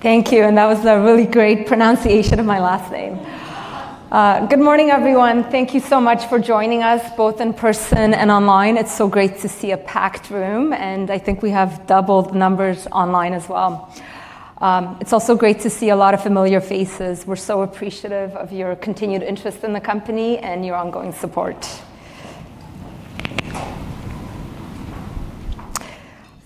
Thank you. That was a really great pronunciation of my last name. Good morning, everyone. Thank you so much for joining us, both in person and online. It is so great to see a packed room, and I think we have doubled the numbers online as well. It is also great to see a lot of familiar faces. We are so appreciative of your continued interest in the company and your ongoing support.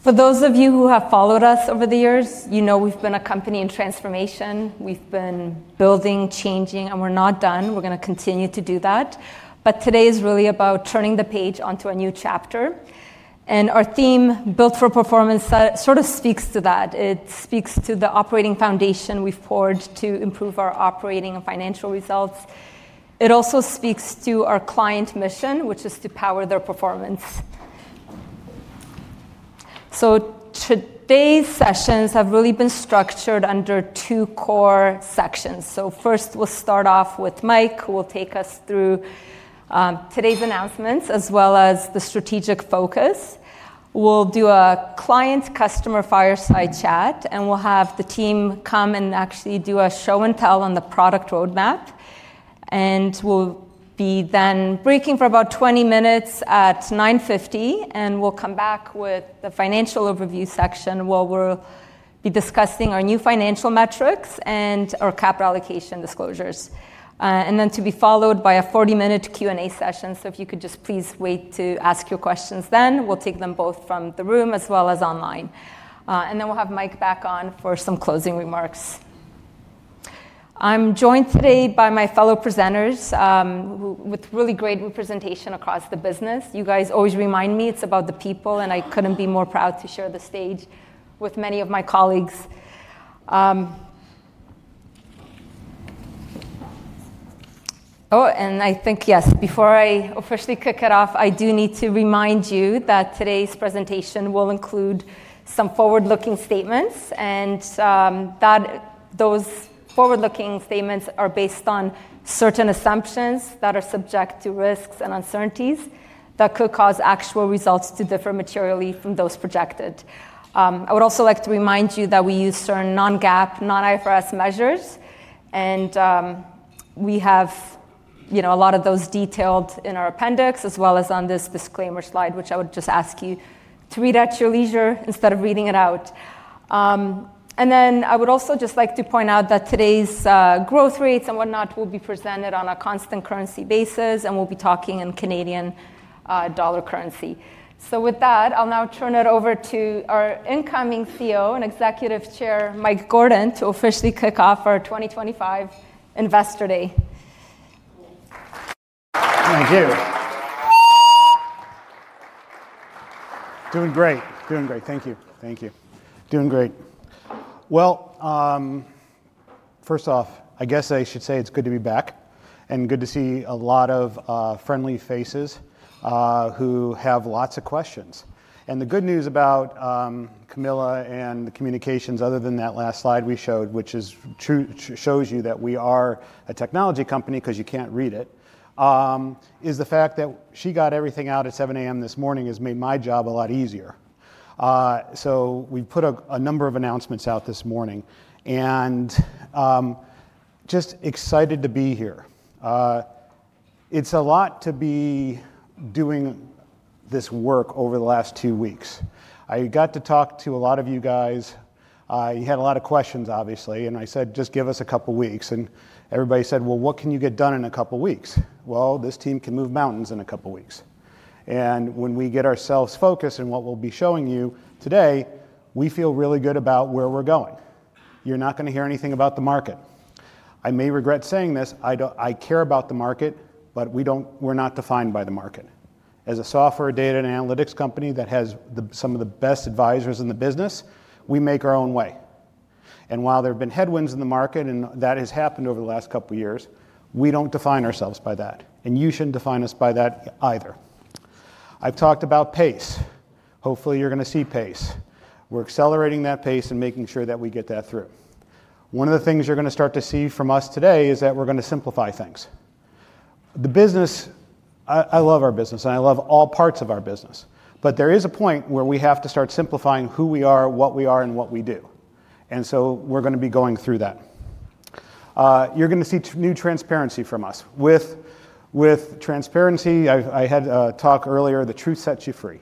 For those of you who have followed us over the years, you know we have been a company in transformation. We have been building, changing, and we are not done. We are going to continue to do that. Today is really about turning the page onto a new chapter. Our theme, Built for Performance, sort of speaks to that. It speaks to the operating foundation we have poured to improve our operating and financial results. It also speaks to our client mission, which is to power their performance. Today's sessions have really been structured under two core sections. First, we'll start off with Mike, who will take us through today's announcements, as well as the strategic focus. We'll do a client-customer fireside chat, and we'll have the team come and actually do a show and tell on the product roadmap. We'll be then briefing for about 20 minutes at 9:50, and we'll come back with the financial overview section, where we'll be discussing our new financial metrics and our capital allocation disclosures. That will be followed by a 40-minute Q&A session. If you could just please wait to ask your questions then. We'll take them both from the room as well as online. We'll have Mike back on for some closing remarks. I'm joined today by my fellow presenters with really great representation across the business. You guys always remind me it's about the people, and I couldn't be more proud to share the stage with many of my colleagues. Oh, I think, yes, before I officially kick it off, I do need to remind you that today's presentation will include some forward-looking statements. Those forward-looking statements are based on certain assumptions that are subject to risks and uncertainties that could cause actual results to differ materially from those projected. I would also like to remind you that we use certain non-GAAP, non-IFRS measures. We have a lot of those detailed in our appendix, as well as on this disclaimer slide, which I would just ask you to read at your leisure instead of reading it out. I would also just like to point out that today's growth rates and whatnot will be presented on a constant currency basis, and we'll be talking in Canadian dollar currency. With that, I'll now turn it over to our incoming CEO and Executive Chair, Mike Gordon, to officially kick off our 2025 Investor Day. Thank you. Doing great. Doing great. Thank you. Thank you. Doing great. First off, I guess I should say it's good to be back and good to see a lot of friendly faces who have lots of questions. The good news about Camilla and the communications, other than that last slide we showed, which shows you that we are a technology company because you can't read it, is the fact that she got everything out at 7:00 A.M. this morning has made my job a lot easier. We have put a number of announcements out this morning. Just excited to be here. It's a lot to be doing this work over the last two weeks. I got to talk to a lot of you guys. You had a lot of questions, obviously. I said, just give us a couple of weeks. Everybody said, well, what can you get done in a couple of weeks? This team can move mountains in a couple of weeks. When we get ourselves focused on what we'll be showing you today, we feel really good about where we're going. You're not going to hear anything about the market. I may regret saying this. I care about the market, but we're not defined by the market. As a software data and analytics company that has some of the best advisors in the business, we make our own way. While there have been headwinds in the market, and that has happened over the last couple of years, we don't define ourselves by that. You shouldn't define us by that either. I've talked about pace. Hopefully, you're going to see pace. We're accelerating that pace and making sure that we get that through. One of the things you're going to start to see from us today is that we're going to simplify things. The business, I love our business, and I love all parts of our business. There is a point where we have to start simplifying who we are, what we are, and what we do. We are going to be going through that. You're going to see new transparency from us. With transparency, I had a talk earlier, the truth sets you free.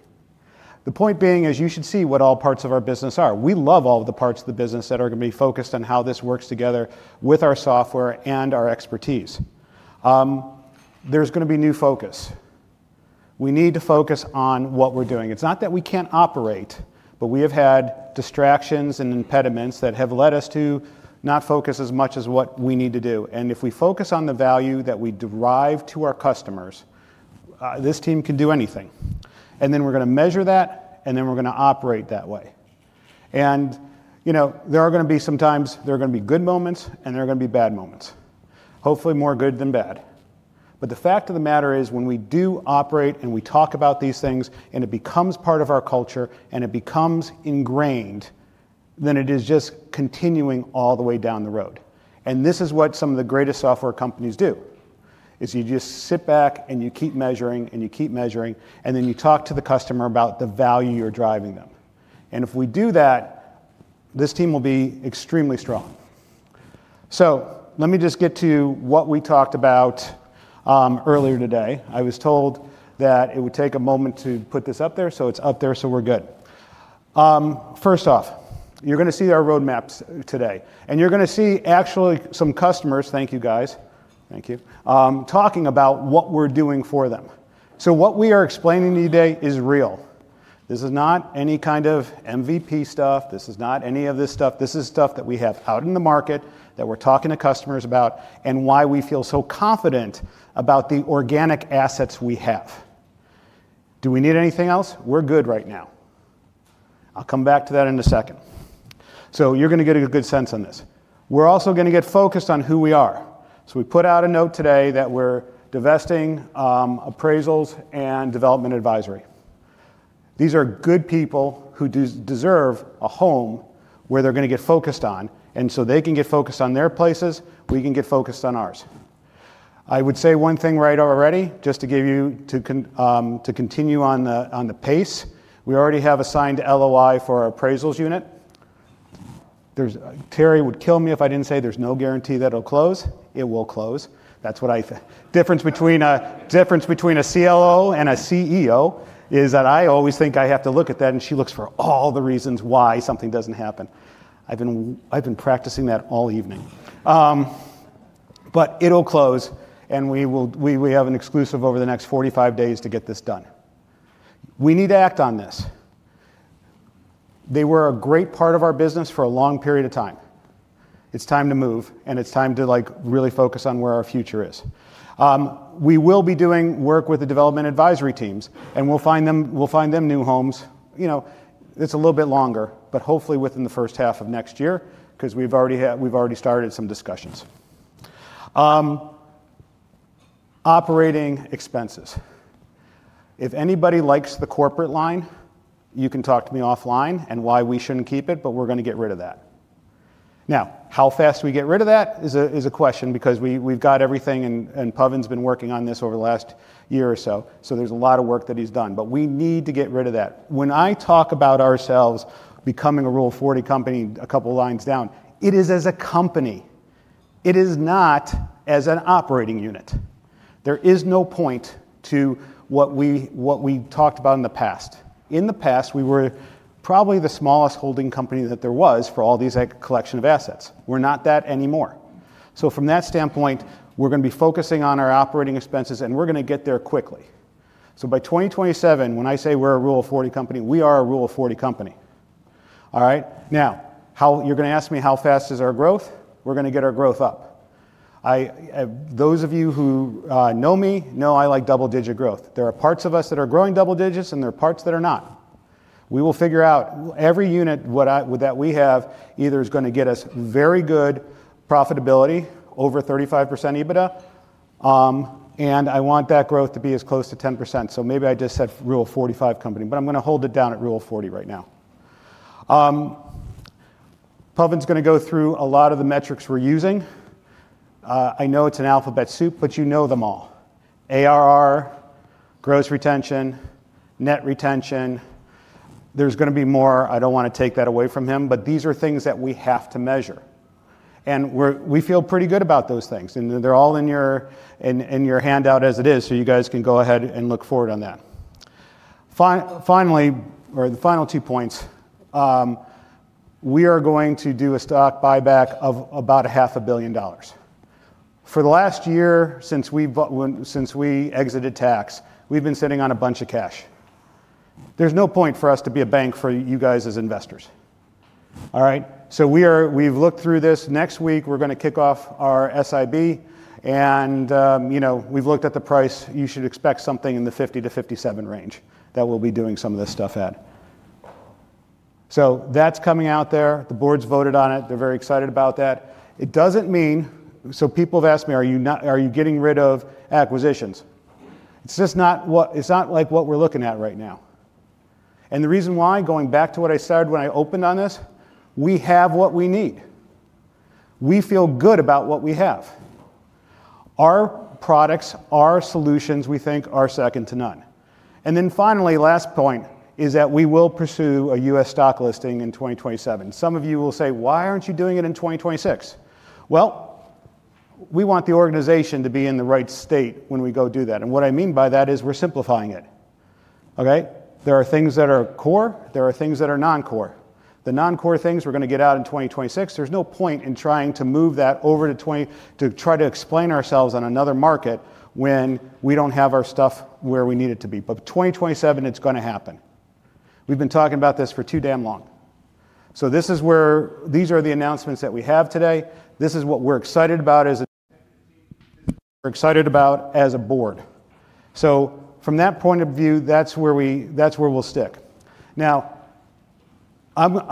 The point being is you should see what all parts of our business are. We love all of the parts of the business that are going to be focused on how this works together with our software and our expertise. There is going to be new focus. We need to focus on what we're doing. It's not that we can't operate, but we have had distractions and impediments that have led us to not focus as much as what we need to do. If we focus on the value that we derive to our customers, this team can do anything. We are going to measure that, and we are going to operate that way. There are going to be some times there are going to be good moments, and there are going to be bad moments. Hopefully, more good than bad. The fact of the matter is when we do operate and we talk about these things, and it becomes part of our culture, and it becomes ingrained, then it is just continuing all the way down the road. This is what some of the greatest software companies do, you just sit back, and you keep measuring, and you keep measuring, and then you talk to the customer about the value you're driving them. If we do that, this team will be extremely strong. Let me just get to what we talked about earlier today. I was told that it would take a moment to put this up there. It is up there, so we're good. First off, you're going to see our roadmaps today. You're going to see actually some customers, thank you, guys, thank you, talking about what we're doing for them. What we are explaining today is real. This is not any kind of MVP stuff. This is not any of this stuff. This is stuff that we have out in the market that we're talking to customers about and why we feel so confident about the organic assets we have. Do we need anything else? We're good right now. I'll come back to that in a second. You're going to get a good sense on this. We're also going to get focused on who we are. We put out a note today that we're divesting Appraisals and Development Advisory. These are good people who deserve a home where they're going to get focused on. They can get focused on their places. We can get focused on ours. I would say one thing right already, just to continue on the pace. We already have a signed LOI for our appraisals unit. Terry would kill me if I didn't say there's no guarantee that it'll close. It will close. That's what I think. The difference between a CLO and a CEO is that I always think I have to look at that, and she looks for all the reasons why something doesn't happen. I've been practicing that all evening. It'll close, and we have an exclusive over the next 45 days to get this done. We need to act on this. They were a great part of our business for a long period of time. It's time to move, and it's time to really focus on where our future is. We will be doing work with the development advisory teams, and we'll find them new homes. It's a little bit longer, but hopefully within the first half of next year because we've already started some discussions. Operating expenses. If anybody likes the corporate line, you can talk to me offline and why we should not keep it, but we are going to get rid of that. Now, how fast we get rid of that is a question because we have got everything, and Pawan has been working on this over the last year or so. There is a lot of work that he has done. We need to get rid of that. When I talk about ourselves becoming a Rule 40 company a couple of lines down, it is as a company. It is not as an operating unit. There is no point to what we talked about in the past. In the past, we were probably the smallest holding company that there was for all these collection of assets. We are not that anymore. From that standpoint, we're going to be focusing on our operating expenses, and we're going to get there quickly. By 2027, when I say we're a Rule 40 company, we are a Rule 40 company. All right? Now, you're going to ask me how fast is our growth. We're going to get our growth up. Those of you who know me know I like double-digit growth. There are parts of us that are growing double digits, and there are parts that are not. We will figure out every unit that we have either is going to get us very good profitability, over 35% EBITDA. I want that growth to be as close to 10%. Maybe I just said Rule 45 company, but I'm going to hold it down at Rule 40 right now. Pawan's going to go through a lot of the metrics we're using. I know it's an alphabet soup, but you know them all. ARR, gross retention, net retention. There's going to be more. I don't want to take that away from him, but these are things that we have to measure. We feel pretty good about those things. They're all in your handout as it is, so you guys can go ahead and look forward on that. Finally, or the final two points, we are going to do a stock buyback of about 500,000,000 dollars. For the last year, since we exited tax, we've been sitting on a bunch of cash. There's no point for us to be a bank for you guys as investors. All right? We have looked through this. Next week, we're going to kick off our SIB. We have looked at the price. You should expect something in the 50-CAD57 range that we'll be doing some of this stuff at. That is coming out there. The board's voted on it. They're very excited about that. It does not mean, so people have asked me, are you getting rid of acquisitions? It is not like what we're looking at right now. The reason why, going back to what I said when I opened on this, we have what we need. We feel good about what we have. Our products, our solutions, we think are second to none. Finally, last point is that we will pursue a U.S. stock listing in 2027. Some of you will say, why are you not doing it in 2026? We want the organization to be in the right state when we go do that. What I mean by that is we are simplifying it. Okay? There are things that are core. There are things that are non-core. The non-core things we're going to get out in 2026. There's no point in trying to move that over to try to explain ourselves on another market when we don't have our stuff where we need it to be. 2027, it's going to happen. We've been talking about this for too damn long. These are the announcements that we have today. This is what we're excited about as a board. From that point of view, that's where we'll stick. I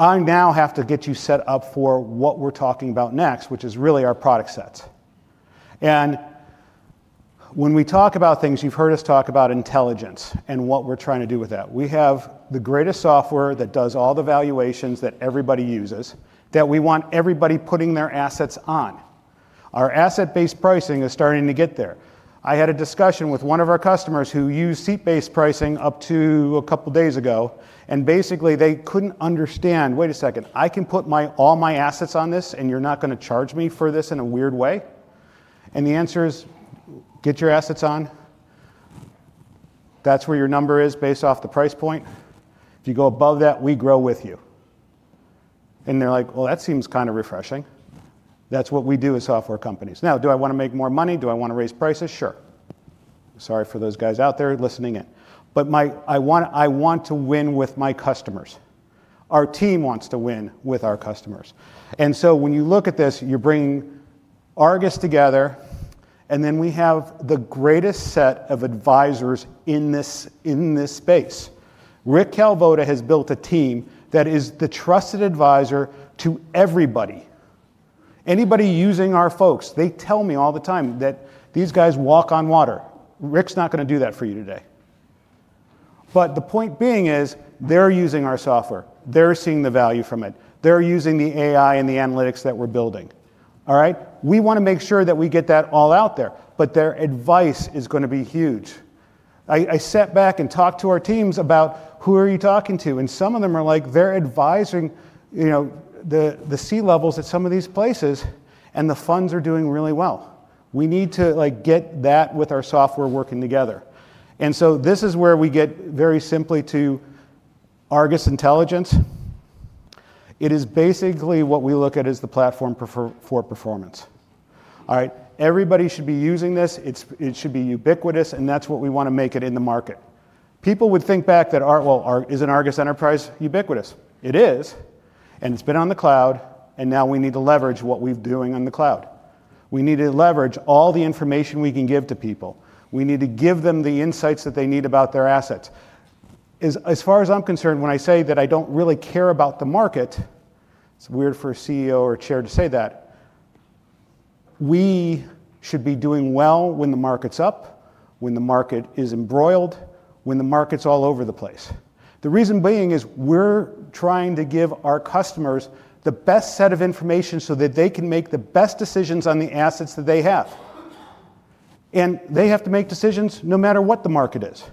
now have to get you set up for what we're talking about next, which is really our product sets. When we talk about things, you've heard us talk about intelligence and what we're trying to do with that. We have the greatest software that does all the valuations that everybody uses that we want everybody putting their assets on. Our asset-based pricing is starting to get there. I had a discussion with one of our customers who used seat-based pricing up to a couple of days ago. Basically, they could not understand, wait a second, I can put all my assets on this, and you are not going to charge me for this in a weird way? The answer is, get your assets on. That is where your number is based off the price point. If you go above that, we grow with you. They are like, that seems kind of refreshing. That is what we do as software companies. Now, do I want to make more money? Do I want to raise prices? Sure. Sorry for those guys out there listening in. I want to win with my customers. Our team wants to win with our customers. When you look at this, you're bringing ARGUS together, and then we have the greatest set of advisors in this space. Rick Kalvoda has built a team that is the trusted advisor to everybody. Anybody using our folks, they tell me all the time that these guys walk on water. Rick's not going to do that for you today. The point being is they're using our software. They're seeing the value from it. They're using the AI and the analytics that we're building. All right? We want to make sure that we get that all out there. Their advice is going to be huge. I sat back and talked to our teams about who are you talking to. Some of them are like, they're advising the C levels at some of these places, and the funds are doing really well. We need to get that with our software working together. This is where we get very simply to ARGUS Intelligence. It is basically what we look at as the platform for performance. All right? Everybody should be using this. It should be ubiquitous, and that's what we want to make it in the market. People would think back that, you know, isn't ARGUS Enterprise ubiquitous? It is. It's been on the cloud, and now we need to leverage what we're doing on the cloud. We need to leverage all the information we can give to people. We need to give them the insights that they need about their assets. As far as I'm concerned, when I say that I don't really care about the market, it's weird for a CEO or Chair to say that. We should be doing well when the market's up, when the market is embroiled, when the market's all over the place. The reason being is we're trying to give our customers the best set of information so that they can make the best decisions on the assets that they have. They have to make decisions no matter what the market is.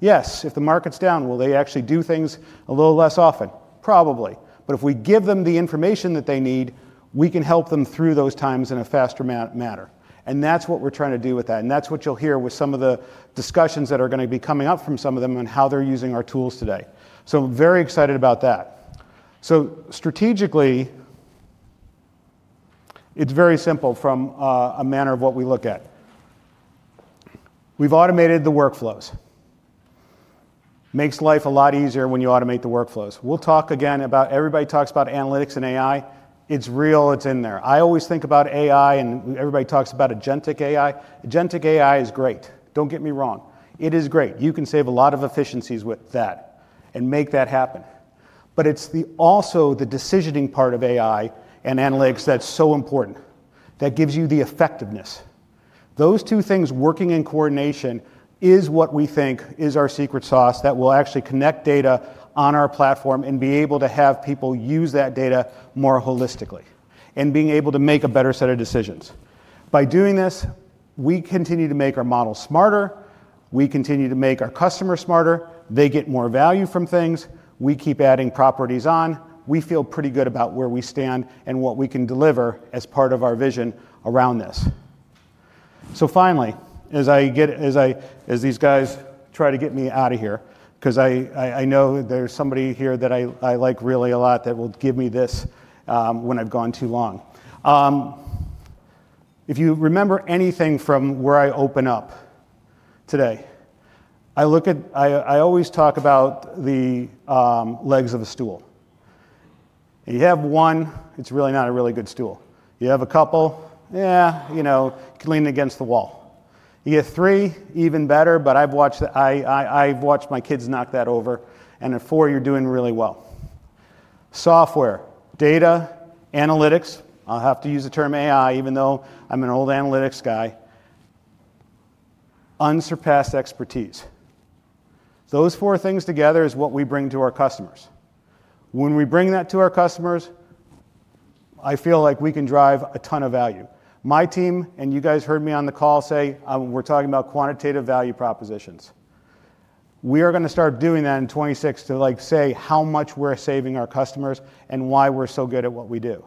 Yes, if the market's down, will they actually do things a little less often? Probably. If we give them the information that they need, we can help them through those times in a faster manner. That's what we're trying to do with that. That's what you'll hear with some of the discussions that are going to be coming up from some of them and how they're using our tools today. Very excited about that. Strategically, it's very simple from a manner of what we look at. We've automated the workflows. Makes life a lot easier when you automate the workflows. We'll talk again about everybody talks about analytics and AI. It's real. It's in there. I always think about AI, and everybody talks about agentic AI. Agentic AI is great. Don't get me wrong. It is great. You can save a lot of efficiencies with that and make that happen. It's also the decisioning part of AI and analytics that's so important that gives you the effectiveness. Those two things working in coordination is what we think is our secret sauce that will actually connect data on our platform and be able to have people use that data more holistically and being able to make a better set of decisions. By doing this, we continue to make our model smarter. We continue to make our customers smarter. They get more value from things. We keep adding properties on. We feel pretty good about where we stand and what we can deliver as part of our vision around this. Finally, as these guys try to get me out of here because I know there is somebody here that I like really a lot that will give me this when I have gone too long. If you remember anything from where I open up today, I always talk about the legs of a stool. You have one, it's really not a really good stool. You have a couple, you know, lean against the wall. You get three, even better, but I've watched my kids knock that over. At four, you're doing really well. Software, data, analytics. I'll have to use the term AI, even though I'm an old analytics guy. Unsurpassed expertise. Those four things together is what we bring to our customers. When we bring that to our customers, I feel like we can drive a ton of value. My team, and you guys heard me on the call say we're talking about quantitative value propositions. We are going to start doing that in 2026 to say how much we're saving our customers and why we're so good at what we do.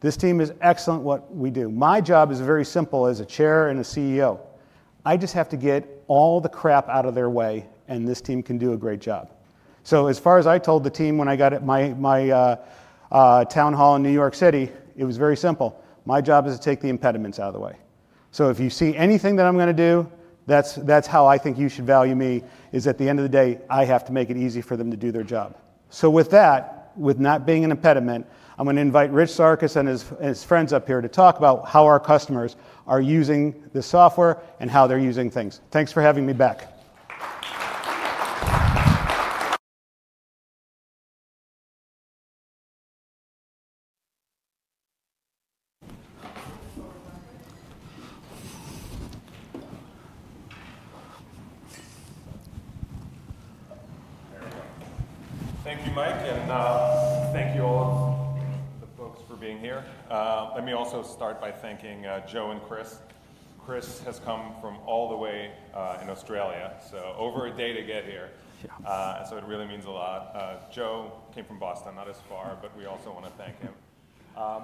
This team is excellent at what we do. My job is very simple as a Chair and a CEO. I just have to get all the crap out of their way, and this team can do a great job. As far as I told the team when I got at my town hall in New York City, it was very simple. My job is to take the impediments out of the way. If you see anything that I am going to do, that is how I think you should value me is at the end of the day, I have to make it easy for them to do their job. With that, with not being an impediment, I am going to invite Rich Sarkis and his friends up here to talk about how our customers are using the software and how they are using things. Thanks for having me back. Thank you, Mike, and thank you all, the folks, for being here. Let me also start by thanking Joe and Chris. Chris has come from all the way in Australia, so over a day to get here. It really means a lot. Joe came from Boston, not as far, but we also want to thank him.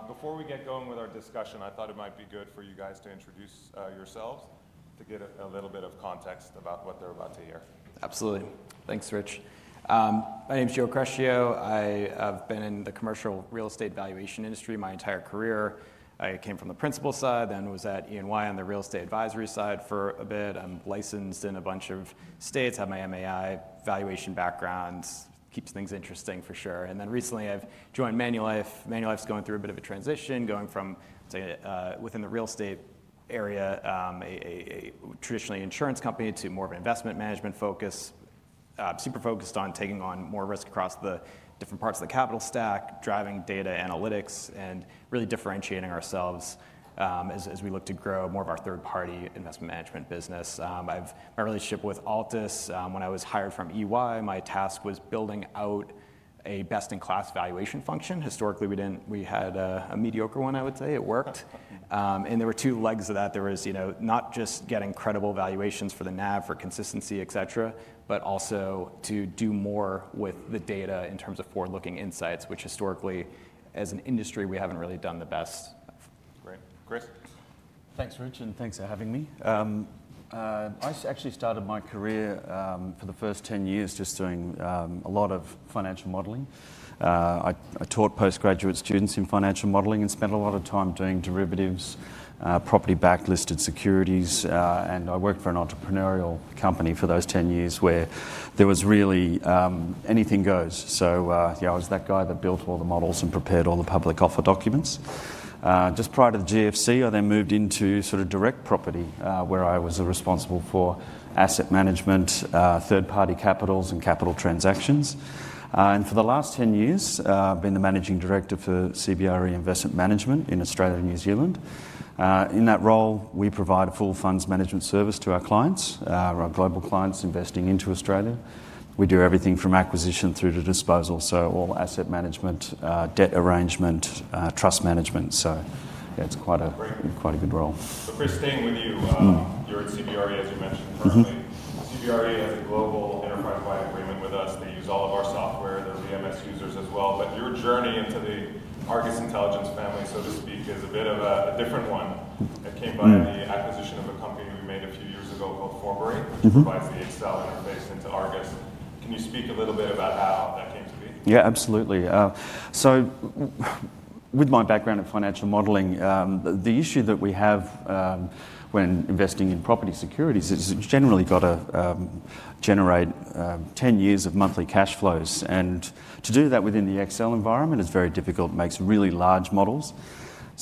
Before we get going with our discussion, I thought it might be good for you guys to introduce yourselves to get a little bit of context about what they're about to hear. Absolutely. Thanks, Rich. My name's Joe Crescio. I have been in the commercial real estate valuation industry my entire career. I came from the principal side and was at EY on the real estate advisory side for a bit. I'm licensed in a bunch of states, have my MAI valuation backgrounds. Keeps things interesting for sure. Recently, I've joined Manulife. Manulife's going through a bit of a transition, going from within the real estate area, a traditionally insurance company, to more of an investment management focus, super focused on taking on more risk across the different parts of the capital stack, driving data analytics, and really differentiating ourselves as we look to grow more of our third-party investment management business. My relationship with Altus, when I was hired from EY, my task was building out a best-in-class valuation function. Historically, we had a mediocre one, I would say. It worked. There were two legs of that. There was not just getting credible valuations for the NAV, for consistency, et cetera, but also to do more with the data in terms of forward-looking insights, which historically, as an industry, we haven't really done the best. Great. Chris? Thanks, Rich, and thanks for having me. I actually started my career for the first 10 years just doing a lot of financial modeling. I taught postgraduate students in financial modeling and spent a lot of time doing derivatives, property-backed listed securities. I worked for an entrepreneurial company for those 10 years where there was really anything goes. I was that guy that built all the models and prepared all the public offer documents. Just prior to the GFC, I then moved into sort of direct property where I was responsible for asset management, third-party capitals, and capital transactions. For the last 10 years, I've been the Managing Director for CBRE Investment Management in Australia and New Zealand. In that role, we provide a full funds management service to our clients, our global clients investing into Australia. We do everything from acquisition through to disposal, so all asset management, debt arrangement, trust management. It is quite a good role. Chris, staying with you, you're at CBRE, as you mentioned earlier. CBRE has a global enterprise-wide agreement with us. They use all of our software. They're VMS users as well. Your journey into the ARGUS Intelligence family, so to speak, is a bit of a different one. It came by the acquisition of a company we made a few years ago called Forbury, which provides the Excel interface into ARGUS. Can you speak a little bit about how that came to be? Yeah, absolutely. With my background in financial modeling, the issue that we have when investing in property securities is it's generally got to generate 10 years of monthly cash flows. To do that within the Excel environment is very difficult. It makes really large models.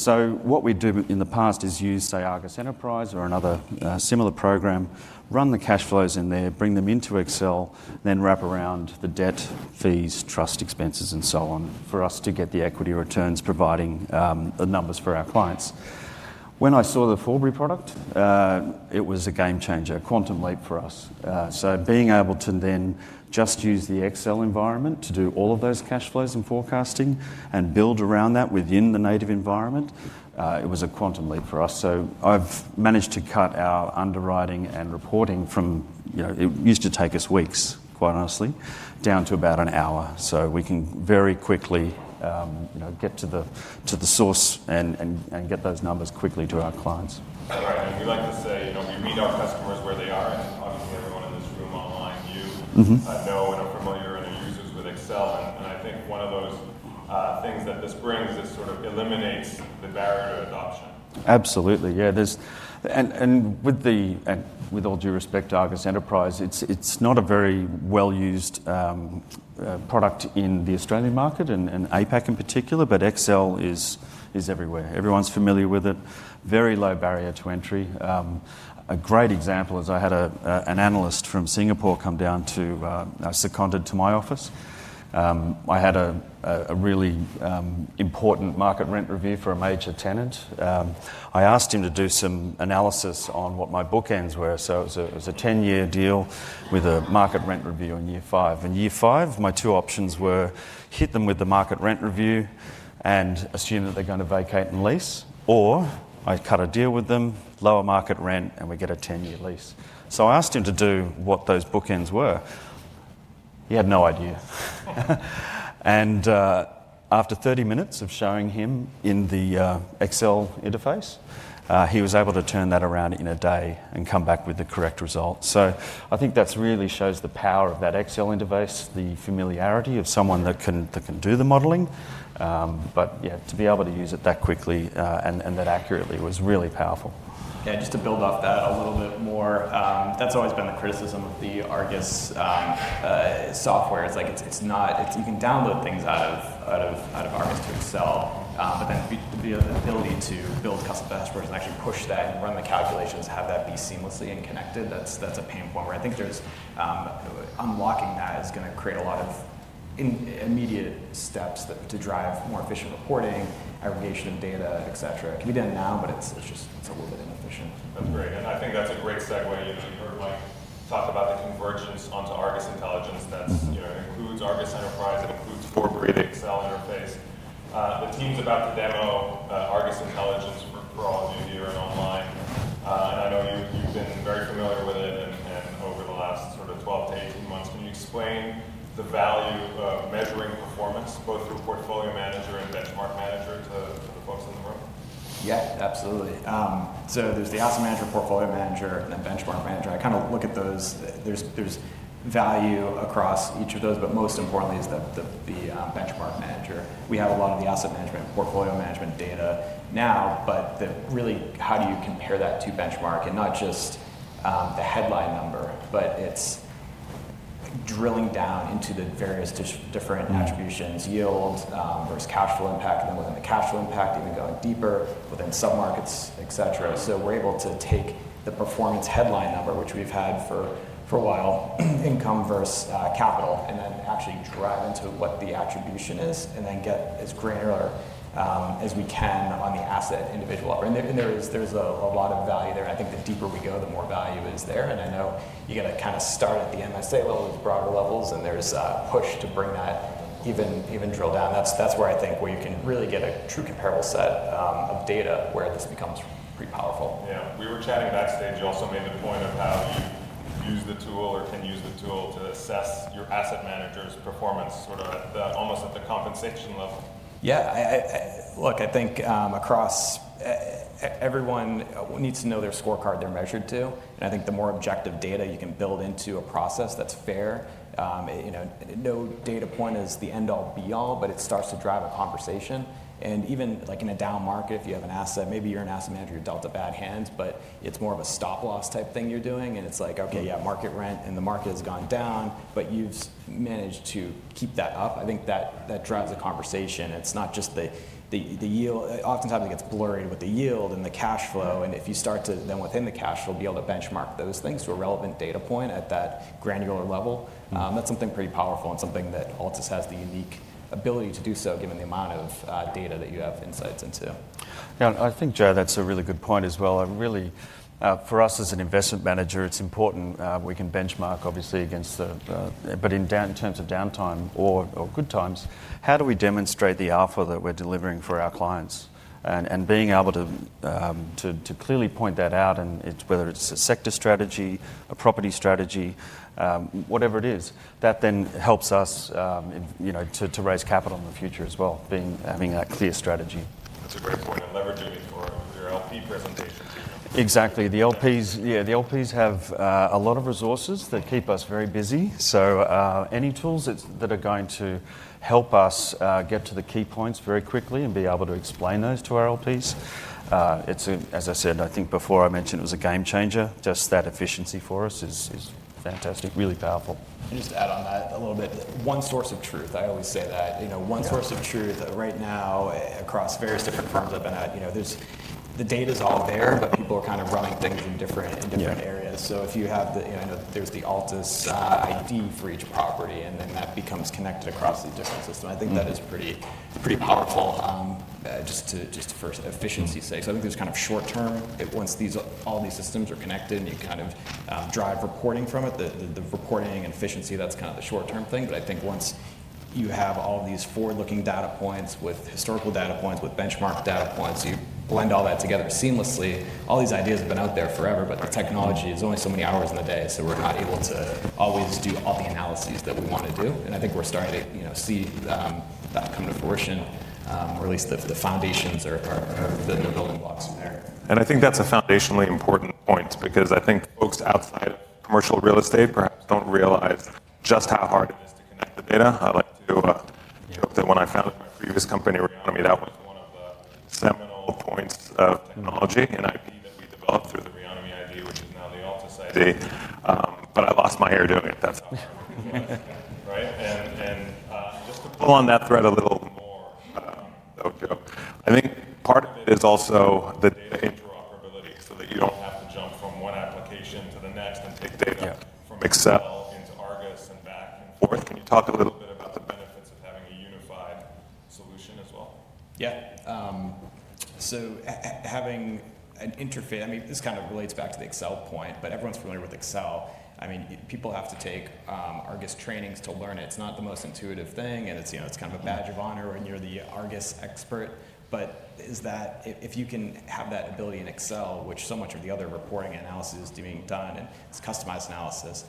What we do in the past is use, say, ARGUS Enterprise or another similar program, run the cash flows in there, bring them into Excel, then wrap around the debt, fees, trust expenses, and so on for us to get the equity returns, providing the numbers for our clients. When I saw the Forbury product, it was a game changer, a quantum leap for us. Being able to then just use the Excel environment to do all of those cash flows and forecasting and build around that within the native environment, it was a quantum leap for us. I've managed to cut our underwriting and reporting from it used to take us weeks, quite honestly, down to about an hour. We can very quickly get to the source and get those numbers quickly to our clients. All right. We like to say we meet our customers where they are. Obviously, everyone in this room online, you know and are familiar and are users with Excel. I think one of those things that this brings is sort of eliminates the barrier to adoption. Absolutely. Yeah. With all due respect to ARGUS Enterprise, it's not a very well-used product in the Australian market and APAC in particular, but Excel is everywhere. Everyone's familiar with it. Very low barrier to entry. A great example is I had an analyst from Singapore come down to seconded to my office. I had a really important market rent review for a major tenant. I asked him to do some analysis on what my bookends were. It was a 10-year deal with a market rent review in year five. In year five, my two options were hit them with the market rent review and assume that they're going to vacate and lease, or I cut a deal with them, lower market rent, and we get a 10-year lease. I asked him to do what those bookends were. He had no idea. After 30 minutes of showing him in the Excel interface, he was able to turn that around in a day and come back with the correct result. I think that really shows the power of that Excel interface, the familiarity of someone that can do the modeling. Yeah, to be able to use it that quickly and that accurately was really powerful. Yeah. Just to build off that a little bit more, that's always been the criticism of the ARGUS software. It's like you can download things out of ARGUS to Excel, but then the ability to build custom dashboards and actually push that and run the calculations, have that be seamlessly and connected, that's a pain point. I think unlocking that is going to create a lot of immediate steps to drive more efficient reporting, aggregation of data, et cetera. It can be done now, but it's a little bit inefficient. That's great. I think that's a great segue. You heard Mike talk about the convergence onto ARGUS Intelligence that includes ARGUS Enterprise, it includes Forbury, the Excel interface. The team's about to demo ARGUS Intelligence for all new here and online. I know you've been very familiar with it over the last sort of 12 to 18 months. Can you explain the value of measuring performance both through Portfolio Manager and Benchmark Manager to the folks in the room? Yeah, absolutely. There is the Asset Manager, Portfolio Manager, and then Benchmark Manager. I kind of look at those. There is value across each of those, but most importantly is the benchmark manager. We have a lot of the asset management and portfolio management data now, but really how do you compare that to benchmark and not just the headline number, but it is drilling down into the various different attributions, yield versus cash flow impact, and then within the cash flow impact, even going deeper within sub-markets, et cetera. We are able to take the performance headline number, which we have had for a while, income versus capital, and then actually drive into what the attribution is and then get as granular as we can on the asset individual level. There is a lot of value there. I think the deeper we go, the more value is there. I know you got to kind of start at the MSA level with broader levels, and there's a push to bring that even drill down. That's where I think where you can really get a true comparable set of data where this becomes pretty powerful. Yeah. We were chatting backstage. You also made the point of how you use the tool or can use the tool to assess your asset manager's performance sort of almost at the compensation level. Yeah. Look, I think across everyone needs to know their scorecard they're measured to. I think the more objective data you can build into a process that's fair, no data point is the end-all, be-all, but it starts to drive a conversation. Even in a down market, if you have an asset, maybe you're an asset manager, you're dealt a bad hand, but it's more of a stop-loss type thing you're doing. It's like, okay, yeah, market rent, and the market has gone down, but you've managed to keep that up. I think that drives a conversation. It's not just the yield. Oftentimes, it gets blurried with the yield and the cash flow. If you start to then within the cash flow, be able to benchmark those things to a relevant data point at that granular level. That's something pretty powerful and something that Altus has the unique ability to do given the amount of data that you have insights into. Yeah. I think, Joe, that's a really good point as well. For us as an investment manager, it's important we can benchmark, obviously, against the but in terms of downtime or good times, how do we demonstrate the offer that we're delivering for our clients? Being able to clearly point that out, whether it's a sector strategy, a property strategy, whatever it is, that then helps us to raise capital in the future as well, having that clear strategy. That's a great point. Leveraging it for your LP presentation too. Exactly. Yeah. The LPs have a lot of resources that keep us very busy. Any tools that are going to help us get to the key points very quickly and be able to explain those to our LPs. As I said, I think before I mentioned it was a game changer. Just that efficiency for us is fantastic, really powerful. Just to add on that a little bit, one source of truth. I always say that. One source of truth right now across various different firms I've been at, the data's all there, but people are kind of running things in different areas. If you have the, I know there's the Altus ID for each property, and then that becomes connected across these different systems. I think that is pretty powerful just for efficiency's sake. I think there's kind of short term. Once all these systems are connected and you kind of drive reporting from it, the reporting and efficiency, that's kind of the short-term thing. I think once you have all these forward-looking data points with historical data points, with benchmark data points, you blend all that together seamlessly. All these ideas have been out there forever, but the technology is only so many hours in the day, so we're not able to always do all the analyses that we want to do. I think we're starting to see that come to fruition, or at least the foundations are the building blocks from there. I think that's a foundationally important point because I think folks outside of commercial real estate perhaps don't realize just how hard it is to connect the data. I like to joke that when I founded my previous company, Reonomy, that was one of the seminal points of technology and IP that we developed through the Reonomy ID, which is now the Altus ID. I lost my hair doing it. That's all. Right. Just to pull on that thread a little more, though, Joe, I think part of it is also the data interoperability so that you do not have to jump from one application to the next and take data from Excel into ARGUS and back and forth. Can you talk a little bit about the benefits of having a unified solution as well? Yeah. Having an interface, I mean, this kind of relates back to the Excel point, but everyone's familiar with Excel. I mean, people have to take ARGUS trainings to learn it. It's not the most intuitive thing, and it's kind of a badge of honor when you're the ARGUS expert. If you can have that ability in Excel, which so much of the other reporting analysis is being done and it's customized analysis,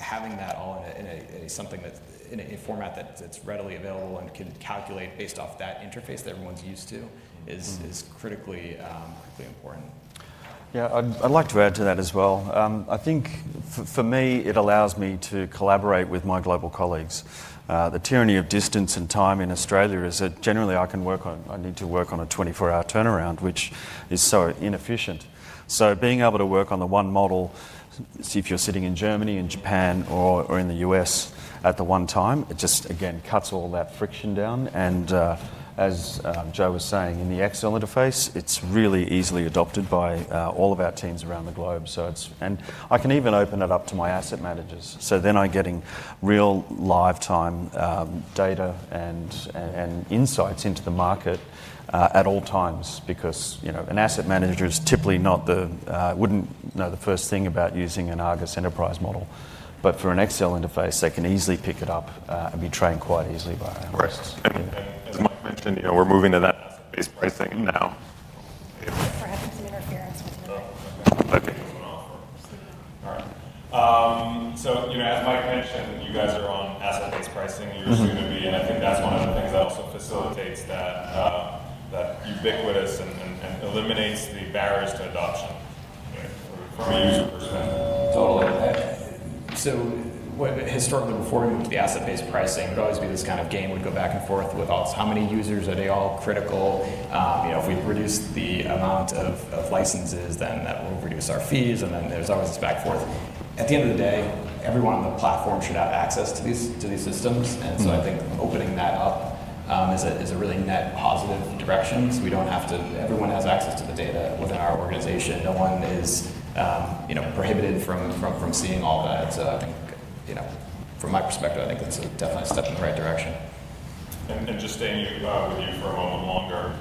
having that all in a format that's readily available and can calculate based off that interface that everyone's used to is critically important. Yeah. I'd like to add to that as well. I think for me, it allows me to collaborate with my global colleagues. The tyranny of distance and time in Australia is that generally I can work on I need to work on a 24-hour turnaround, which is so inefficient. Being able to work on the one model, see if you're sitting in Germany, in Japan, or in the U.S. at the one time, it just, again, cuts all that friction down. As Joe was saying, in the Excel interface, it's really easily adopted by all of our teams around the globe. I can even open it up to my asset managers. Then I'm getting real live-time data and insights into the market at all times because an asset manager is typically not the wouldn't know the first thing about using an ARGUS Enterprise model. For an Excel interface, they can easily pick it up and be trained quite easily by our analysts. As Mike mentioned, we're moving to that asset-based pricing now. I think we're having some interference with the mic. Okay. All right. As Mike mentioned, you guys are on asset-based pricing. You're assuming to be, and I think that's one of the things that also facilitates that ubiquitous and eliminates the barriers to adoption from a user perspective. Totally. Historically, before we moved to the asset-based pricing, there would always be this kind of game. We would go back and forth with how many users, are they all critical? If we reduce the amount of licenses, then that will reduce our fees. There is always this back and forth. At the end of the day, everyone on the platform should have access to these systems. I think opening that up is a really net positive direction. We do not have to, everyone has access to the data within our organization. No one is prohibited from seeing all that. From my perspective, I think this is definitely a step in the right direction. Just staying with you for a moment longer,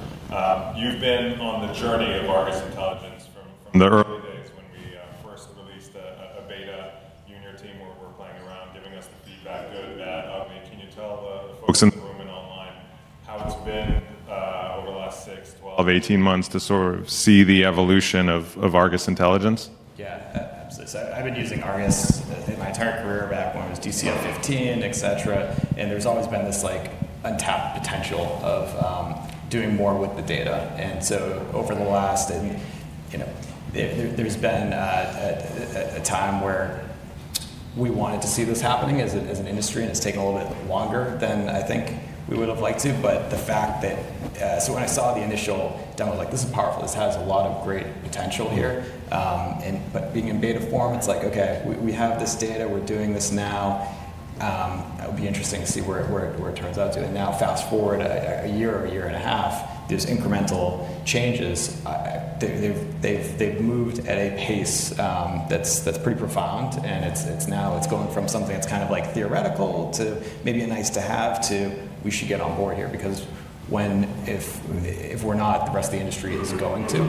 you've been on the journey of ARGUS Intelligence from the early days when we first released a beta junior team where we're playing around, giving us the feedback, good, bad, ugly. Can you tell the folks in the room and online how it's been over the last 6, 12, 18 months to sort of see the evolution of ARGUS Intelligence? Yeah. Absolutely. I've been using ARGUS my entire career back when it was DCF 15, et cetera. There's always been this untapped potential of doing more with the data. Over the last, there's been a time where we wanted to see this happening as an industry, and it's taken a little bit longer than I think we would have liked to. The fact that when I saw the initial demo, I was like, "This is powerful. This has a lot of great potential here." Being in beta form, it's like, "Okay. We have this data. We're doing this now. It'll be interesting to see where it turns out too." Now fast forward a year or a year and a half, there's incremental changes. They've moved at a pace that's pretty profound. It is going from something that is kind of like theoretical to maybe a nice-to-have to we should get on board here because if we are not, the rest of the industry is not going to. We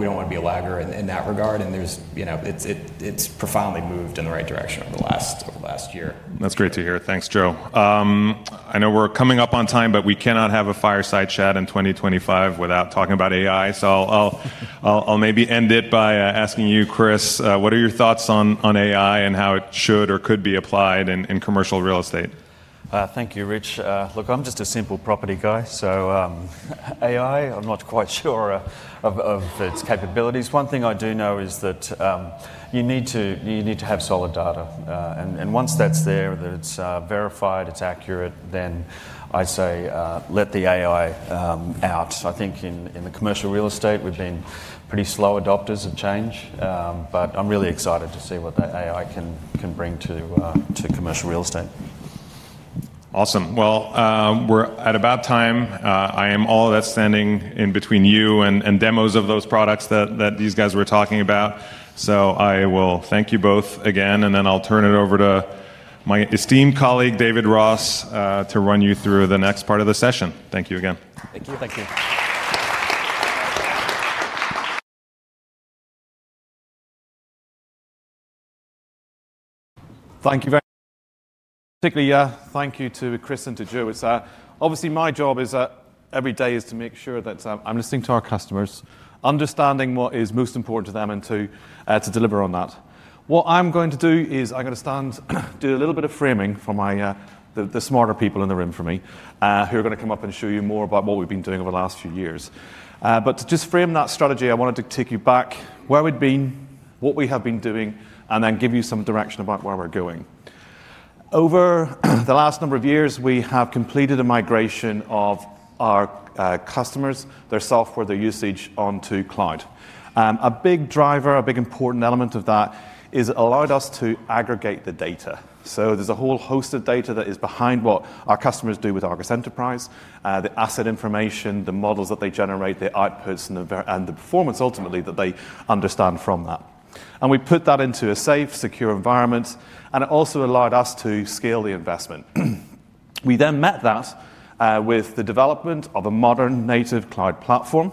do not want to be a laggard in that regard. It has profoundly moved in the right direction over the last year. That's great to hear. Thanks, Joe. I know we're coming up on time, but we cannot have a fireside chat in 2025 without talking about AI. I will maybe end it by asking you, Chris, what are your thoughts on AI and how it should or could be applied in commercial real estate? Thank you, Rich. Look, I'm just a simple property guy. AI, I'm not quite sure of its capabilities. One thing I do know is that you need to have solid data. Once that's there, that it's verified, it's accurate, then I say let the AI out. I think in the commercial real estate, we've been pretty slow adopters of change, but I'm really excited to see what the AI can bring to commercial real estate. Awesome. We are at about time. I am all outstanding in between you and demos of those products that these guys were talking about. I will thank you both again, and then I will turn it over to my esteemed colleague, David Ross, to run you through the next part of the session. Thank you again. Thank you. Thank you. Thank you very much. Particularly, yeah, thank you to Chris and to Joe. Obviously, my job every day is to make sure that I'm listening to our customers, understanding what is most important to them, and to deliver on that. What I'm going to do is I'm going to stand, do a little bit of framing for the smarter people in the room for me who are going to come up and show you more about what we've been doing over the last few years. To just frame that strategy, I wanted to take you back where we've been, what we have been doing, and then give you some direction about where we're going. Over the last number of years, we have completed a migration of our customers, their software, their usage onto cloud. A big driver, a big important element of that is it allowed us to aggregate the data. There is a whole host of data that is behind what our customers do with ARGUS Enterprise, the asset information, the models that they generate, the outputs, and the performance ultimately that they understand from that. We put that into a safe, secure environment, and it also allowed us to scale the investment. We then met that with the development of a modern native cloud platform.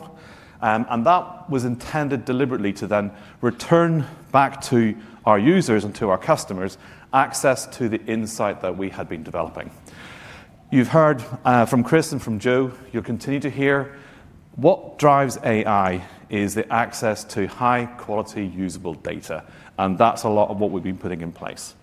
That was intended deliberately to then return back to our users and to our customers access to the insight that we had been developing. You have heard from Chris and from Joe. You will continue to hear. What drives AI is the access to high-quality usable data. That is a lot of what we have been putting in place.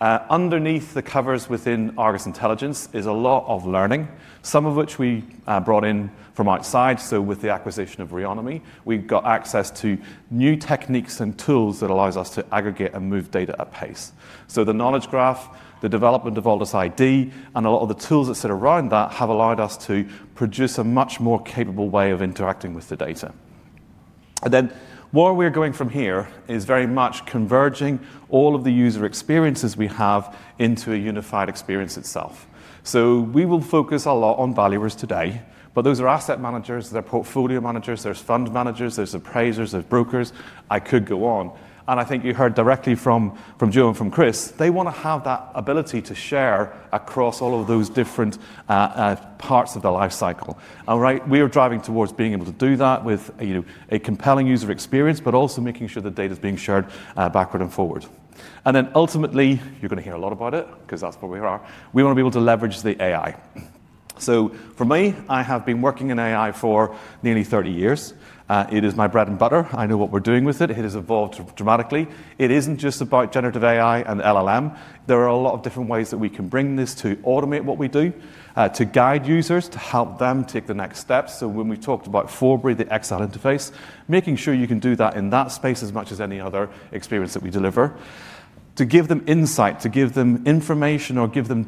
Underneath the covers within ARGUS Intelligence is a lot of learning, some of which we brought in from outside. With the acquisition of Reonomy, we've got access to new techniques and tools that allow us to aggregate and move data at pace. The knowledge graph, the development of Altus ID, and a lot of the tools that sit around that have allowed us to produce a much more capable way of interacting with the data. Where we're going from here is very much converging all of the user experiences we have into a unified experience itself. We will focus a lot on valuers today, but those are asset managers, they're portfolio managers, there's fund managers, there's appraisers, there's brokers. I could go on. I think you heard directly from Joe and from Chris, they want to have that ability to share across all of those different parts of the life cycle. All right. We are driving towards being able to do that with a compelling user experience, but also making sure the data's being shared backward and forward. Ultimately, you're going to hear a lot about it because that's where we are. We want to be able to leverage the AI. For me, I have been working in AI for nearly 30 years. It is my bread and butter. I know what we're doing with it. It has evolved dramatically. It isn't just about generative AI and LLM. There are a lot of different ways that we can bring this to automate what we do, to guide users, to help them take the next step. When we talked about forwarding the Excel interface, making sure you can do that in that space as much as any other experience that we deliver. To give them insight, to give them information, or give them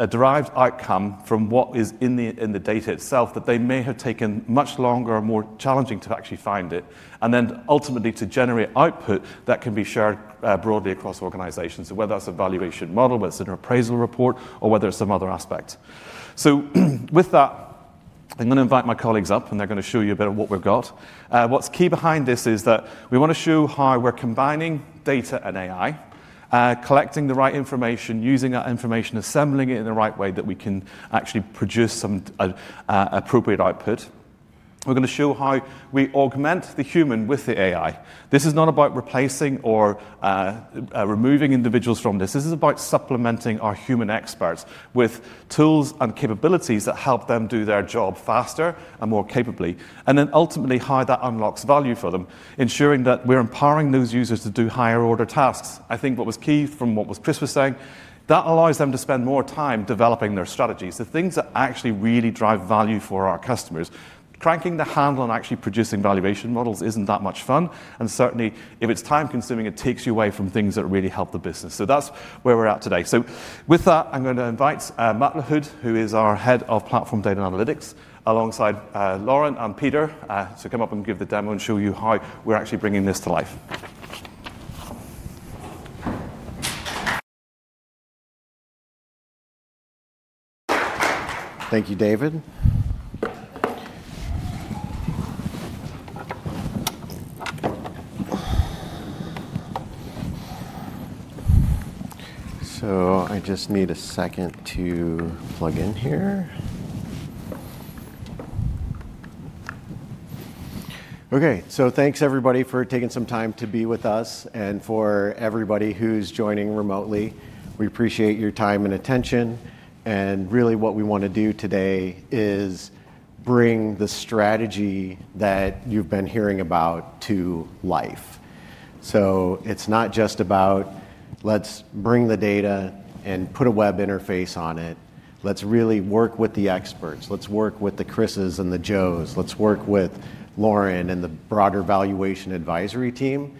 a derived outcome from what is in the data itself that they may have taken much longer or more challenging to actually find it, and then ultimately to generate output that can be shared broadly across organizations. Whether that's a valuation model, whether it's an appraisal report, or whether it's some other aspect. With that, I'm going to invite my colleagues up, and they're going to show you a bit of what we've got. What's key behind this is that we want to show how we're combining data and AI, collecting the right information, using that information, assembling it in the right way that we can actually produce some appropriate output. We're going to show how we augment the human with the AI. This is not about replacing or removing individuals from this. This is about supplementing our human experts with tools and capabilities that help them do their job faster and more capably, and then ultimately how that unlocks value for them, ensuring that we're empowering those users to do higher-order tasks. I think what was key from what Chris was saying, that allows them to spend more time developing their strategies, the things that actually really drive value for our customers. Cranking the handle on actually producing valuation models isn't that much fun. If it's time-consuming, it takes you away from things that really help the business. That's where we're at today. With that, I'm going to invite Matt LaHood, who is our Head of Platform Data Analytics, alongside Lauren and Peter, to come up and give the demo and show you how we're actually bringing this to life. Thank you, David. I just need a second to plug in here. Okay. Thanks, everybody, for taking some time to be with us. For everybody who's joining remotely, we appreciate your time and attention. What we want to do today is bring the strategy that you've been hearing about to life. It is not just about, "Let's bring the data and put a web interface on it." Let's really work with the experts. Let's work with the Chrises and the Joes. Let's work with Lauren and the broader valuation advisory team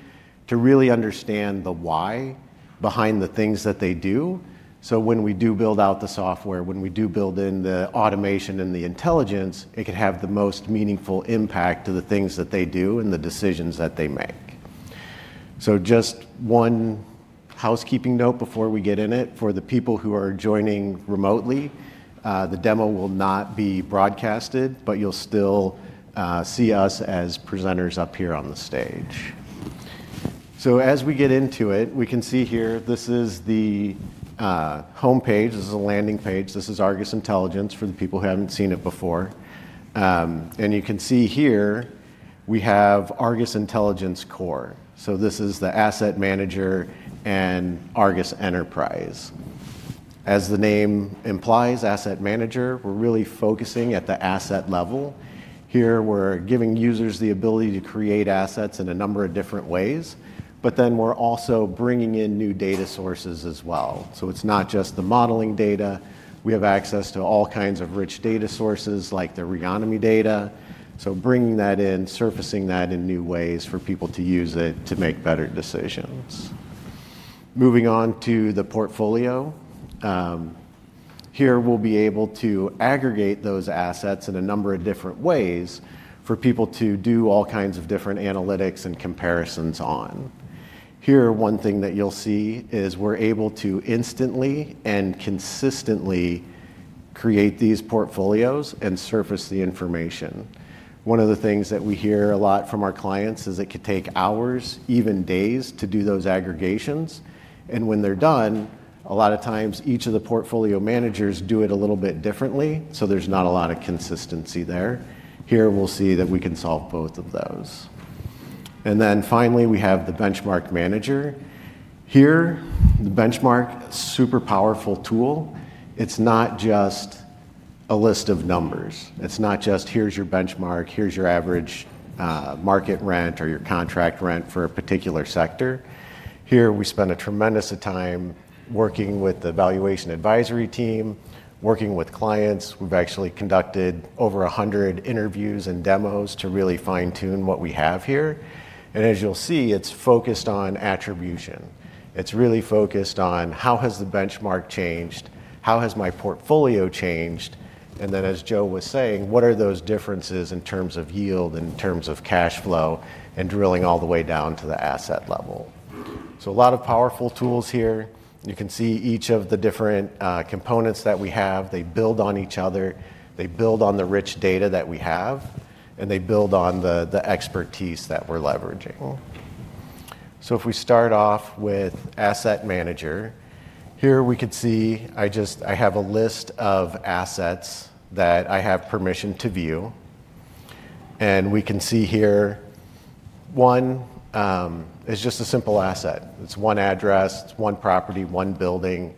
to really understand the why behind the things that they do. When we do build out the software, when we do build in the automation and the intelligence, it can have the most meaningful impact to the things that they do and the decisions that they make. Just one housekeeping note before we get in it. For the people who are joining remotely, the demo will not be broadcasted, but you'll still see us as presenters up here on the stage. As we get into it, we can see here this is the homepage. This is a landing page. This is ARGUS Intelligence for the people who haven't seen it before. You can see here we have ARGUS Intelligence Core. This is the asset manager and ARGUS Enterprise. As the name implies, asset manager, we're really focusing at the asset level. Here, we're giving users the ability to create assets in a number of different ways. We're also bringing in new data sources as well. It's not just the modeling data. We have access to all kinds of rich data sources like the Reonomy data. Bringing that in, surfacing that in new ways for people to use it to make better decisions. Moving on to the portfolio. Here, we'll be able to aggregate those assets in a number of different ways for people to do all kinds of different analytics and comparisons on. Here, one thing that you'll see is we're able to instantly and consistently create these portfolios and surface the information. One of the things that we hear a lot from our clients is it could take hours, even days, to do those aggregations. When they're done, a lot of times each of the portfolio managers do it a little bit differently. There's not a lot of consistency there. Here, we'll see that we can solve both of those. Finally, we have the Benchmark Manager. Here, the benchmark, super powerful tool. It's not just a list of numbers. It's not just, "Here's your benchmark. Here's your average market rent or your contract rent for a particular sector." Here, we spend a tremendous amount of time working with the valuation advisory team, working with clients. We've actually conducted over 100 interviews and demos to really fine-tune what we have here. As you'll see, it's focused on attribution. It's really focused on how has the benchmark changed, how has my portfolio changed. As Joe was saying, what are those differences in terms of yield, in terms of cash flow, and drilling all the way down to the asset level? A lot of powerful tools here. You can see each of the different components that we have. They build on each other. They build on the rich data that we have, and they build on the expertise that we're leveraging. If we start off with Asset Manager, here we could see I have a list of assets that I have permission to view. We can see here one is just a simple asset. It's one address, it's one property, one building.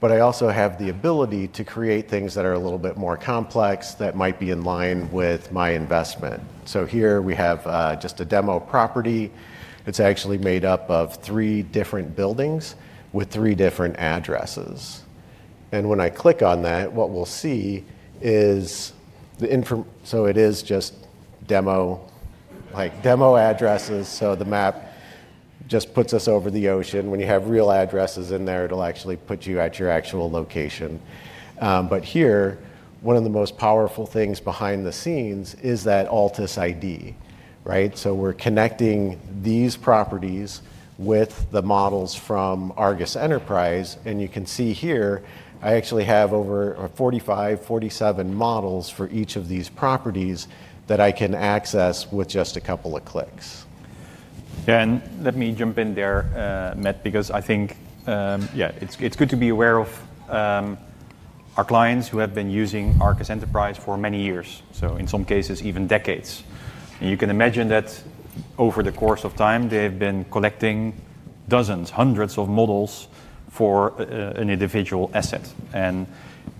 I also have the ability to create things that are a little bit more complex that might be in line with my investment. Here we have just a demo property. It's actually made up of three different buildings with three different addresses. When I click on that, what we'll see is the info so it is just demo addresses. The map just puts us over the ocean. When you have real addresses in there, it'll actually put you at your actual location. Here, one of the most powerful things behind the scenes is that Altus ID, right? We're connecting these properties with the models from ARGUS Enterprise. You can see here, I actually have over 45, 47 models for each of these properties that I can access with just a couple of clicks. Yeah. Let me jump in there, Matt, because I think, yeah, it's good to be aware of our clients who have been using ARGUS Enterprise for many years, so in some cases, even decades. You can imagine that over the course of time, they have been collecting dozens, hundreds of models for an individual asset.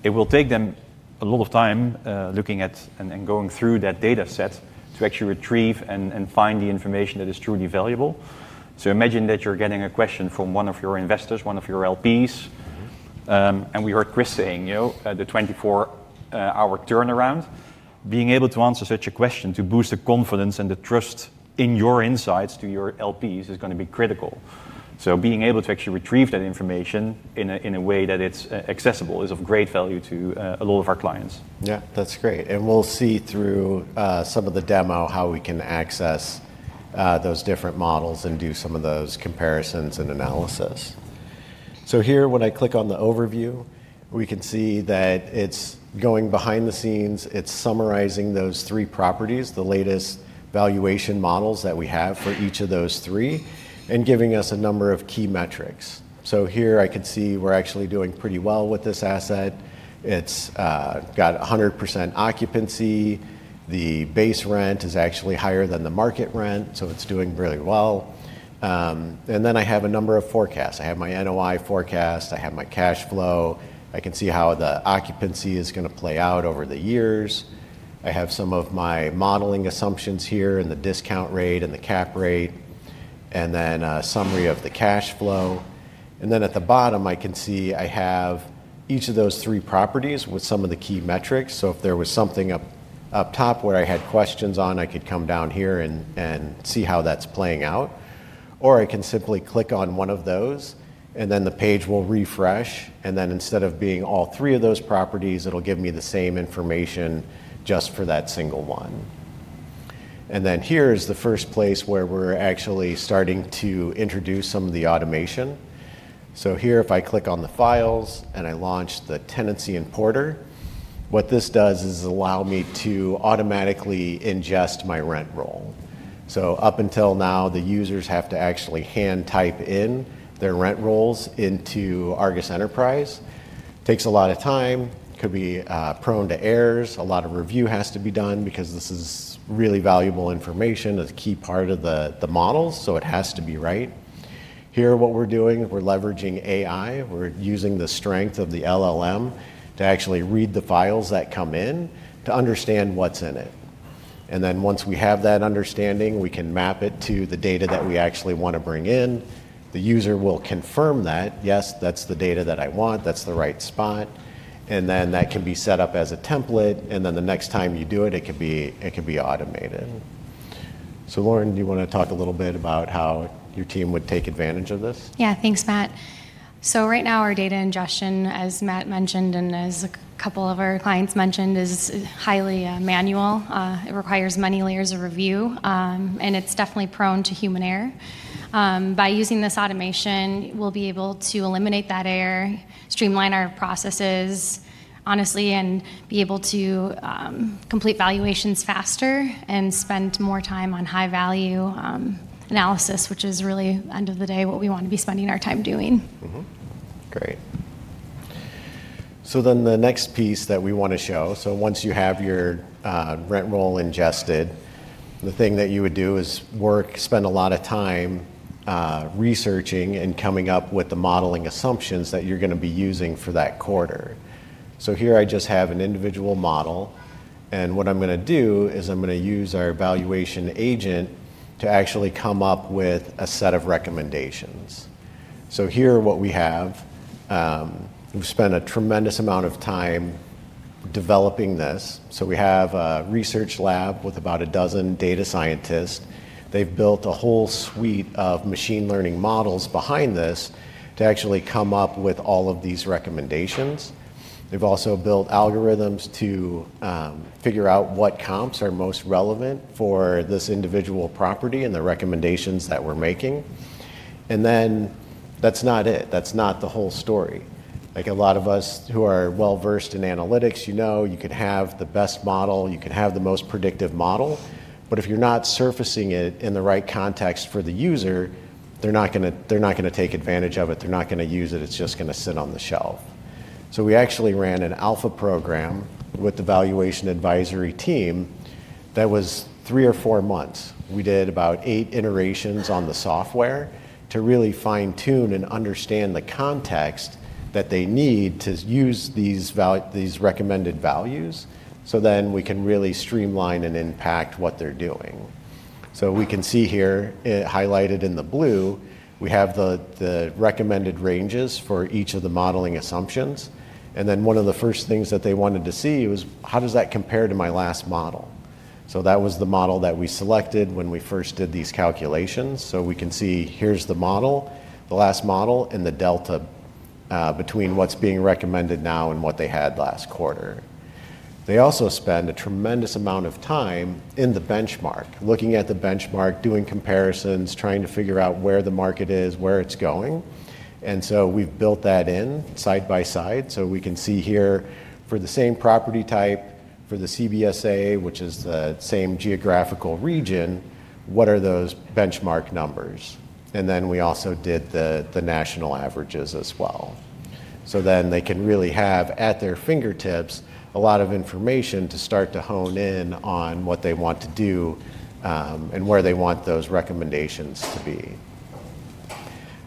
It will take them a lot of time looking at and going through that dataset to actually retrieve and find the information that is truly valuable. Imagine that you're getting a question from one of your investors, one of your LPs. We heard Chris saying the 24-hour turnaround. Being able to answer such a question to boost the confidence and the trust in your insights to your LPs is going to be critical. Being able to actually retrieve that information in a way that it's accessible is of great value to a lot of our clients. Yeah. That's great. We will see through some of the demo how we can access those different models and do some of those comparisons and analysis. Here, when I click on the overview, we can see that it's going behind the scenes. It's summarizing those three properties, the latest valuation models that we have for each of those three, and giving us a number of key metrics. Here, I can see we're actually doing pretty well with this asset. It's got 100% occupancy. The base rent is actually higher than the market rent. It's doing really well. I have a number of forecasts. I have my NOI forecast. I have my cash flow. I can see how the occupancy is going to play out over the years. I have some of my modeling assumptions here and the discount rate and the cap rate, and then a summary of the cash flow. At the bottom, I can see I have each of those three properties with some of the key metrics. If there was something up top where I had questions on, I could come down here and see how that's playing out. I can simply click on one of those, and the page will refresh. Instead of being all three of those properties, it'll give me the same information just for that single one. Here is the first place where we're actually starting to introduce some of the automation. Here, if I click on the files and I launch the tenancy importer, what this does is allow me to automatically ingest my rent roll. Up until now, the users have to actually hand-type in their rent rolls into ARGUS Enterprise. Takes a lot of time. Could be prone to errors. A lot of review has to be done because this is really valuable information. It's a key part of the models, so it has to be right. Here, what we're doing, we're leveraging AI. We're using the strength of the LLM to actually read the files that come in to understand what's in it. Once we have that understanding, we can map it to the data that we actually want to bring in. The user will confirm that, "Yes, that's the data that I want. That's the right spot." That can be set up as a template. The next time you do it, it can be automated. Lauren, do you want to talk a little bit about how your team would take advantage of this? Yeah. Thanks, Matt. Right now, our data ingestion, as Matt mentioned and as a couple of our clients mentioned, is highly manual. It requires many layers of review, and it's definitely prone to human error. By using this automation, we'll be able to eliminate that error, streamline our processes, honestly, and be able to complete valuations faster and spend more time on high-value analysis, which is really, at the end of the day, what we want to be spending our time doing. Great. The next piece that we want to show, once you have your rent roll ingested, the thing that you would do is spend a lot of time researching and coming up with the modeling assumptions that you're going to be using for that quarter. Here, I just have an individual model. What I'm going to do is use our valuation agent to actually come up with a set of recommendations. Here, we have spent a tremendous amount of time developing this. We have a research lab with about a dozen data scientists. They have built a whole suite of machine learning models behind this to actually come up with all of these recommendations. They have also built algorithms to figure out what comps are most relevant for this individual property and the recommendations that we're making. That is not it. That is not the whole story. Like a lot of us who are well-versed in analytics, you know you could have the best model. You could have the most predictive model. If you are not surfacing it in the right context for the user, they are not going to take advantage of it. They are not going to use it. It is just going to sit on the shelf. We actually ran an alpha program with the valuation advisory team. That was three or four months. We did about eight iterations on the software to really fine-tune and understand the context that they need to use these recommended values so we can really streamline and impact what they are doing. We can see here highlighted in the blue, we have the recommended ranges for each of the modeling assumptions. One of the first things that they wanted to see was, "How does that compare to my last model?" That was the model that we selected when we first did these calculations. We can see here is the model, the last model, and the delta between what is being recommended now and what they had last quarter. They also spend a tremendous amount of time in the benchmark, looking at the benchmark, doing comparisons, trying to figure out where the market is, where it is going. We have built that in side by side. We can see here for the same property type, for the CBSA, which is the same geographical region, what those benchmark numbers are. We also did the national averages as well. Then they can really have at their fingertips a lot of information to start to hone in on what they want to do and where they want those recommendations to be.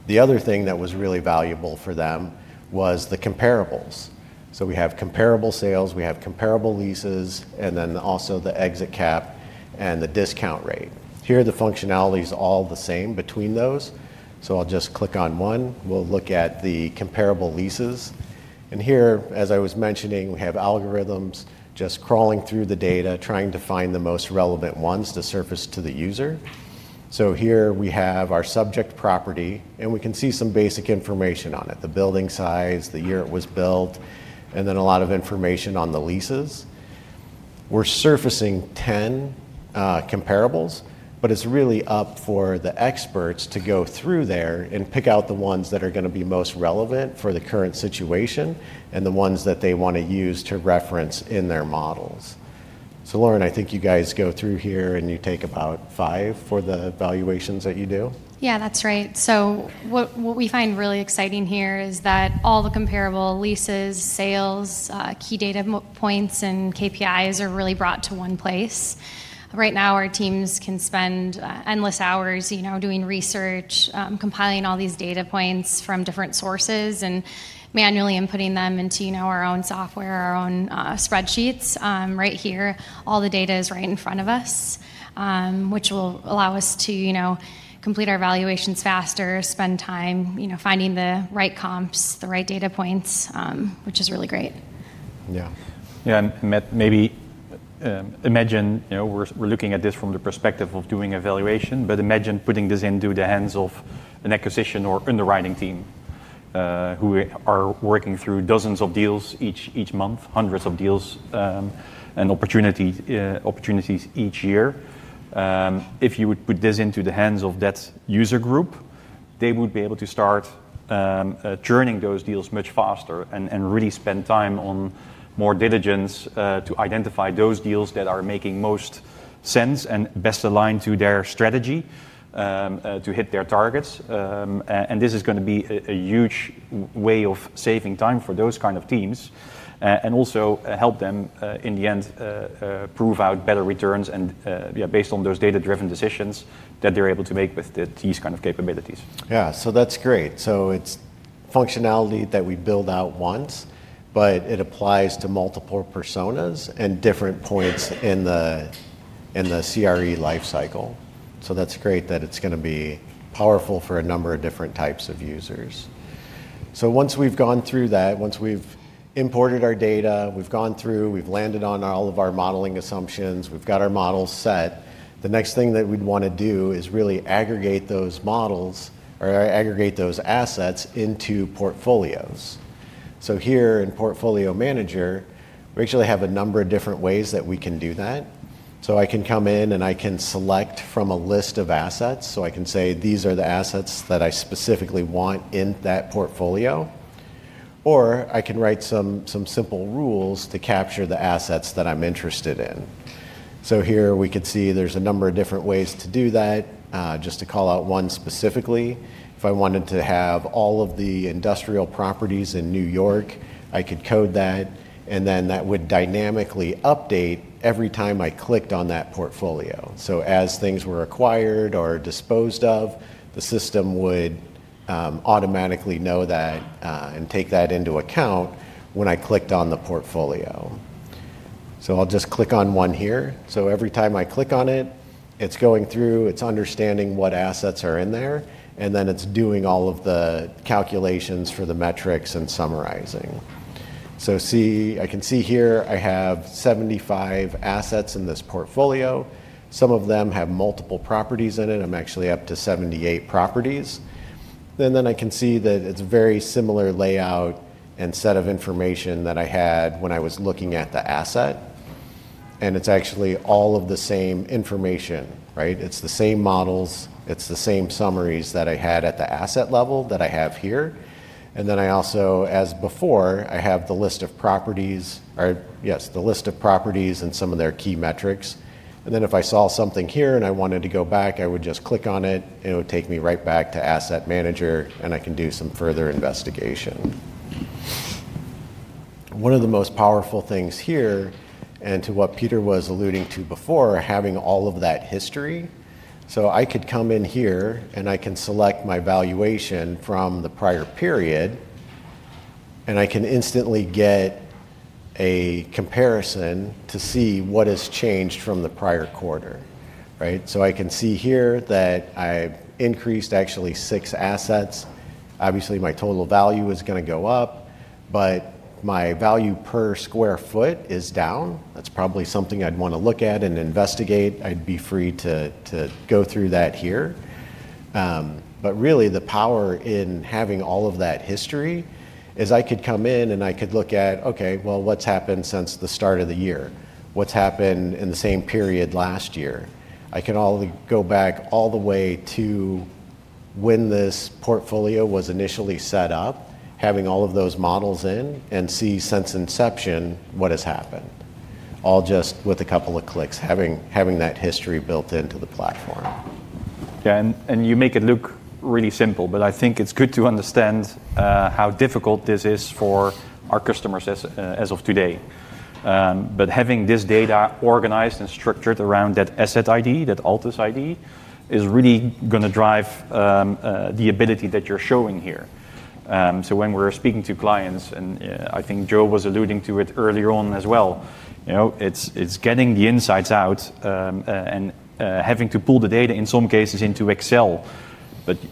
The other thing that was really valuable for them was the comparables. We have comparable sales, we have comparable leases, and then also the exit cap and the discount rate. Here, the functionality is all the same between those. I'll just click on one. We'll look at the comparable leases. Here, as I was mentioning, we have algorithms just crawling through the data, trying to find the most relevant ones to surface to the user. Here we have our subject property, and we can see some basic information on it, the building size, the year it was built, and then a lot of information on the leases. We're surfacing 10 comparables, but it's really up for the experts to go through there and pick out the ones that are going to be most relevant for the current situation and the ones that they want to use to reference in their models. Lauren, I think you guys go through here and you take about five for the evaluations that you do. Yeah, that's right. What we find really exciting here is that all the comparable leases, sales, key data points, and KPIs are really brought to one place. Right now, our teams can spend endless hours doing research, compiling all these data points from different sources, and manually inputting them into our own software, our own spreadsheets. Right here, all the data is right in front of us, which will allow us to complete our evaluations faster, spend time finding the right comps, the right data points, which is really great. Yeah. Yeah. Matt, maybe imagine we're looking at this from the perspective of doing evaluation, but imagine putting this into the hands of an acquisition or underwriting team who are working through dozens of deals each month, hundreds of deals and opportunities each year. If you would put this into the hands of that user group, they would be able to start churning those deals much faster and really spend time on more diligence to identify those deals that are making most sense and best aligned to their strategy to hit their targets. This is going to be a huge way of saving time for those kinds of teams and also help them in the end prove out better returns based on those data-driven decisions that they're able to make with these kinds of capabilities. Yeah. So that's great. It's functionality that we build out once, but it applies to multiple personas and different points in the CRE lifecycle. That's great that it's going to be powerful for a number of different types of users. Once we've gone through that, once we've imported our data, we've gone through, we've landed on all of our modeling assumptions, we've got our models set, the next thing that we'd want to do is really aggregate those models or aggregate those assets into portfolios. Here in Portfolio Manager, we actually have a number of different ways that we can do that. I can come in and I can select from a list of assets. I can say, "These are the assets that I specifically want in that portfolio." I can write some simple rules to capture the assets that I'm interested in. Here we could see there's a number of different ways to do that. Just to call out one specifically, if I wanted to have all of the industrial properties in New York, I could code that, and then that would dynamically update every time I clicked on that portfolio. As things were acquired or disposed of, the system would automatically know that and take that into account when I clicked on the portfolio. I'll just click on one here. Every time I click on it, it's going through, it's understanding what assets are in there, and then it's doing all of the calculations for the metrics and summarizing. I can see here I have 75 assets in this portfolio. Some of them have multiple properties in it. I'm actually up to 78 properties. I can see that it's a very similar layout and set of information that I had when I was looking at the asset. It's actually all of the same information, right? It's the same models. It's the same summaries that I had at the asset level that I have here. I also, as before, have the list of properties, yes, the list of properties and some of their key metrics. If I saw something here and I wanted to go back, I would just click on it, and it would take me right back to Asset Manager, and I can do some further investigation. One of the most powerful things here, and to what Peter was alluding to before, having all of that history. I could come in here and I can select my valuation from the prior period, and I can instantly get a comparison to see what has changed from the prior quarter, right? I can see here that I've increased actually six assets. Obviously, my total value is going to go up, but my value per square foot is down. That's probably something I'd want to look at and investigate. I'd be free to go through that here. Really, the power in having all of that history is I could come in and I could look at, "Okay, what's happened since the start of the year? What's happened in the same period last year?" I can go back all the way to when this portfolio was initially set up, having all of those models in, and see since inception what has happened, all just with a couple of clicks, having that history built into the platform. Yeah. You make it look really simple, but I think it's good to understand how difficult this is for our customers as of today. Having this data organized and structured around that asset ID, that Altus ID, is really going to drive the ability that you're showing here. When we're speaking to clients, and I think Joe was alluding to it earlier on as well, it's getting the insights out and having to pull the data in some cases into Excel.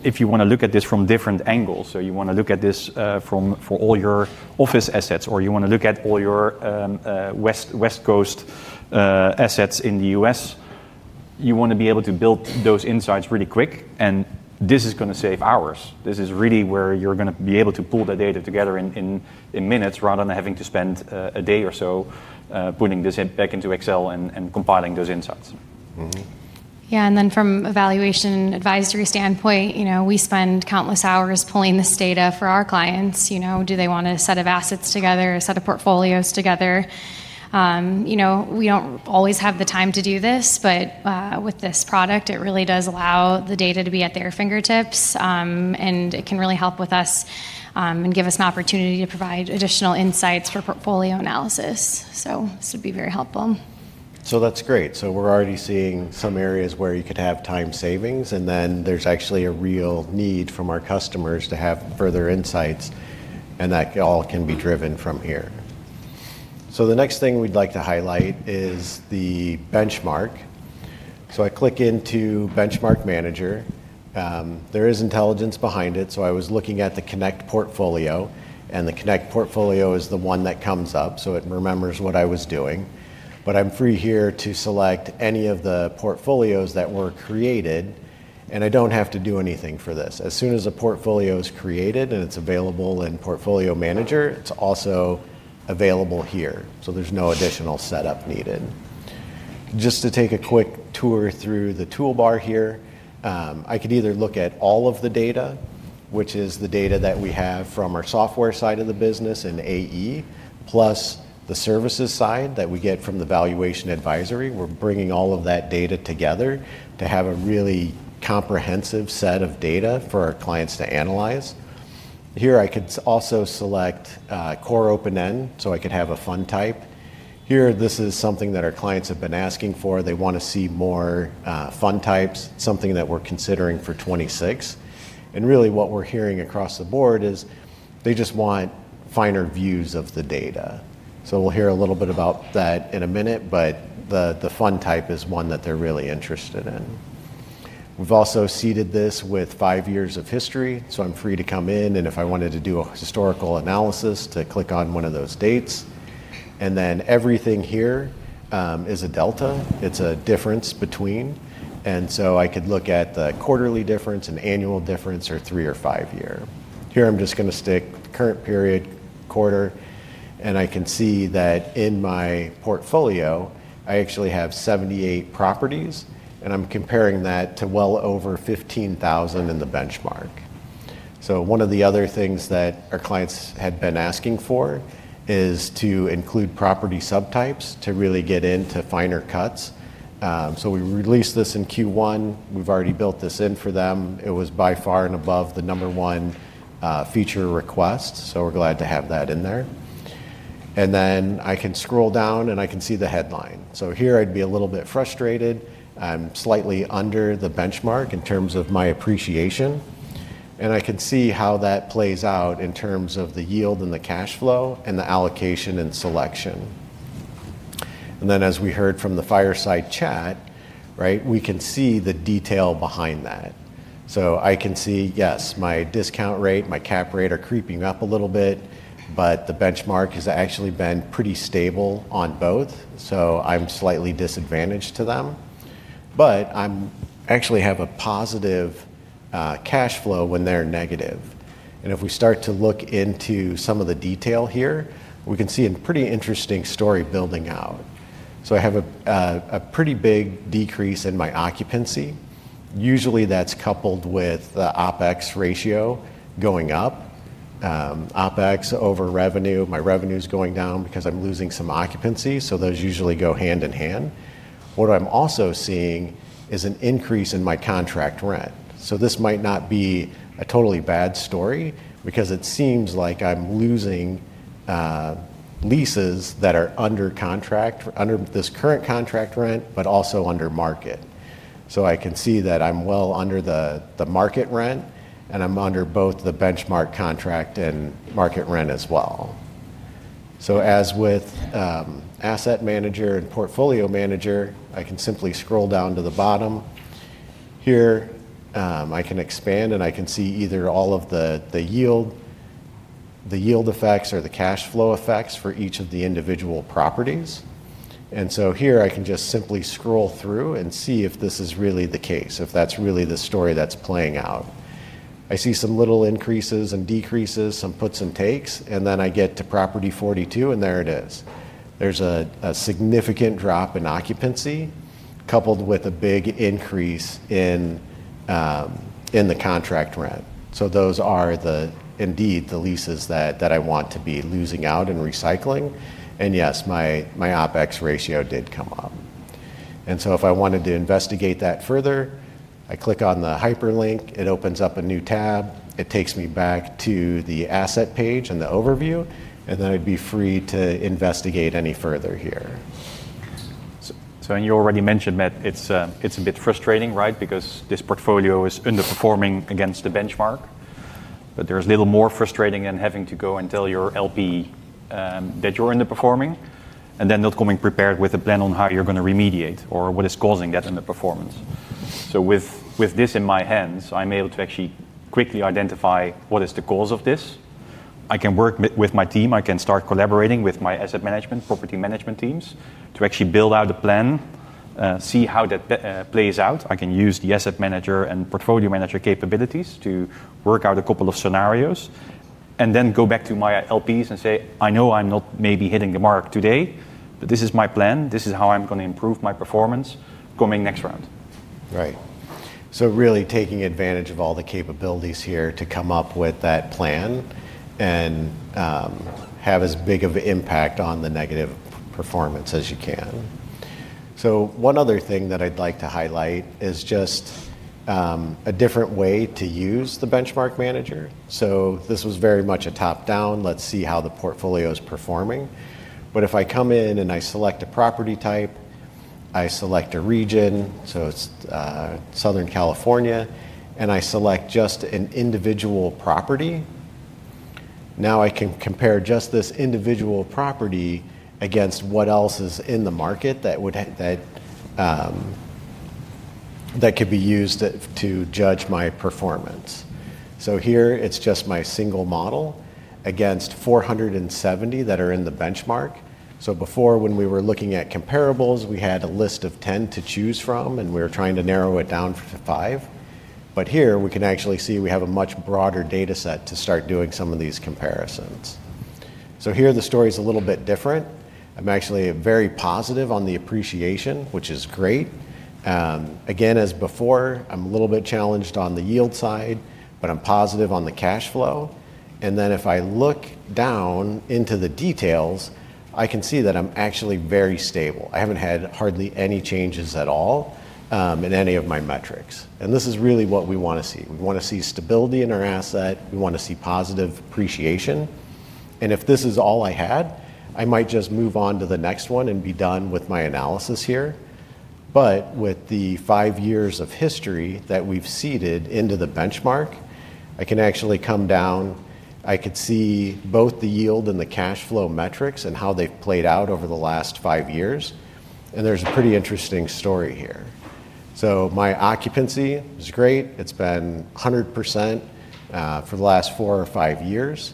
If you want to look at this from different angles, you want to look at this for all your office assets, or you want to look at all your West Coast assets in the U.S., you want to be able to build those insights really quick, and this is going to save hours. This is really where you're going to be able to pull that data together in minutes rather than having to spend a day or so putting this back into Excel and compiling those insights. Yeah. From an evaluation advisory standpoint, we spend countless hours pulling this data for our clients. Do they want a set of assets together, a set of portfolios together? We do not always have the time to do this, but with this product, it really does allow the data to be at their fingertips, and it can really help with us and give us an opportunity to provide additional insights for portfolio analysis. This would be very helpful. That's great. We're already seeing some areas where you could have time savings, and then there's actually a real need from our customers to have further insights, and that all can be driven from here. The next thing we'd like to highlight is the benchmark. I click into Benchmark Manager. There is intelligence behind it. I was looking at the Connect portfolio, and the Connect portfolio is the one that comes up, so it remembers what I was doing. I'm free here to select any of the portfolios that were created, and I don't have to do anything for this. As soon as a portfolio is created and it's available in Portfolio Manager, it's also available here. There's no additional setup needed. Just to take a quick tour through the toolbar here, I could either look at all of the data, which is the data that we have from our software side of the business in AE, plus the services side that we get from the valuation advisory. We're bringing all of that data together to have a really comprehensive set of data for our clients to analyze. Here, I could also select Core Open-End, so I could have a fund type. Here, this is something that our clients have been asking for. They want to see more fund types, something that we're considering for 2026. Really, what we're hearing across the board is they just want finer views of the data. We'll hear a little bit about that in a minute, but the fund type is one that they're really interested in. We've also seeded this with five years of history, so I'm free to come in, and if I wanted to do a historical analysis, to click on one of those dates. Everything here is a delta. It's a difference between. I could look at the quarterly difference and annual difference or three or five year. Here, I'm just going to stick current period, quarter, and I can see that in my portfolio, I actually have 78 properties, and I'm comparing that to well over 15,000 in the benchmark. One of the other things that our clients had been asking for is to include property subtypes to really get into finer cuts. We released this in Q1. We've already built this in for them. It was by far and above the number one feature request, so we're glad to have that in there. I can scroll down, and I can see the headline. Here, I'd be a little bit frustrated. I'm slightly under the benchmark in terms of my appreciation. I can see how that plays out in terms of the yield and the cash flow and the allocation and selection. As we heard from the Fireside Chat, we can see the detail behind that. I can see, yes, my discount rate, my cap rate are creeping up a little bit, but the benchmark has actually been pretty stable on both, so I'm slightly disadvantaged to them. I actually have a positive cash flow when they're negative. If we start to look into some of the detail here, we can see a pretty interesting story building out. I have a pretty big decrease in my occupancy. Usually, that's coupled with the OPEX ratio going up. OPEX over revenue, my revenue is going down because I'm losing some occupancy, so those usually go hand in hand. What I'm also seeing is an increase in my contract rent. This might not be a totally bad story because it seems like I'm losing leases that are under contract, under this current contract rent, but also under market. I can see that I'm well under the market rent, and I'm under both the benchmark contract and market rent as well. As with Asset Manager and Portfolio Manager, I can simply scroll down to the bottom. Here, I can expand, and I can see either all of the yield effects or the cash flow effects for each of the individual properties. Here, I can just simply scroll through and see if this is really the case, if that's really the story that's playing out. I see some little increases and decreases, some puts and takes, and then I get to Property 42, and there it is. There's a significant drop in occupancy coupled with a big increase in the contract rent. Those are indeed the leases that I want to be losing out and recycling. Yes, my OPEX ratio did come up. If I wanted to investigate that further, I click on the hyperlink, it opens up a new tab, it takes me back to the asset page and the overview, and then I'd be free to investigate any further here. You already mentioned that it's a bit frustrating, right, because this portfolio is underperforming against the benchmark. There's a little more frustrating than having to go and tell your LP that you're underperforming and then not coming prepared with a plan on how you're going to remediate or what is causing that underperformance. With this in my hands, I'm able to actually quickly identify what is the cause of this. I can work with my team. I can start collaborating with my asset management, property management teams to actually build out a plan, see how that plays out. I can use the Asset Manager and Portfolio Manager capabilities to work out a couple of scenarios and then go back to my LPs and say, "I know I'm not maybe hitting the mark today, but this is my plan. This is how I'm going to improve my performance coming next round. Right. Really taking advantage of all the capabilities here to come up with that plan and have as big of an impact on the negative performance as you can. One other thing that I'd like to highlight is just a different way to use the Benchmark Manager. This was very much a top-down, let's see how the portfolio is performing. If I come in and I select a property type, I select a region, so it's Southern California, and I select just an individual property, now I can compare just this individual property against what else is in the market that could be used to judge my performance. Here, it's just my single model against 470 that are in the benchmark. Before, when we were looking at comparables, we had a list of 10 to choose from, and we were trying to narrow it down to five. Here, we can actually see we have a much broader dataset to start doing some of these comparisons. Here, the story is a little bit different. I'm actually very positive on the appreciation, which is great. Again, as before, I'm a little bit challenged on the yield side, but I'm positive on the cash flow. If I look down into the details, I can see that I'm actually very stable. I haven't had hardly any changes at all in any of my metrics. This is really what we want to see. We want to see stability in our asset. We want to see positive appreciation. If this is all I had, I might just move on to the next one and be done with my analysis here. With the five years of history that we've seeded into the benchmark, I can actually come down. I could see both the yield and the cash flow metrics and how they've played out over the last five years. There's a pretty interesting story here. My occupancy is great. It's been 100% for the last four or five years.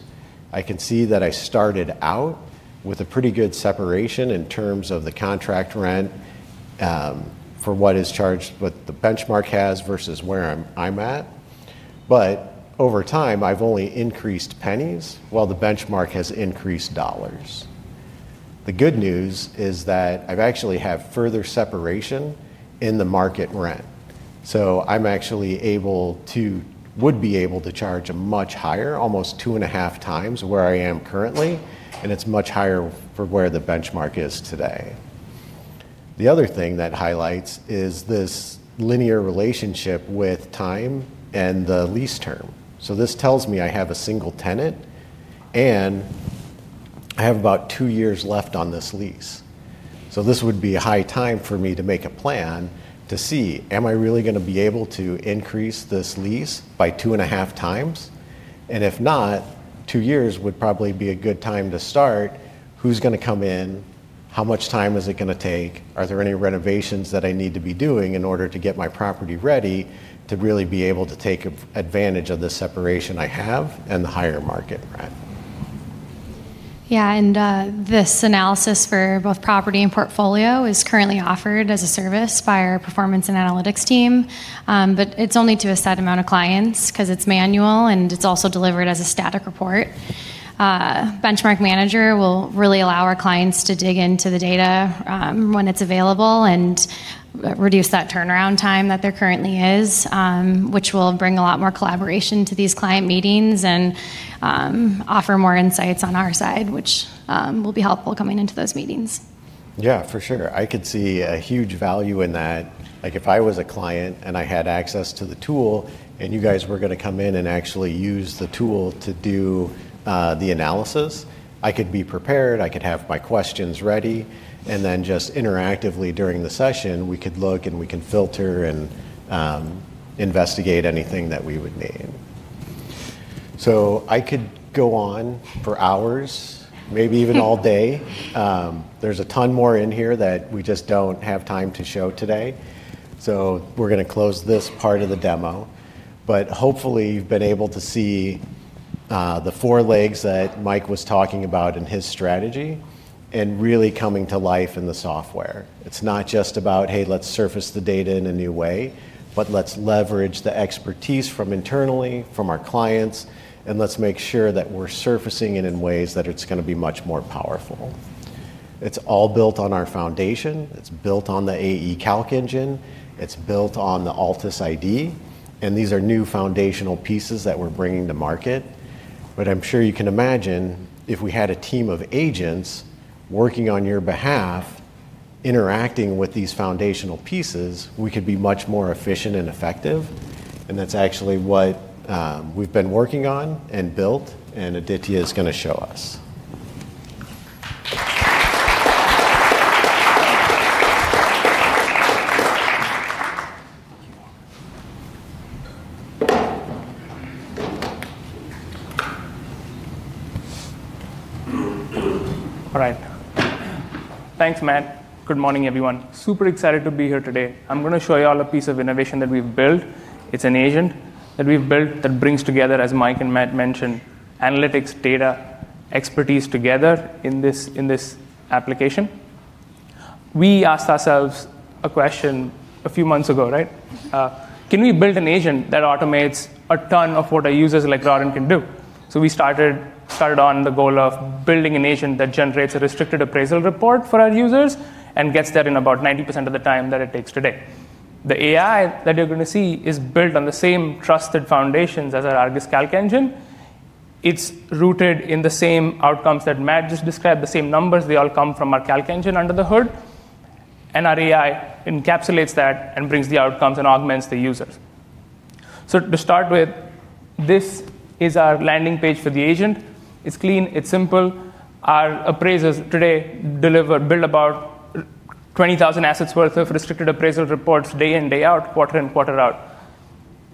I can see that I started out with a pretty good separation in terms of the contract rent for what is charged, what the benchmark has versus where I'm at. Over time, I've only increased pennies while the benchmark has increased dollars. The good news is that I actually have further separation in the market rent. I'm actually able to, would be able to charge much higher, almost two and a half times where I am currently, and it's much higher for where the benchmark is today. The other thing that highlights is this linear relationship with time and the lease term. This tells me I have a single tenant, and I have about two years left on this lease. This would be a high time for me to make a plan to see, am I really going to be able to increase this lease by two and a half times? If not, two years would probably be a good time to start. Who's going to come in? How much time is it going to take? Are there any renovations that I need to be doing in order to get my property ready to really be able to take advantage of the separation I have and the higher market rent? Yeah. This analysis for both property and portfolio is currently offered as a service by our performance and analytics team, but it's only to a set amount of clients because it's manual and it's also delivered as a static report. Benchmark Manager will really allow our clients to dig into the data when it's available and reduce that turnaround time that there currently is, which will bring a lot more collaboration to these client meetings and offer more insights on our side, which will be helpful coming into those meetings. Yeah, for sure. I could see a huge value in that. If I was a client and I had access to the tool and you guys were going to come in and actually use the tool to do the analysis, I could be prepared. I could have my questions ready. Just interactively during the session, we could look and we can filter and investigate anything that we would need. I could go on for hours, maybe even all day. There is a ton more in here that we just do not have time to show today. We are going to close this part of the demo. Hopefully, you have been able to see the four legs that Mike was talking about in his strategy and really coming to life in the software. It's not just about, "Hey, let's surface the data in a new way," but let's leverage the expertise from internally, from our clients, and let's make sure that we're surfacing it in ways that it's going to be much more powerful. It's all built on our foundation. It's built on the AE Calc engine. It's built on the Altus ID. These are new foundational pieces that we're bringing to market. I'm sure you can imagine if we had a team of agents working on your behalf, interacting with these foundational pieces, we could be much more efficient and effective. That's actually what we've been working on and built, and Aditya is going to show us. All right. Thanks, Matt. Good morning, everyone. Super excited to be here today. I'm going to show you all a piece of innovation that we've built. It's an agent that we've built that brings together, as Mike and Matt mentioned, analytics, data, expertise together in this application. We asked ourselves a question a few months ago, right? Can we build an agent that automates a ton of what our users like Ryan can do? We started on the goal of building an agent that generates a restricted appraisal report for our users and gets that in about 90% of the time that it takes today. The AI that you're going to see is built on the same trusted foundations as our ARGUS Calc engine. It's rooted in the same outcomes that Matt just described, the same numbers. They all come from our Calc engine under the hood. Our AI encapsulates that and brings the outcomes and augments the users. To start with, this is our landing page for the agent. It is clean. It is simple. Our appraisers today build about 20,000 assets worth of restricted appraisal reports day in, day out, quarter in, quarter out.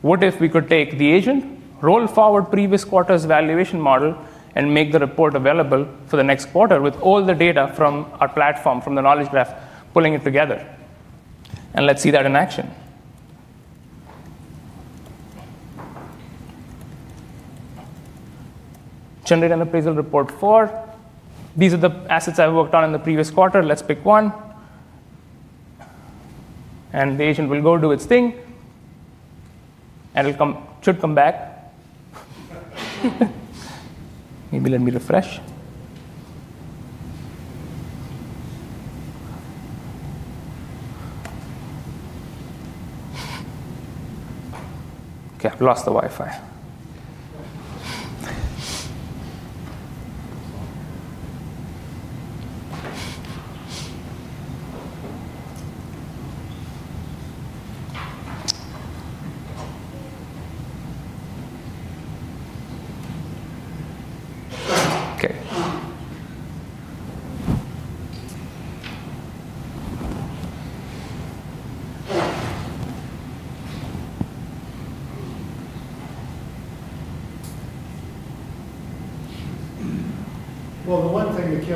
What if we could take the agent, roll forward previous quarter's valuation model, and make the report available for the next quarter with all the data from our platform, from the knowledge graph, pulling it together? Let us see that in action. Generate an appraisal report for these are the assets I have worked on in the previous quarter. Let us pick one. The agent will go do its thing. It should come back. Maybe let me refresh. Okay, I have lost the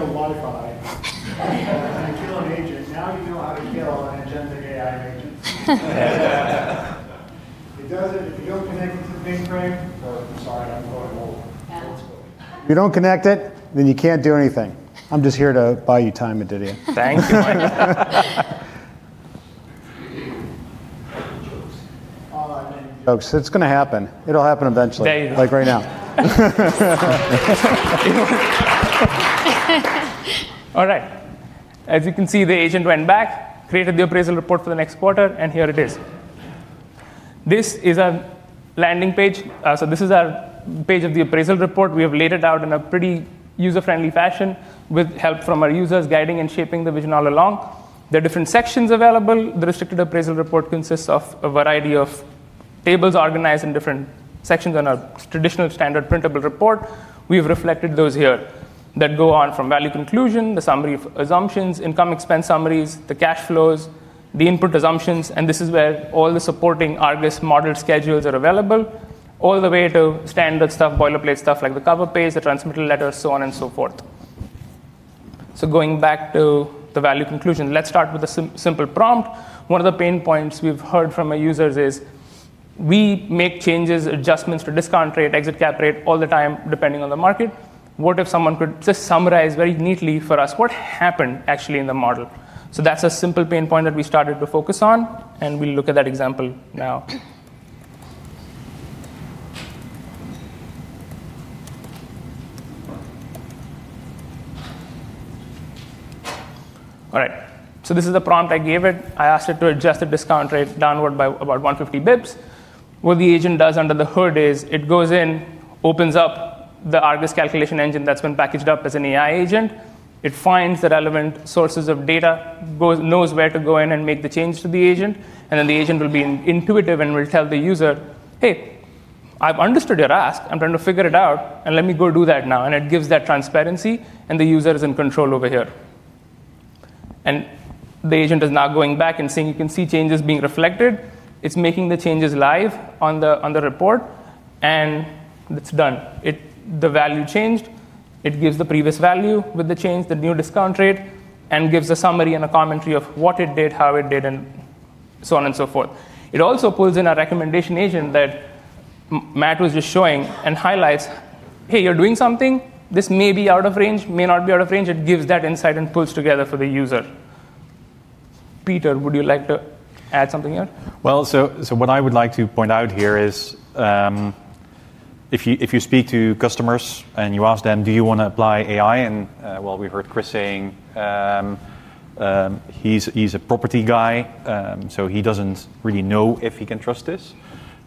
Wi-Fi. Okay. The one thing to kill Wi-Fi and kill an agent, now you know how to kill an Agentic AI agent. If you do not connect it to the ping frame, or I'm sorry, I'm going old. Yeah. If you don't connect it, then you can't do anything. I'm just here to buy you time, Aditya. Thank you. All I meant. Jokes. It's going to happen. It'll happen eventually. Today. Like right now. All right. As you can see, the agent went back, created the appraisal report for the next quarter, and here it is. This is our landing page. This is our page of the appraisal report. We have laid it out in a pretty user-friendly fashion with help from our users, guiding and shaping the vision all along. There are different sections available. The restricted appraisal report consists of a variety of tables organized in different sections on our traditional standard printable report. We have reflected those here that go on from value conclusion, the summary of assumptions, income expense summaries, the cash flows, the input assumptions. This is where all the supporting ARGUS model schedules are available, all the way to standard stuff, boilerplate stuff like the cover page, the transmittal letter, so on and so forth. Going back to the value conclusion, let's start with a simple prompt. One of the pain points we've heard from our users is we make changes, adjustments to discount rate, exit cap rate all the time depending on the market. What if someone could just summarize very neatly for us what happened actually in the model? That's a simple pain point that we started to focus on, and we'll look at that example now. All right. This is the prompt I gave it. I asked it to adjust the discount rate downward by about 150 bps. What the agent does under the hood is it goes in, opens up the ARGUS calculation engine that's been packaged up as an AI agent. It finds the relevant sources of data, knows where to go in and make the change to the agent. The agent will be intuitive and will tell the user, "Hey, I've understood your ask. I'm trying to figure it out, and let me go do that now." It gives that transparency, and the user is in control over here. The agent is now going back and seeing you can see changes being reflected. It's making the changes live on the report, and it's done. The value changed. It gives the previous value with the change, the new discount rate, and gives a summary and a commentary of what it did, how it did, and so on and so forth. It also pulls in a recommendation agent that Matt was just showing and highlights, "Hey, you're doing something. This may be out of range, may not be out of range." It gives that insight and pulls together for the user. Peter, would you like to add something here? What I would like to point out here is if you speak to customers and you ask them, "Do you want to apply AI?" While we heard Chris saying he's a property guy, so he doesn't really know if he can trust this.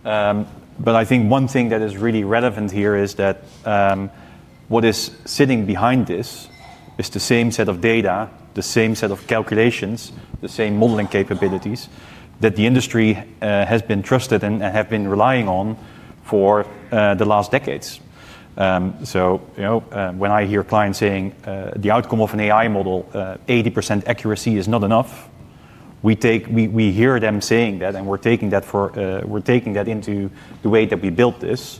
I think one thing that is really relevant here is that what is sitting behind this is the same set of data, the same set of calculations, the same modeling capabilities that the industry has trusted and has been relying on for the last decades. When I hear clients saying the outcome of an AI model, 80% accuracy is not enough, we hear them saying that, and we're taking that into the way that we built this.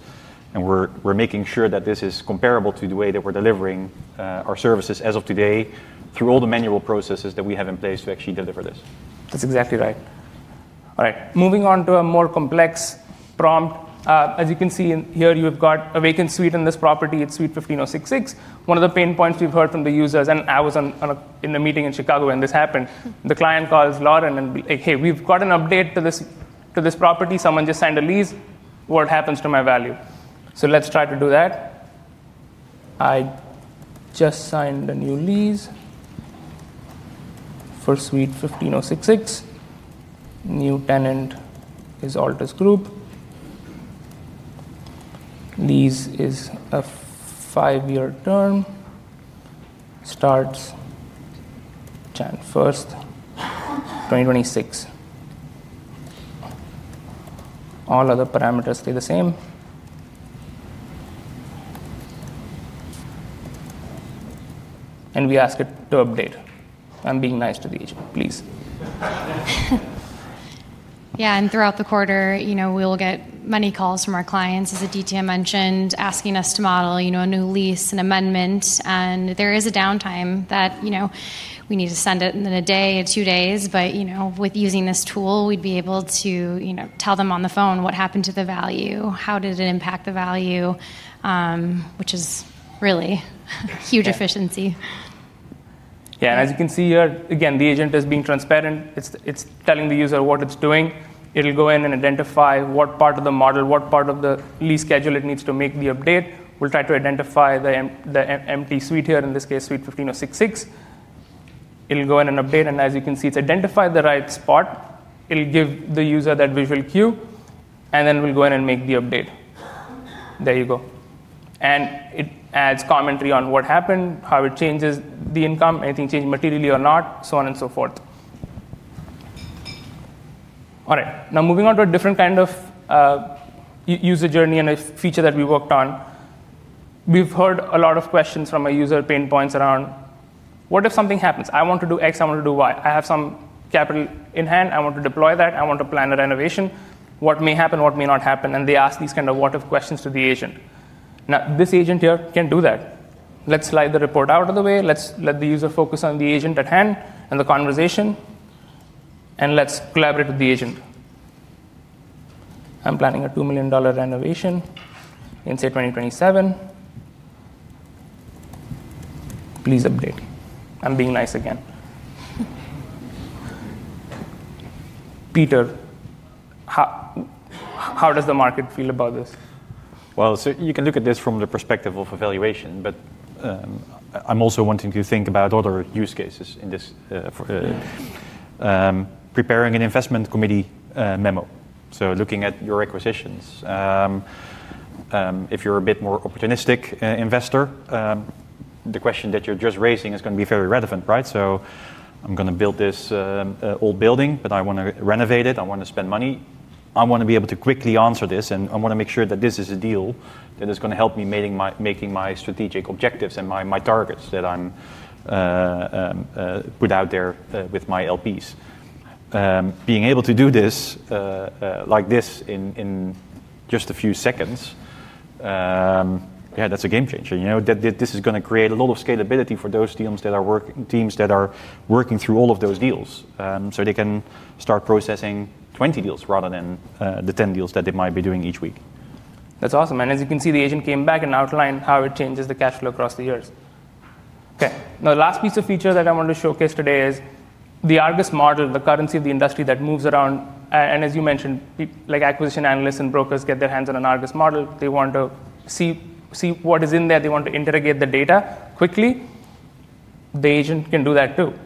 We're making sure that this is comparable to the way that we're delivering our services as of today through all the manual processes that we have in place to actually deliver this. That's exactly right. All right. Moving on to a more complex prompt. As you can see here, you have got a vacant suite on this property. It's suite 15066. One of the pain points we've heard from the users, and I was in a meeting in Chicago when this happened. The client calls Lauren and, "Hey, we've got an update to this property. Someone just signed a lease. What happens to my value?" Let's try to do that. I just signed a new lease for suite 15066. New tenant is Altus Group. Lease is a five-year term. Starts January 1st, 2026. All other parameters stay the same. We ask it to update. I'm being nice to the agent, please. Yeah. Throughout the quarter, we will get many calls from our clients, as Aditya mentioned, asking us to model a new lease, an amendment. There is a downtime that we need to send it in a day or two days. With using this tool, we'd be able to tell them on the phone what happened to the value, how did it impact the value, which is really huge efficiency. Yeah. As you can see here, again, the agent is being transparent. It's telling the user what it's doing. It'll go in and identify what part of the model, what part of the lease schedule it needs to make the update. We'll try to identify the empty suite here, in this case, suite 15066. It'll go in and update. As you can see, it's identified the right spot. It'll give the user that visual cue, and then we'll go in and make the update. There you go. It adds commentary on what happened, how it changes the income, anything changed materially or not, so on and so forth. All right. Now, moving on to a different kind of user journey and a feature that we worked on. We've heard a lot of questions from our user pain points around, "What if something happens? I want to do X. I want to do Y. I have some capital in hand. I want to deploy that. I want to plan a renovation. What may happen? What may not happen? They ask these kind of what-if questions to the agent. Now, this agent here can do that. Let's slide the report out of the way. Let's let the user focus on the agent at hand and the conversation. Let's collaborate with the agent. I'm planning a 2 million dollar renovation in, say, 2027. Please update. I'm being nice again. Peter, how does the market feel about this? You can look at this from the perspective of evaluation. I am also wanting to think about other use cases in this, preparing an investment committee memo. Looking at your acquisitions, if you are a bit more opportunistic investor, the question that you are just raising is going to be very relevant, right? I am going to build this old building, but I want to renovate it. I want to spend money. I want to be able to quickly answer this, and I want to make sure that this is a deal that is going to help me making my strategic objectives and my targets that I am putting out there with my LPs. Being able to do this like this in just a few seconds, yeah, that is a game changer. This is going to create a lot of scalability for those teams that are working through all of those deals so they can start processing 20 deals rather than the 10 deals that they might be doing each week. That's awesome. As you can see, the agent came back and outlined how it changes the cash flow across the years. Okay. Now, the last piece of feature that I want to showcase today is the ARGUS model, the currency of the industry that moves around. As you mentioned, acquisition analysts and brokers get their hands on an ARGUS model. They want to see what is in there. They want to interrogate the data quickly. The agent can do that too.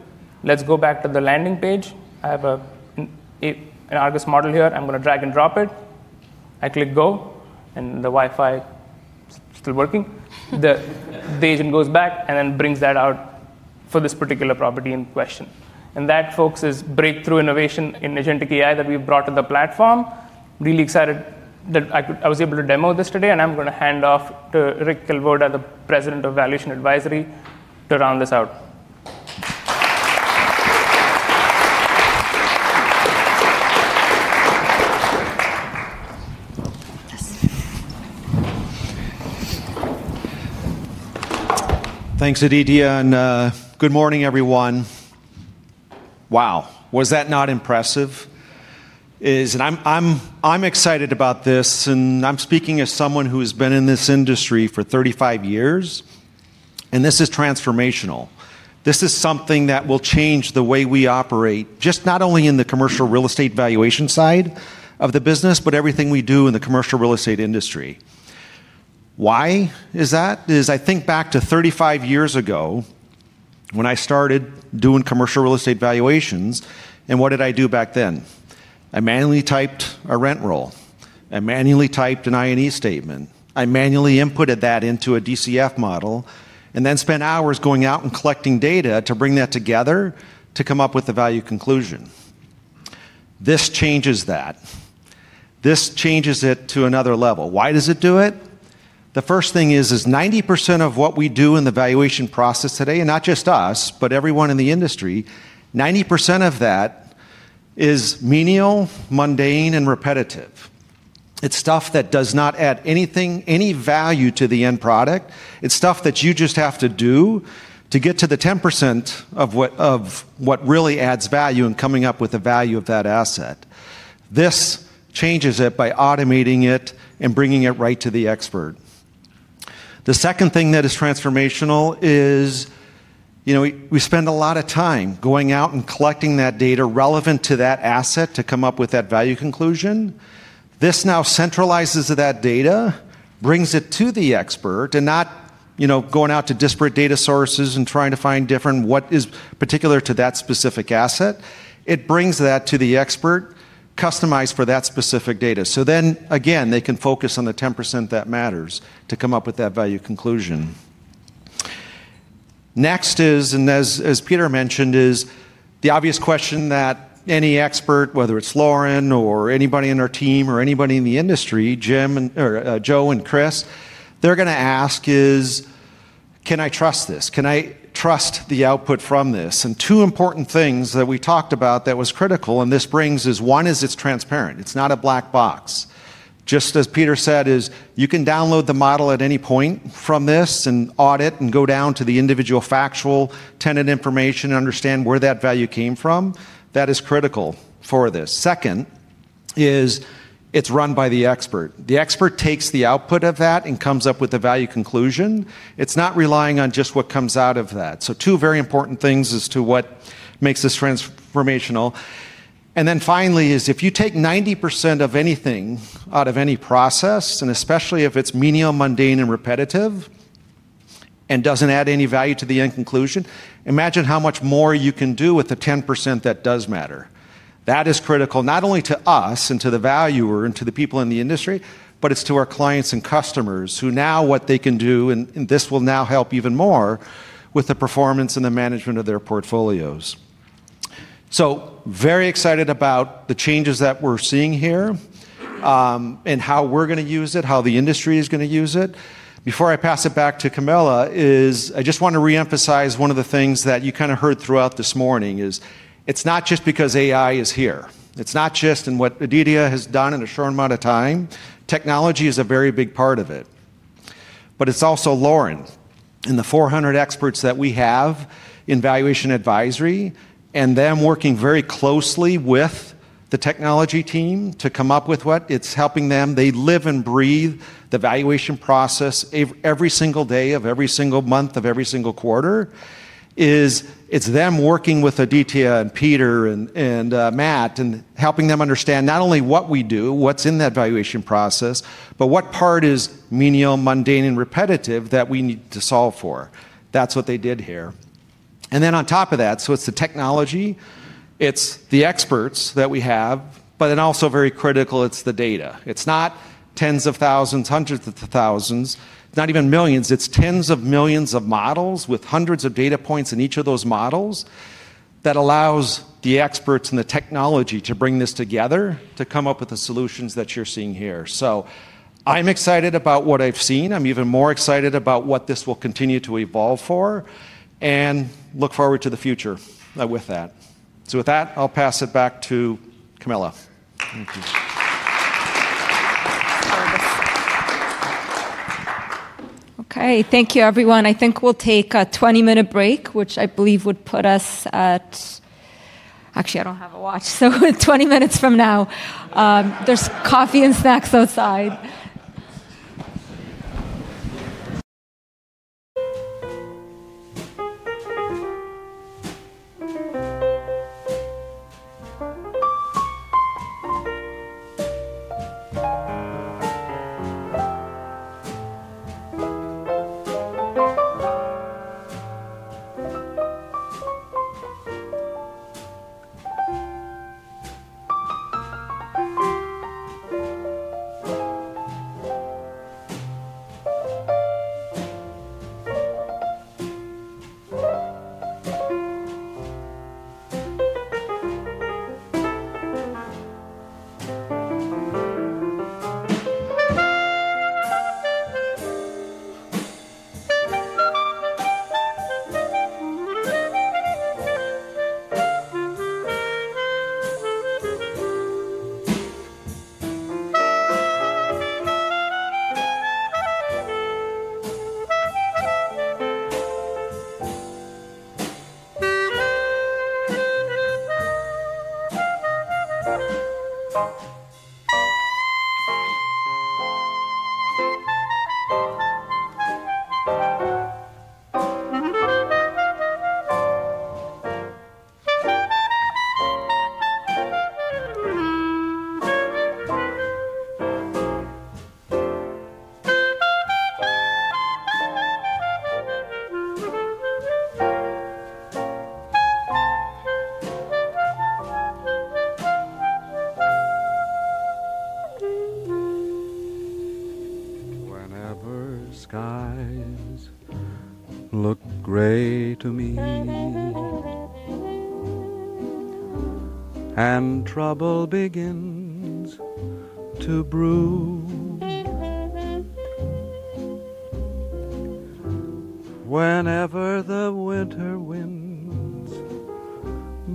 Let's go back to the landing page. I have an ARGUS model here. I'm going to drag and drop it. I click go, and the Wi-Fi is still working. The agent goes back and then brings that out for this particular property in question. That, folks, is breakthrough innovation in Agentic AI that we've brought to the platform. Really excited that I was able to demo this today. I am going to hand off to Rick Kalvoda, the President of Valuation Advisory, to round this out. Thanks, Aditya. Good morning, everyone. Wow. Was that not impressive? I'm excited about this. I'm speaking as someone who has been in this industry for 35 years. This is transformational. This is something that will change the way we operate, not only in the commercial real estate valuation side of the business, but everything we do in the commercial real estate industry. Why is that? As I think back to 35 years ago when I started doing commercial real estate valuations, what did I do back then? I manually typed a rent roll. I manually typed an INE statement. I manually inputted that into a DCF model and then spent hours going out and collecting data to bring that together to come up with the value conclusion. This changes that. This changes it to another level. Why does it do it? The first thing is, 90% of what we do in the valuation process today, and not just us, but everyone in the industry, 90% of that is menial, mundane, and repetitive. It's stuff that does not add anything, any value to the end product. It's stuff that you just have to do to get to the 10% of what really adds value in coming up with the value of that asset. This changes it by automating it and bringing it right to the expert. The second thing that is transformational is we spend a lot of time going out and collecting that data relevant to that asset to come up with that value conclusion. This now centralizes that data, brings it to the expert, and not going out to disparate data sources and trying to find different what is particular to that specific asset. It brings that to the expert, customized for that specific data. Then, again, they can focus on the 10% that matters to come up with that value conclusion. Next is, as Peter mentioned, the obvious question that any expert, whether it's Lauren or anybody on our team or anybody in the industry, Jim or Joe and Chris, they're going to ask is, "Can I trust this? Can I trust the output from this?" Two important things that we talked about that was critical and this brings is, one, it's transparent. It's not a black box. Just as Peter said, you can download the model at any point from this and audit and go down to the individual factual tenant information and understand where that value came from. That is critical for this. Second is it's run by the expert. The expert takes the output of that and comes up with the value conclusion. It's not relying on just what comes out of that. Two very important things as to what makes this transformational. Finally, if you take 90% of anything out of any process, and especially if it's menial, mundane, and repetitive, and doesn't add any value to the end conclusion, imagine how much more you can do with the 10% that does matter. That is critical not only to us and to the valuer and to the people in the industry, but it's to our clients and customers who now what they can do, and this will now help even more with the performance and the management of their portfolios. Very excited about the changes that we're seeing here and how we're going to use it, how the industry is going to use it. Before I pass it back to Camilla, I just want to reemphasize one of the things that you kind of heard throughout this morning is it's not just because AI is here. It's not just in what Aditya has done in a short amount of time. Technology is a very big part of it. It's also Lauren and the 400 experts that we have in Valuation Advisory and them working very closely with the technology team to come up with what it's helping them. They live and breathe the valuation process every single day of every single month of every single quarter. It's them working with Aditya and Peter and Matt and helping them understand not only what we do, what's in that valuation process, but what part is menial, mundane, and repetitive that we need to solve for. That's what they did here. It is the technology, it is the experts that we have, but then also very critical, it is the data. It's not tens of thousands, hundreds of thousands, not even millions. It's tens of millions of models with hundreds of data points in each of those models that allows the experts and the technology to bring this together to come up with the solutions that you're seeing here. I'm excited about what I've seen. I'm even more excited about what this will continue to evolve for and look forward to the future with that. With that, I'll pass it back to Camilla. Thank you. Okay. Thank you, everyone. I think we'll take a 20-minute break, which I believe would put us at actually, I don't have a watch. So 20 minutes from now, there's coffee and snacks outside. Whenever skies look gray to me and trouble begins to brew, whenever the winter winds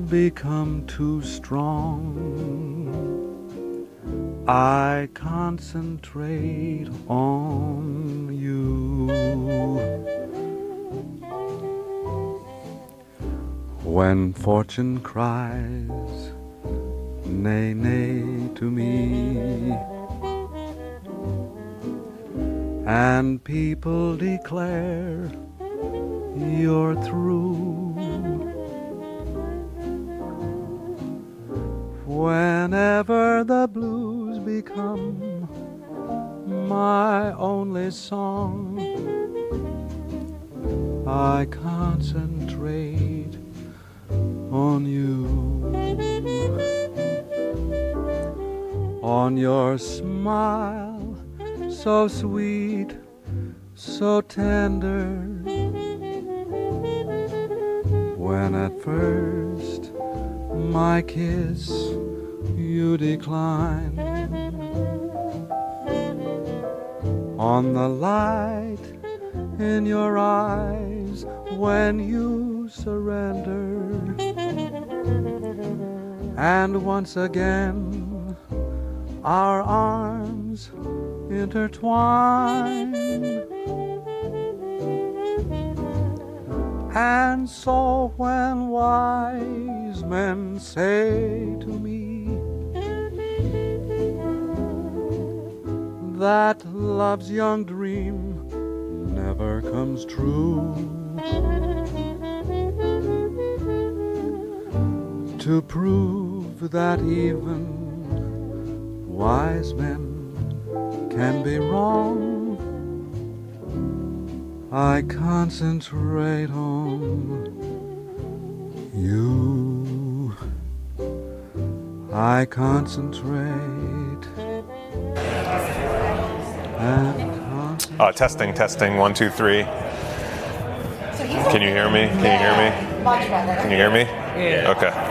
become too strong, I concentrate on you. When fortune cries nay, nay to me and people declare you're through, whenever the blues become my only song, I concentrate on you. On your smile so sweet, so tender, when at first my kiss you decline. On the light in your eyes when you surrender and once again our arms intertwine. And so when wise men say to me that love's young dream never comes true, to prove that even wise men can be wrong, I concentrate on you. I concentrate and. Oh, testing, testing. One, two, three. Can you hear me? Can you hear me? Can you hear me? Okay.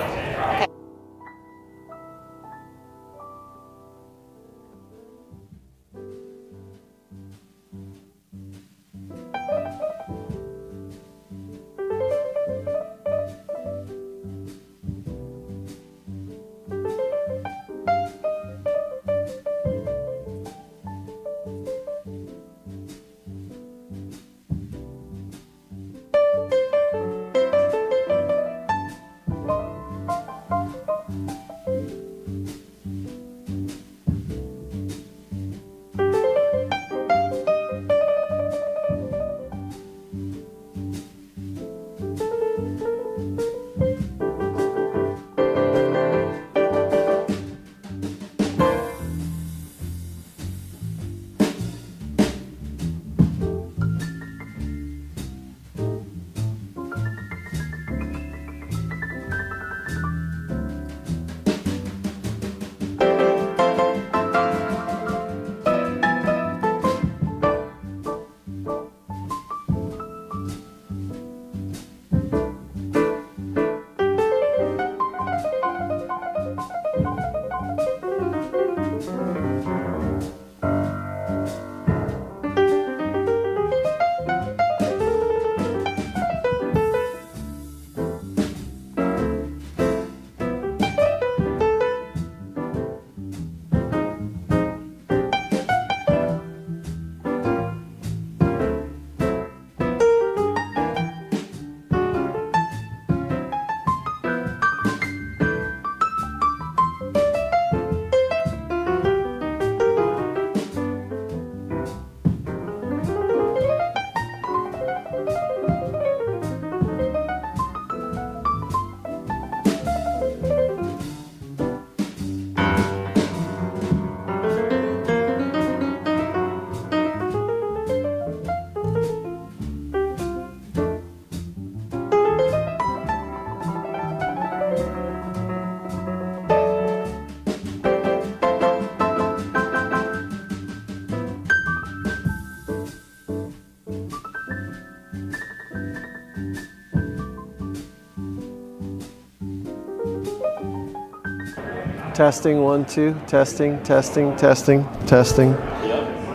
Testing, one, two. Testing, testing, testing, testing.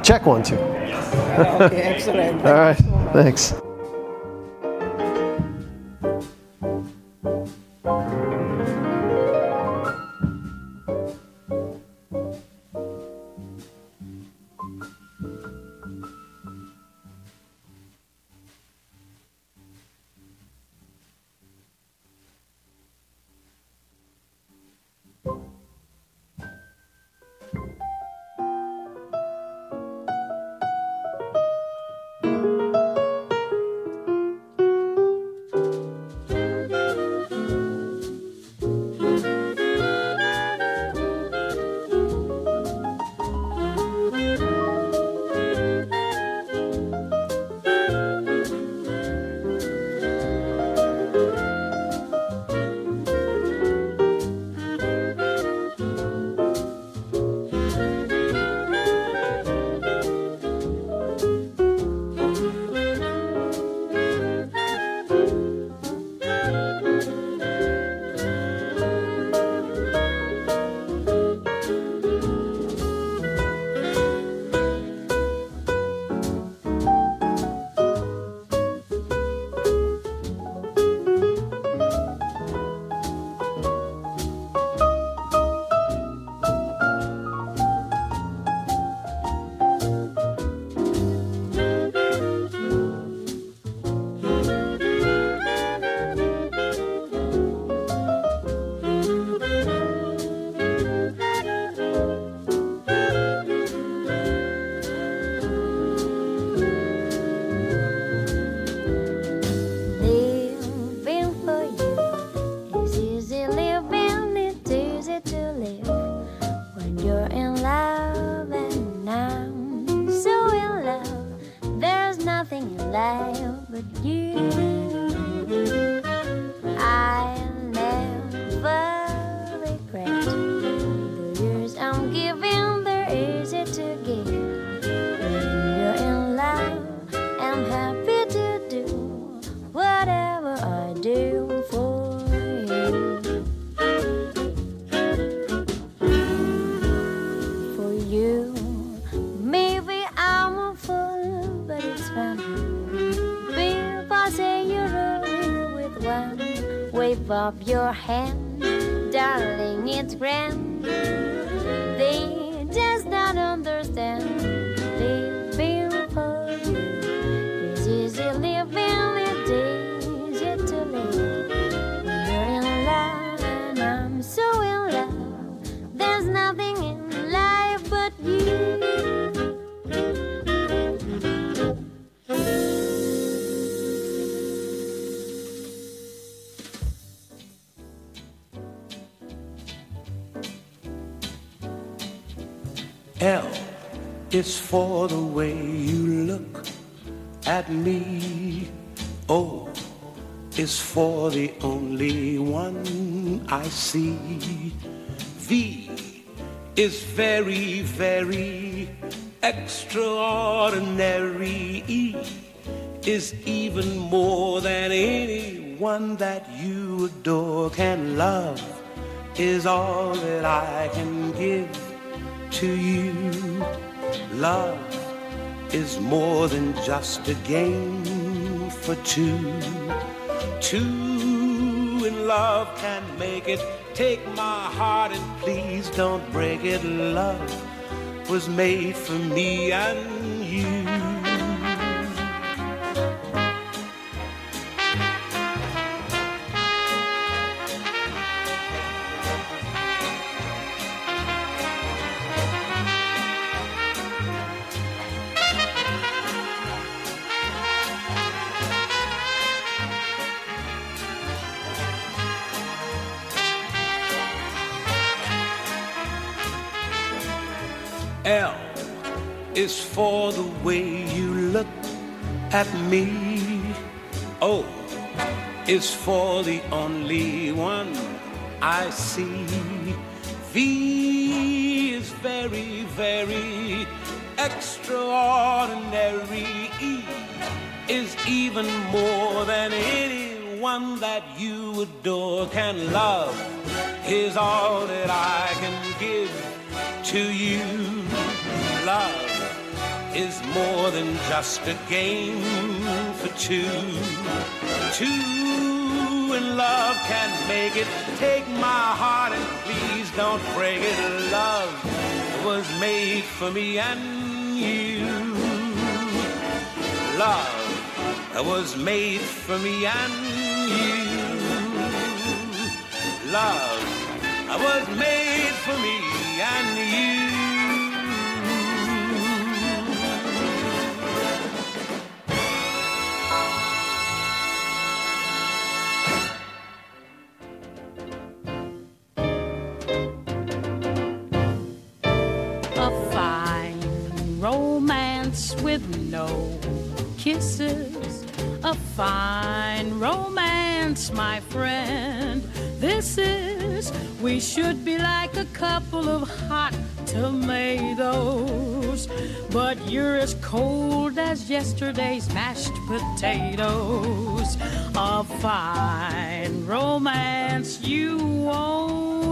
Check, one, two. Excellent. All right. Thanks. Living for you is easy living. It's easy to live when you're in love. And I'm so in love. There's nothing in life but you. I never regret the years I'm giving. They're easy to give. When you're in love, I'm happy to do whatever I do for you. For you, maybe I'm a fool, but it's fine. People say you're rude with one wave of your hand. Darling, it's grand. They just don't understand. Living for you is easy living. It's easy to live when you're in love. And I'm so in love. There's nothing in life but you. L is for the way you look at me. O is for the only one I see. V is very, very extraordinary. E is even more than anyone that you adore can love. Is all that I can give to you. Love is more than just a game for two. Two in love can make it. Take my heart and please do not break it. Love was made for me and you. L is for the way you look at me. O is for the only one I see. V is very, very extraordinary. E is even more than anyone that you adore can love. Is all that I can give to you. Love is more than just a game for two. Two in love can make it. Take my heart and please do not break it. Love was made for me and you. Love was made for me and you. Love was made for me and you. A fine romance with no kisses. A fine romance, my friend. This is, we should be like a couple of hot tomatoes. You are as cold as yesterday's mashed potatoes. A fine romance you will not nestle.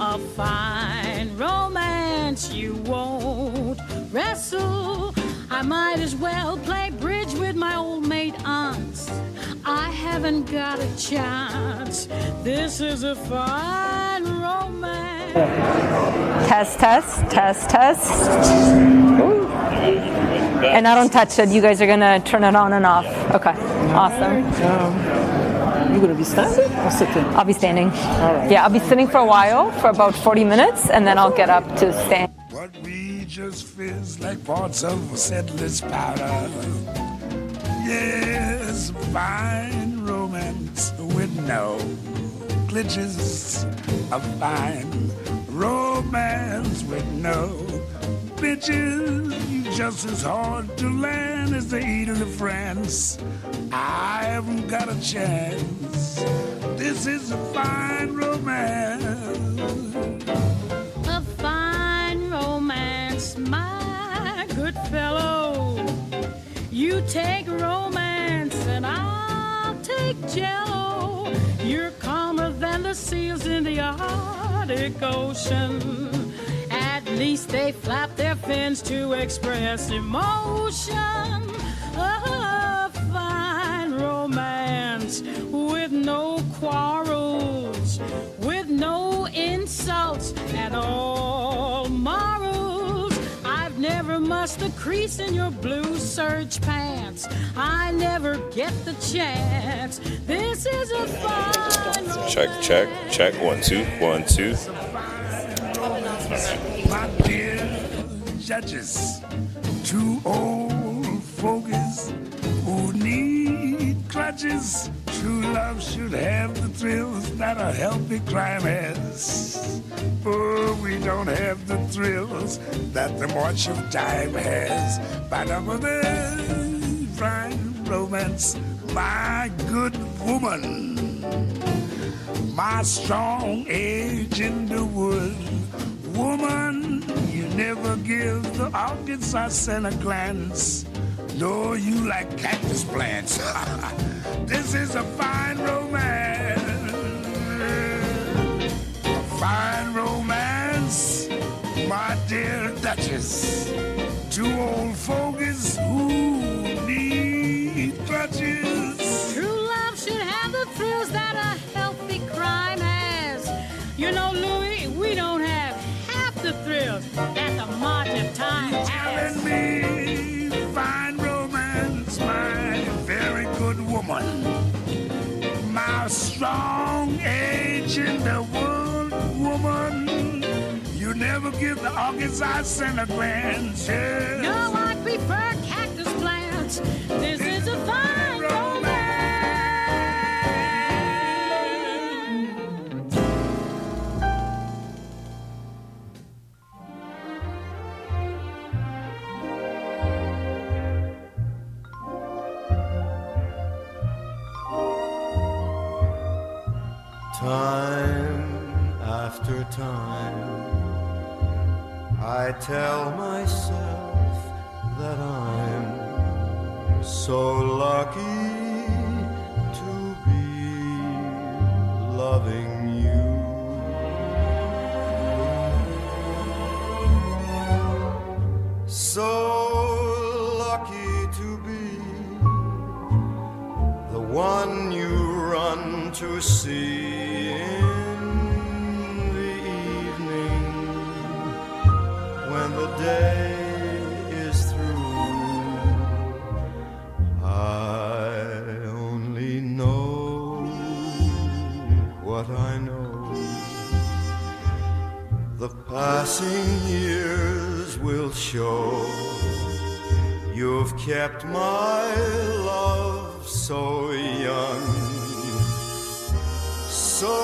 A fine romance you will not wrestle. I might as well play bridge with my old mate Hans. I haven't got a chance. This is a fine romance. Test, test, test, test. I do not touch it. You guys are going to turn it on and off. Okay. Awesome. You're going to be standing or sitting? I'll be standing. All right. Yeah, I'll be sitting for a while, for about 40 minutes, and then I'll get up to stand. We just fizz like pots of settler's powder. Yes, a fine romance with no glitches. A fine romance with no bitches. You're just as hard to land as the Eden of France. I haven't got a chance. This is a fine romance. A fine romance, my good fellow. You take romance and I'll take cello. You're calmer than the seals in the Arctic Ocean. At least they flap their fins to express emotion. A fine romance with no quarrels, with no insults at all morals. I've never mustered crease in your blue search pants. I never get the chance. This is a fine romance. Check, check, check. One, two, one, two. It's a fine romance. My dear judges, two old fogies who need clutches. True love should have the thrills that a healthy crime has. For we don't have the thrills that the martial time has. But I'm a very fine romance, my good woman. My strong edge in the wood, woman. You never give the audience a center glance. No, you like cactus plants. This is a fine romance. A fine romance, my dear judges. Two old fogies who need clutches. True love should have the thrills that a healthy crime has. You know, Louis, we don't have half the thrills that the martial time has. You're telling me fine romance, my very good woman. My strong edge in the wood, woman. You never give the audience a center glance. You're like we prefer cactus plants. This is a fine romance. Time after time, I tell myself that I'm so lucky to be loving you. So lucky to be the one you run to see in the evening when the day is through. I only know what I know. The passing years will show you've kept my love so young, so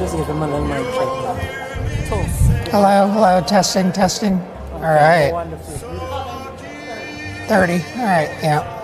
new. Time after time. Just give him another mic check. Hello. Hello. Testing, testing. All right. Thirty. All right. Yeah.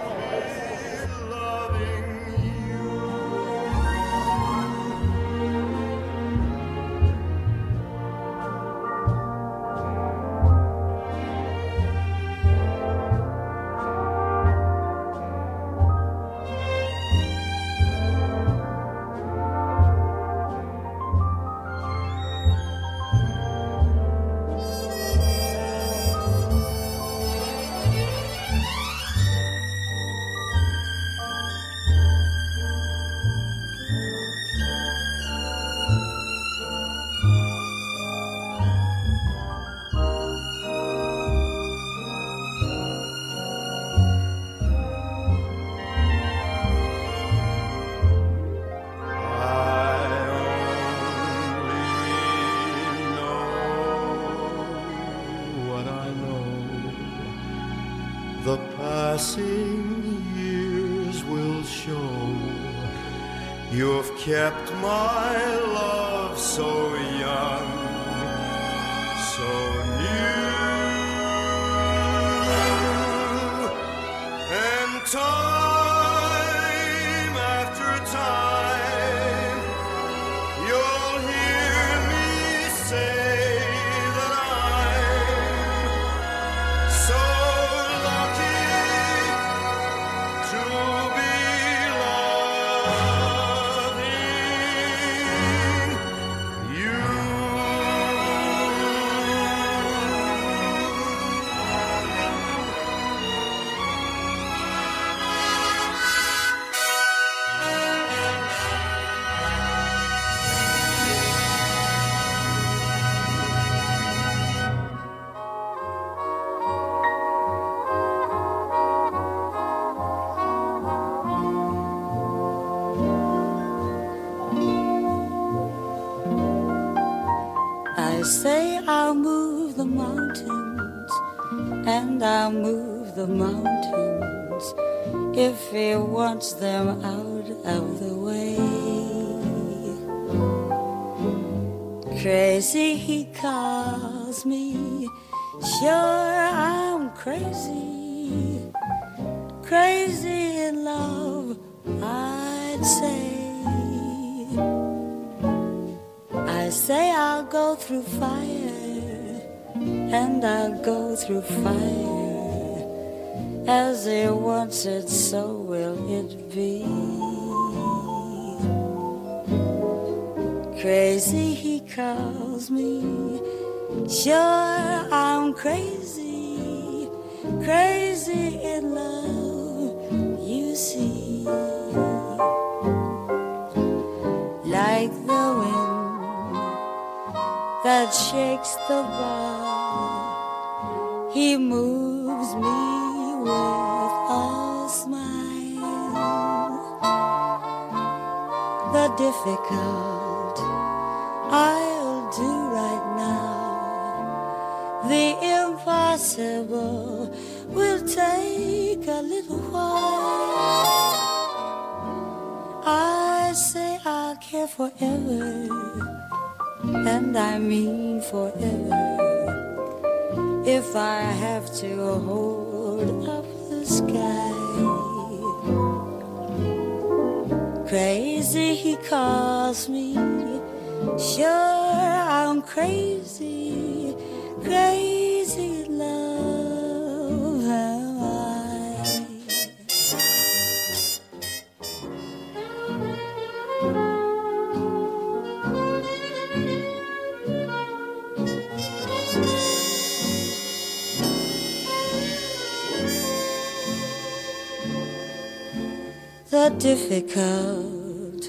am I. The difficult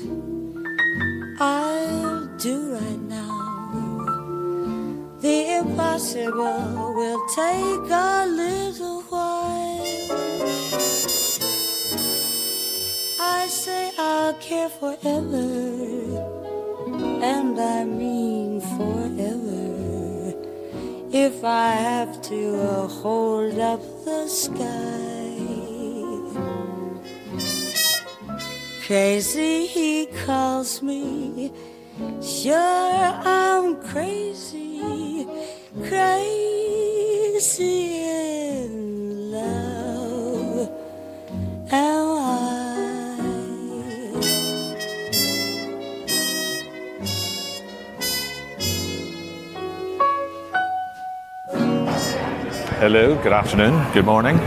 I'll do right now. The impossible will take a little while. I say I'll care forever, and I mean forever, if I have to hold up the sky. Crazy he calls me. Sure, I'm crazy. Crazy in love am I. Hello. Good afternoon. Good morning.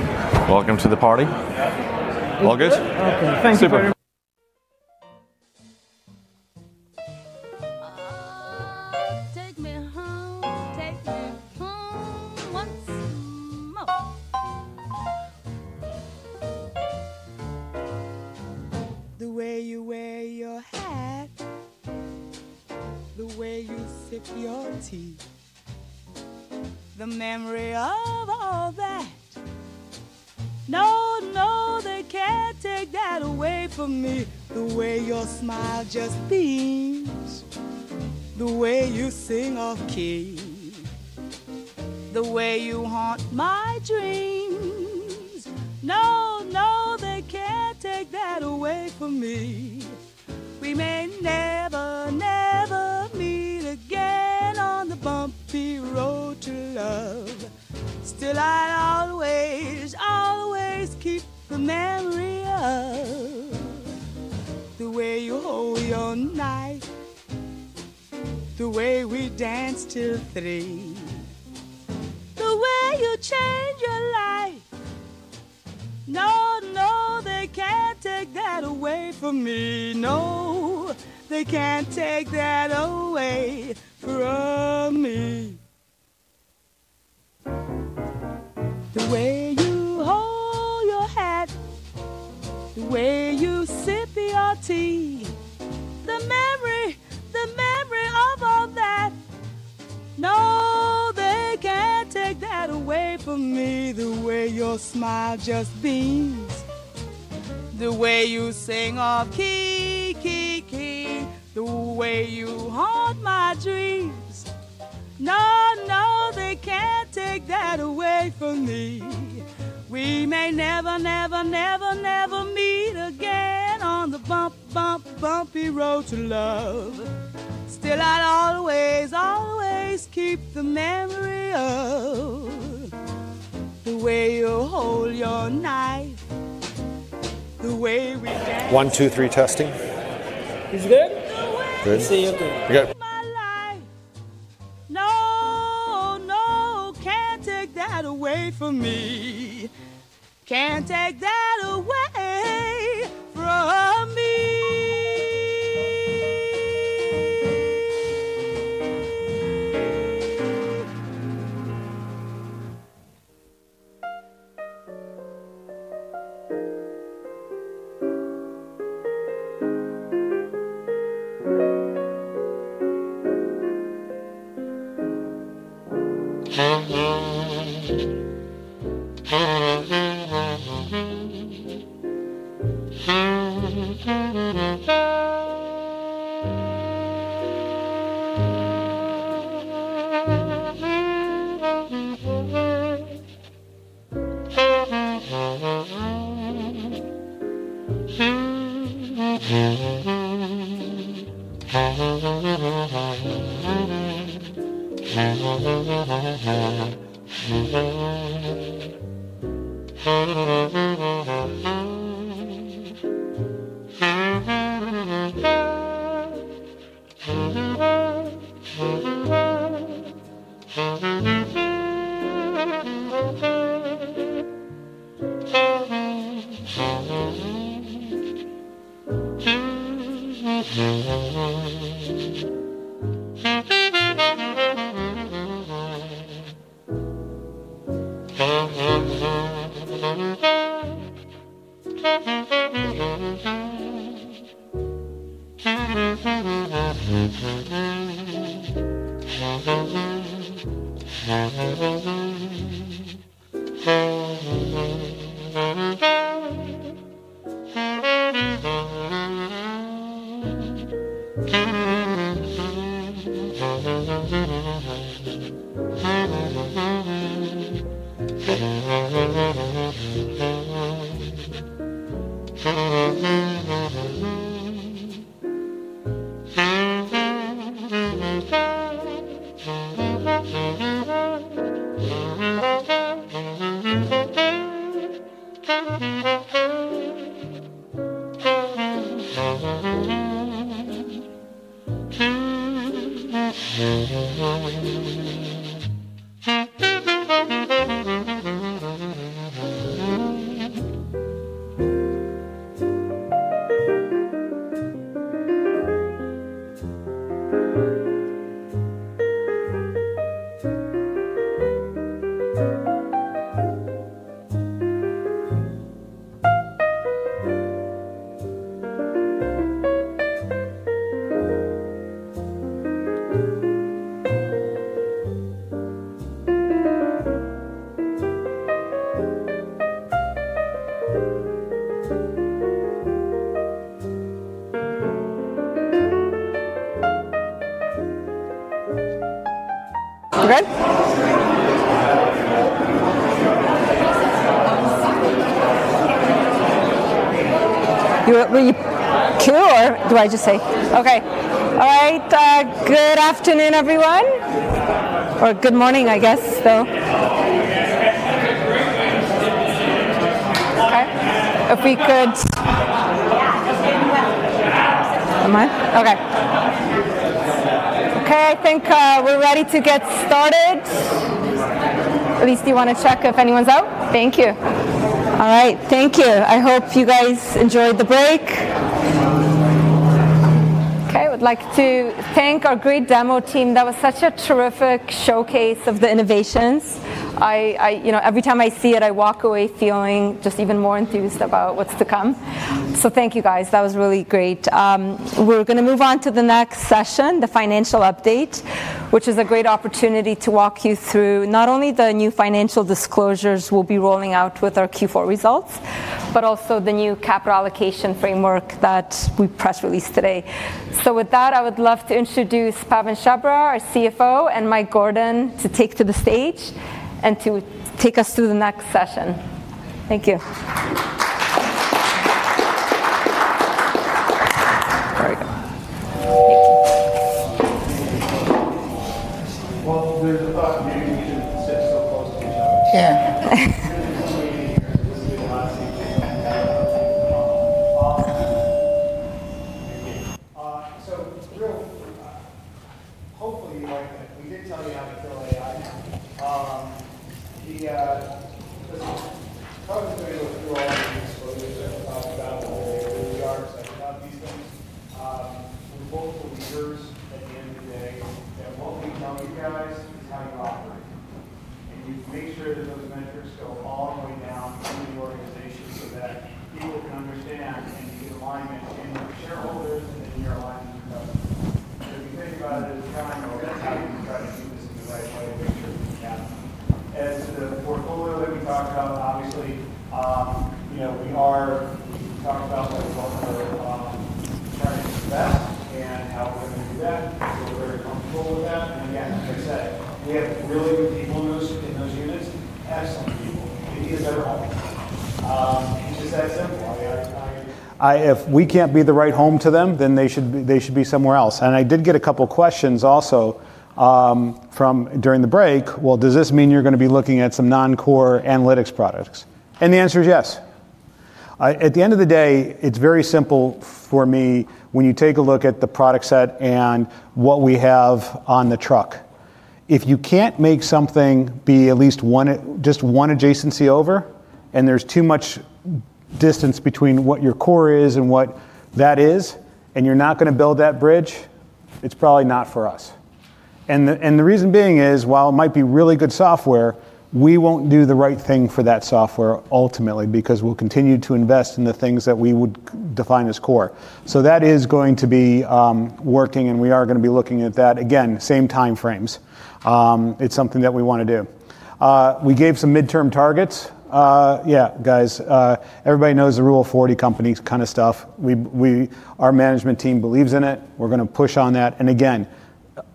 Welcome to the party. All good? Okay. Thank you. see? Okay. My life. No, no, can't take that away from me. Can't take that away from me. You ready to, or do I just say? Ok ay. All right. Good afternoon, everyone. Or good morning, I guess, though. Okay. If we could. Okay. Okay. I think we're ready to get started. At least do you want to check if anyone's out? Thank you. All right. Thank you. I hope you guys enjoyed the break. I would like to thank our great demo team. That was such a terrific showcase of the innovations. Every time I see it, I walk away feeling just even more enthused about what's to come. Thank you, guys. That was really great. We're going to move on to the next session, the financial update, which is a great opportunity to walk you through not only the new financial disclosures we'll be rolling out with our Q4 results, but also the new cap allocation framework that we press released today. With that, I would love to introduce Pawan Chhabra, our CFO, and Mike Gordon to take to the stage and to take us through the next session. Thank you. There is a thought here you shouldn't sit so close to each other. Yeah. This distance between what your core is and what that is, and you're not going to build that bridge, it's probably not for us. The reason being is, while it might be really good software, we won't do the right thing for that software ultimately because we'll continue to invest in the things that we would define as core. That is going to be working, and we are going to be looking at that. Again, same time frames. It's something that we want to do. We gave some midterm targets. Yeah, guys. Everybody knows the Rule of 40 companies kind of stuff. Our management team believes in it. We're going to push on that. Again,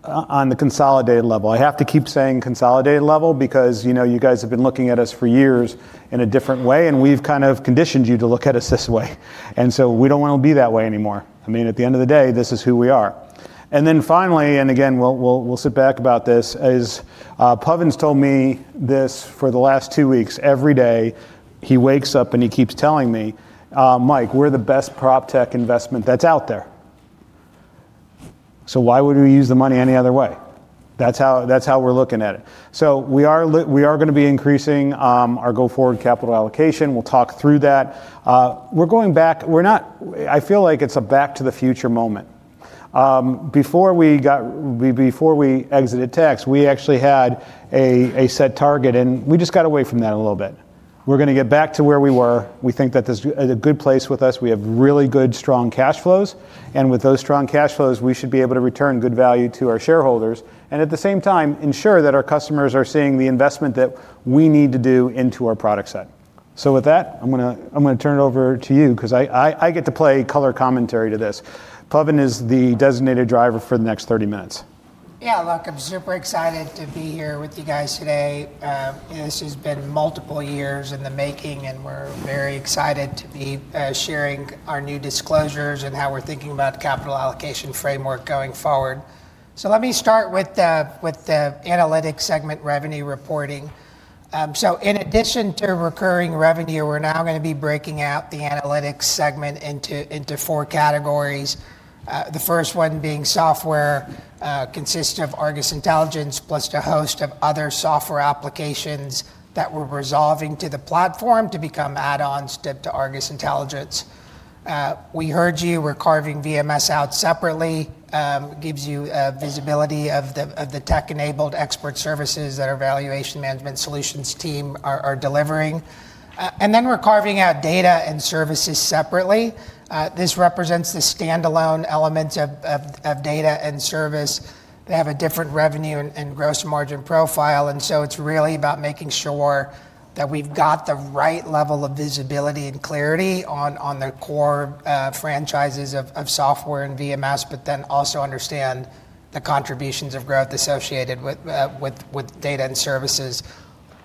on the consolidated level. I have to keep saying consolidated level because you guys have been looking at us for years in a different way, and we've kind of conditioned you to look at us this way. We don't want to be that way anymore. I mean, at the end of the day, this is who we are. Finally, and again, we'll sit back about this, as Pawan's told me this for the last two weeks, every day, he wakes up and he keeps telling me, "Mike, we're the best prop tech investment that's out there. So why would we use the money any other way?" That's how we're looking at it. We are going to be increasing our go-forward capital allocation. We'll talk through that. We're going back. I feel like it's a back to the future moment. Before we exited tax, we actually had a set target, and we just got away from that a little bit. We're going to get back to where we were. We think that this is a good place with us. We have really good, strong cash flows. With those strong cash flows, we should be able to return good value to our shareholders and at the same time ensure that our customers are seeing the investment that we need to do into our product set. With that, I'm going to turn it over to you because I get to play color commentary to this. Pawan is the designated driver for the next 30 minutes. Yeah. Look, I'm super excited to be here with you guys today. This has been multiple years in the making, and we're very excited to be sharing our new disclosures and how we're thinking about the capital allocation framework going forward. Let me start with the analytics segment revenue reporting. In addition to recurring revenue, we're now going to be breaking out the analytics segment into four categories. The first one being software consisting of ARGUS Intelligence plus a host of other software applications that we're resolving to the platform to become add-ons to ARGUS Intelligence. We heard you. We're carving VMS out separately. It gives you visibility of the tech-enabled expert services that our Valuation Management Solutions team are delivering. We're carving out data and services separately. This represents the standalone elements of data and service. They have a different revenue and gross margin profile. It is really about making sure that we've got the right level of visibility and clarity on the core franchises of software and VMS, but then also understand the contributions of growth associated with data and services.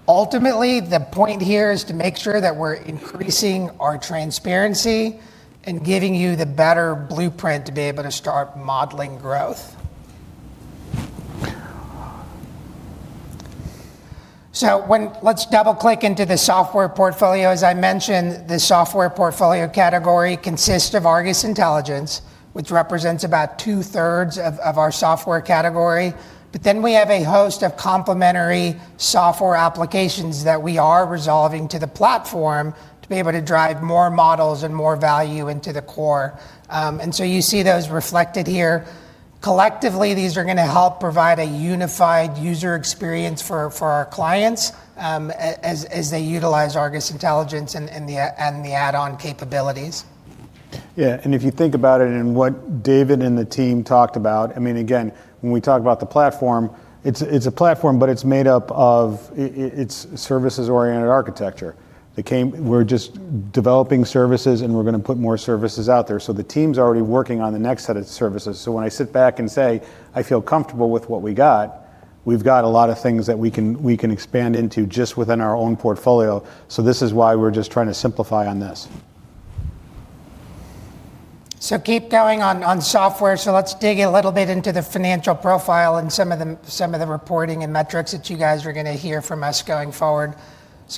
Ultimately, the point here is to make sure that we're increasing our transparency and giving you the better blueprint to be able to start modeling growth. Let's double-click into the software portfolio. As I mentioned, the software portfolio category consists of ARGUS Intelligence, which represents about two-thirds of our software category. We have a host of complementary software applications that we are resolving to the platform to be able to drive more models and more value into the core. You see those reflected here. Collectively, these are going to help provide a unified user experience for our clients as they utilize ARGUS Intelligence and the add-on capabilities. Yeah. If you think about it and what David and the team talked about, I mean, again, when we talk about the platform, it's a platform, but it's made up of its services-oriented architecture. We're just developing services, and we're going to put more services out there. The team's already working on the next set of services. When I sit back and say, "I feel comfortable with what we got," we've got a lot of things that we can expand into just within our own portfolio. This is why we're just trying to simplify on this. Keep going on software. Let's dig a little bit into the financial profile and some of the reporting and metrics that you guys are going to hear from us going forward.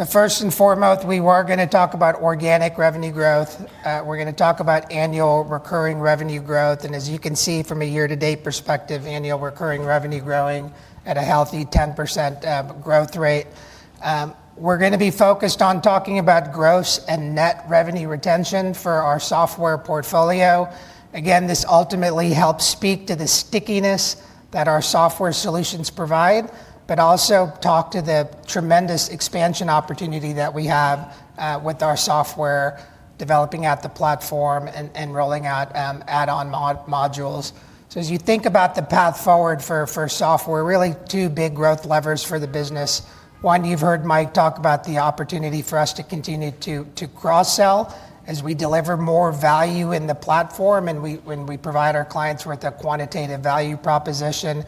First and foremost, we were going to talk about organic revenue growth. We're going to talk about annual recurring revenue growth. As you can see from a year-to-date perspective, annual recurring revenue growing at a healthy 10% growth rate. We're going to be focused on talking about gross and net revenue retention for our software portfolio. Again, this ultimately helps speak to the stickiness that our software solutions provide, but also talk to the tremendous expansion opportunity that we have with our software developing at the platform and rolling out add-on modules. As you think about the path forward for software, really two big growth levers for the business. One, you've heard Mike talk about the opportunity for us to continue to cross-sell as we deliver more value in the platform and we provide our clients with a quantitative value proposition.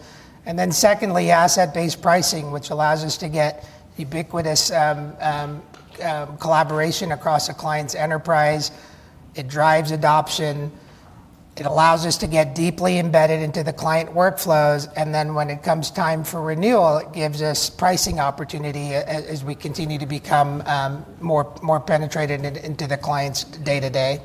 Secondly, asset-based pricing, which allows us to get ubiquitous collaboration across a client's enterprise. It drives adoption. It allows us to get deeply embedded into the client workflows. When it comes time for renewal, it gives us pricing opportunity as we continue to become more penetrated into the client's day-to-day.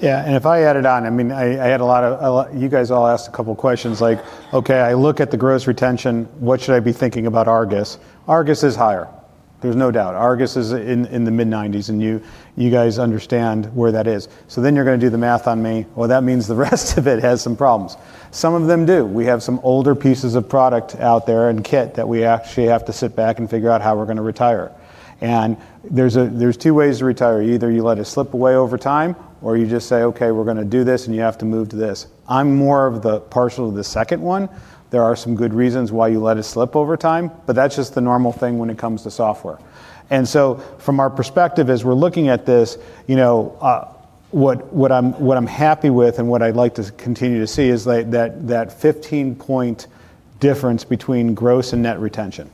Yeah. If I added on, I mean, I had a lot of you guys all asked a couple of questions like, "Okay, I look at the gross retention. What should I be thinking about ARGUS?" ARGUS is higher. There is no doubt. ARGUS is in the mid-90%, and you guys understand where that is. You are going to do the math on me. That means the rest of it has some problems. Some of them do. We have some older pieces of product out there and kit that we actually have to sit back and figure out how we are going to retire. There are two ways to retire. Either you let it slip away over time, or you just say, "Okay, we are going to do this, and you have to move to this." I am more partial to the second one. There are some good reasons why you let it slip over time, but that's just the normal thing when it comes to software. From our perspective, as we're looking at this, what I'm happy with and what I'd like to continue to see is that 15-point difference between gross and net retention.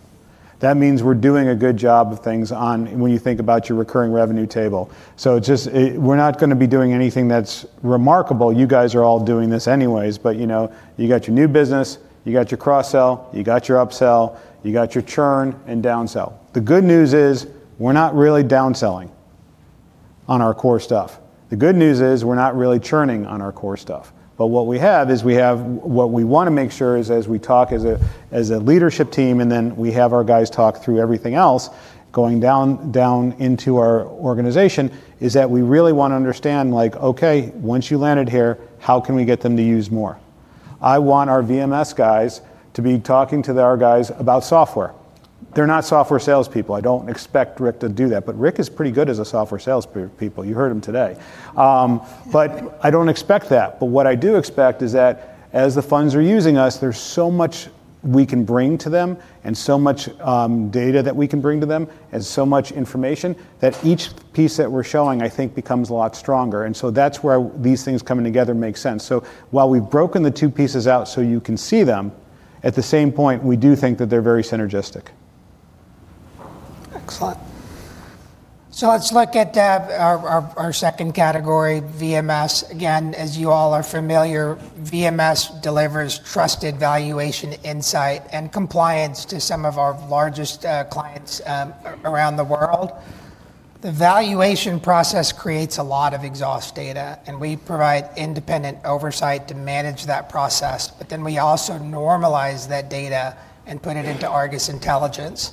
That means we're doing a good job of things when you think about your recurring revenue table. We're not going to be doing anything that's remarkable. You guys are all doing this anyways, but you got your new business, you got your cross-sell, you got your upsell, you got your churn and downsell. The good news is we're not really downselling on our core stuff. The good news is we're not really churning on our core stuff. What we have is we have what we want to make sure is as we talk as a leadership team, and then we have our guys talk through everything else going down into our organization, is that we really want to understand, like, "Okay, once you landed here, how can we get them to use more?" I want our VMS guys to be talking to our guys about software. They're not software salespeople. I don't expect Rick to do that, but Rick is pretty good as a software salespeople. You heard him today. I don't expect that. What I do expect is that as the funds are using us, there's so much we can bring to them and so much data that we can bring to them and so much information that each piece that we're showing, I think, becomes a lot stronger. That is where these things coming together make sense. While we have broken the two pieces out so you can see them, at the same point, we do think that they are very synergistic. Excellent. Let's look at our second category, VMS. Again, as you all are familiar, VMS delivers trusted valuation insight and compliance to some of our largest clients around the world. The valuation process creates a lot of exhaust data, and we provide independent oversight to manage that process. We also normalize that data and put it into ARGUS Intelligence.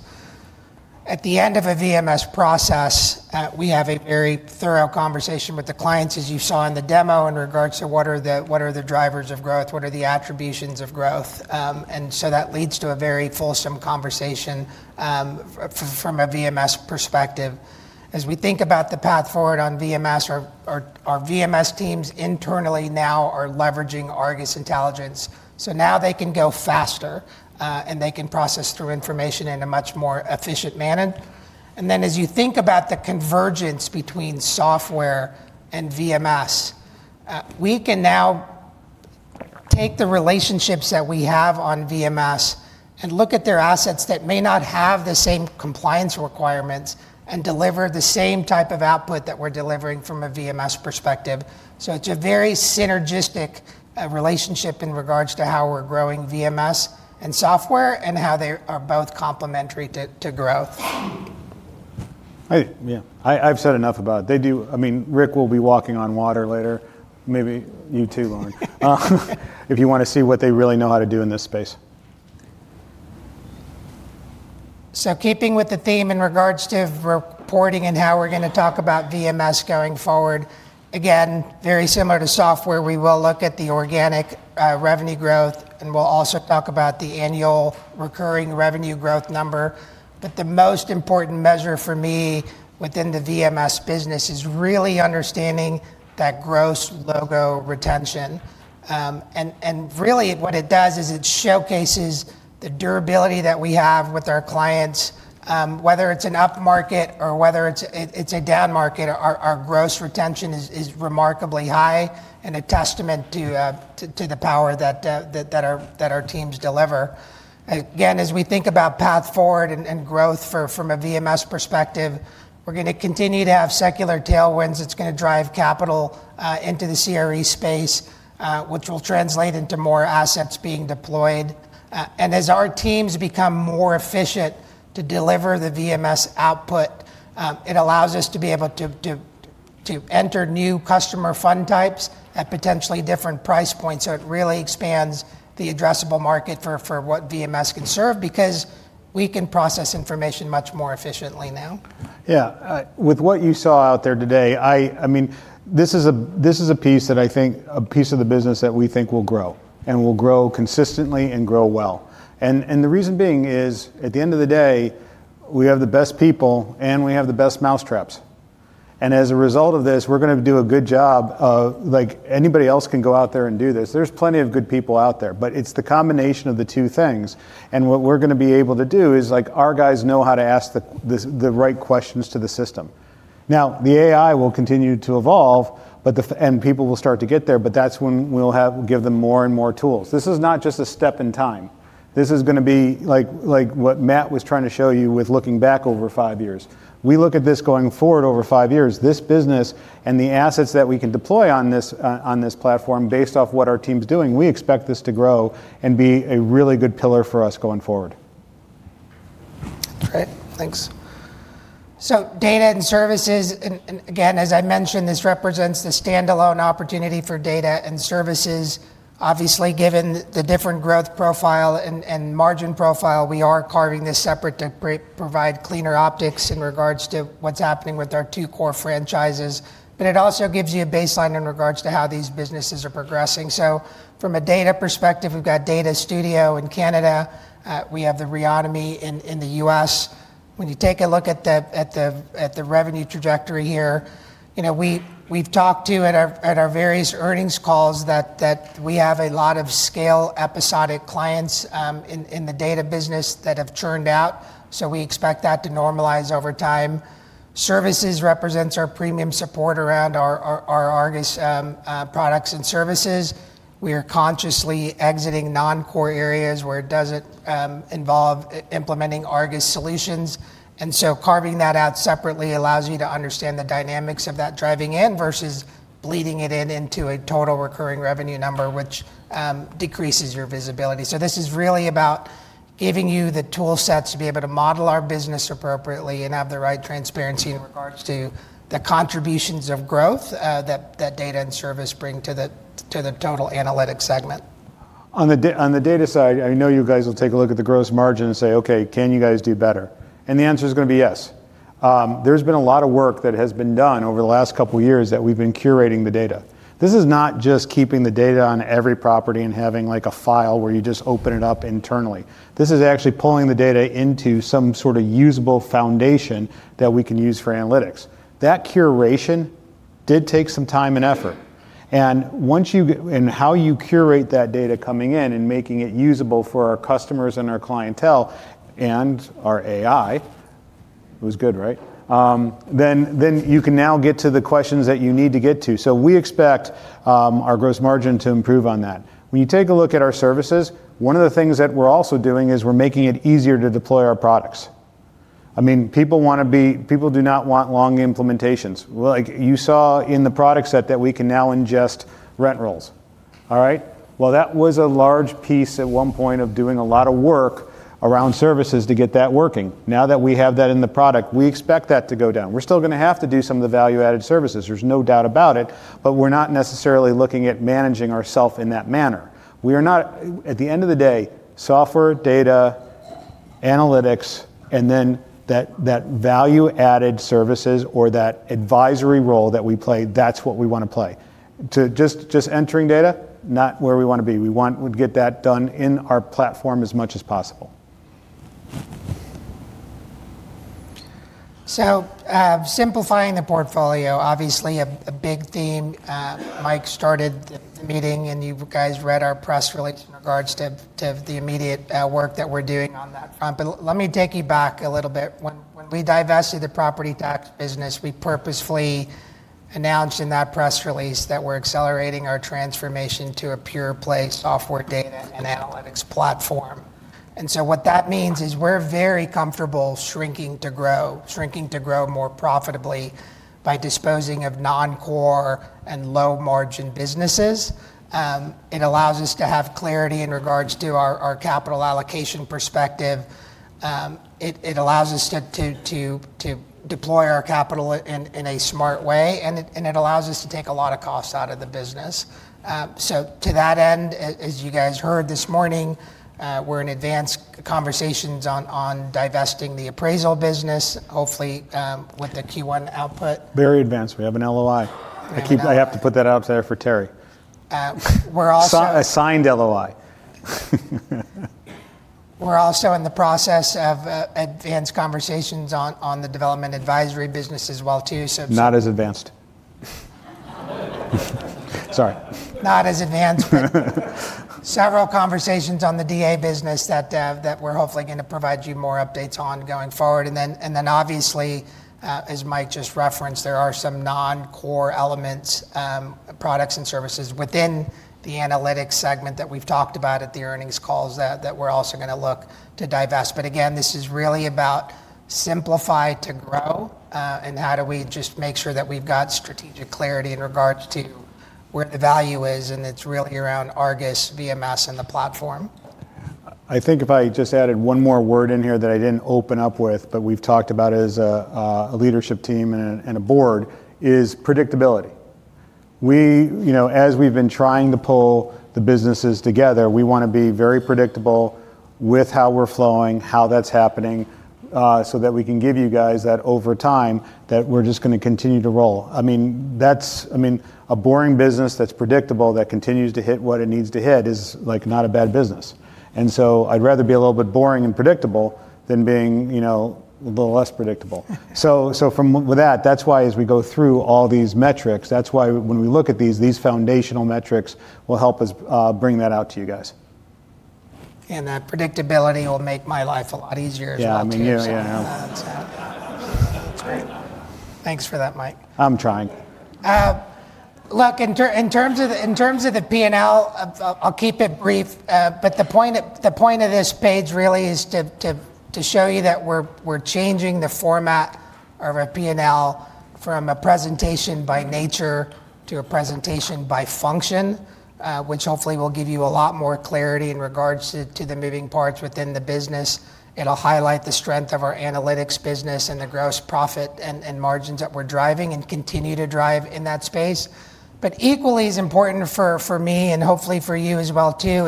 At the end of a VMS process, we have a very thorough conversation with the clients, as you saw in the demo, in regards to what are the drivers of growth, what are the attributions of growth. That leads to a very fulsome conversation from a VMS perspective. As we think about the path forward on VMS, our VMS teams internally now are leveraging ARGUS Intelligence. Now they can go faster, and they can process through information in a much more efficient manner. As you think about the convergence between software and VMS, we can now take the relationships that we have on VMS and look at their assets that may not have the same compliance requirements and deliver the same type of output that we're delivering from a VMS perspective. It is a very synergistic relationship in regards to how we're growing VMS and software and how they are both complementary to growth. Hey. Yeah. I've said enough about it. I mean, Rick will be walking on water later. Maybe you too, Lauren, if you want to see what they really know how to do in this space. Keeping with the theme in regards to reporting and how we're going to talk about VMS going forward, again, very similar to software, we will look at the organic revenue growth, and we'll also talk about the annual recurring revenue growth number. The most important measure for me within the VMS business is really understanding that gross logo retention. What it does is it showcases the durability that we have with our clients, whether it's an up market or whether it's a down market. Our gross retention is remarkably high and a testament to the power that our teams deliver. Again, as we think about path forward and growth from a VMS perspective, we're going to continue to have secular tailwinds that's going to drive capital into the CRE space, which will translate into more assets being deployed. As our teams become more efficient to deliver the VMS output, it allows us to be able to enter new customer fund types at potentially different price points. It really expands the addressable market for what VMS can serve because we can process information much more efficiently now. Yeah. With what you saw out there today, I mean, this is a piece that I think a piece of the business that we think will grow and will grow consistently and grow well. The reason being is at the end of the day, we have the best people and we have the best mousetraps. As a result of this, we're going to do a good job of like anybody else can go out there and do this. There's plenty of good people out there, but it's the combination of the two things. What we're going to be able to do is our guys know how to ask the right questions to the system. Now, the AI will continue to evolve, and people will start to get there, but that's when we'll give them more and more tools. This is not just a step in time. This is going to be like what Matt was trying to show you with looking back over five years. We look at this going forward over five years, this business and the assets that we can deploy on this platform based off what our team's doing, we expect this to grow and be a really good pillar for us going forward. All right. Thanks. Data and services, and again, as I mentioned, this represents the standalone opportunity for data and services. Obviously, given the different growth profile and margin profile, we are carving this separate to provide cleaner optics in regards to what's happening with our two core franchises. It also gives you a baseline in regards to how these businesses are progressing. From a data perspective, we've got Data Studio in Canada. We have the Reonomy in the U.S. When you take a look at the revenue trajectory here, we've talked at our various earnings calls that we have a lot of scale episodic clients in the data business that have churned out. We expect that to normalize over time. Services represents our premium support around our ARGUS products and services. We are consciously exiting non-core areas where it doesn't involve implementing ARGUS solutions. Carving that out separately allows you to understand the dynamics of that driving in versus bleeding it in into a total recurring revenue number, which decreases your visibility. This is really about giving you the toolsets to be able to model our business appropriately and have the right transparency in regards to the contributions of growth that data and service bring to the total analytic segment. On the data side, I know you guys will take a look at the gross margin and say, "Okay, can you guys do better?" The answer is going to be yes. There's been a lot of work that has been done over the last couple of years that we've been curating the data. This is not just keeping the data on every property and having like a file where you just open it up internally. This is actually pulling the data into some sort of usable foundation that we can use for analytics. That curation did take some time and effort. How you curate that data coming in and making it usable for our customers and our clientele and our AI, it was good, right? You can now get to the questions that you need to get to. We expect our gross margin to improve on that. When you take a look at our services, one of the things that we're also doing is we're making it easier to deploy our products. I mean, people do not want long implementations. You saw in the product set that we can now ingest rent rolls. All right? That was a large piece at one point of doing a lot of work around services to get that working. Now that we have that in the product, we expect that to go down. We're still going to have to do some of the value-added services. There's no doubt about it, but we're not necessarily looking at managing ourself in that manner. At the end of the day, software, data, analytics, and then that value-added services or that advisory role that we play, that's what we want to play. Just entering data, not where we want to be. We want to get that done in our platform as much as possible. Simplifying the portfolio, obviously a big theme. Mike started the meeting, and you guys read our press release in regards to the immediate work that we're doing on that front. Let me take you back a little bit. When we divested the property tax business, we purposefully announced in that press release that we're accelerating our transformation to a pure play software data and analytics platform. What that means is we're very comfortable shrinking to grow, shrinking to grow more profitably by disposing of non-core and low-margin businesses. It allows us to have clarity in regards to our capital allocation perspective. It allows us to deploy our capital in a smart way, and it allows us to take a lot of costs out of the business. To that end, as you guys heard this morning, we're in advanced conversations on divesting the appraisal business, hopefully with the Q1 output. Very advanced. We have an LOI. I have to put that out there for Terry. We're also. A signed LOI. We're also in the process of advanced conversations on the Appraisals and Development Advisory business as well too. Not as advanced. Sorry. Not as advanced. Several conversations on the DA business that we're hopefully going to provide you more updates on going forward. Obviously, as Mike just referenced, there are some non-core elements, products and services within the analytics segment that we've talked about at the earnings calls that we're also going to look to divest. Again, this is really about simplify to grow and how do we just make sure that we've got strategic clarity in regards to where the value is, and it's really around ARGUS, VMS, and the platform. I think if I just added one more word in here that I didn't open up with, but we've talked about it as a leadership team and a board, is predictability. As we've been trying to pull the businesses together, we want to be very predictable with how we're flowing, how that's happening, so that we can give you guys that over time that we're just going to continue to roll. I mean, a boring business that's predictable that continues to hit what it needs to hit is not a bad business. I would rather be a little bit boring and predictable than being a little less predictable. That is why as we go through all these metrics, that is why when we look at these, these foundational metrics will help us bring that out to you guys. That predictability will make my life a lot easier as well too. Yeah, me too. Yeah. That's great. Thanks for that, Mike. I'm trying. Look, in terms of the P&L, I'll keep it brief, but the point of this page really is to show you that we're changing the format of a P&L from a presentation by nature to a presentation by function, which hopefully will give you a lot more clarity in regards to the moving parts within the business. It'll highlight the strength of our analytics business and the gross profit and margins that we're driving and continue to drive in that space. Equally as important for me and hopefully for you as well too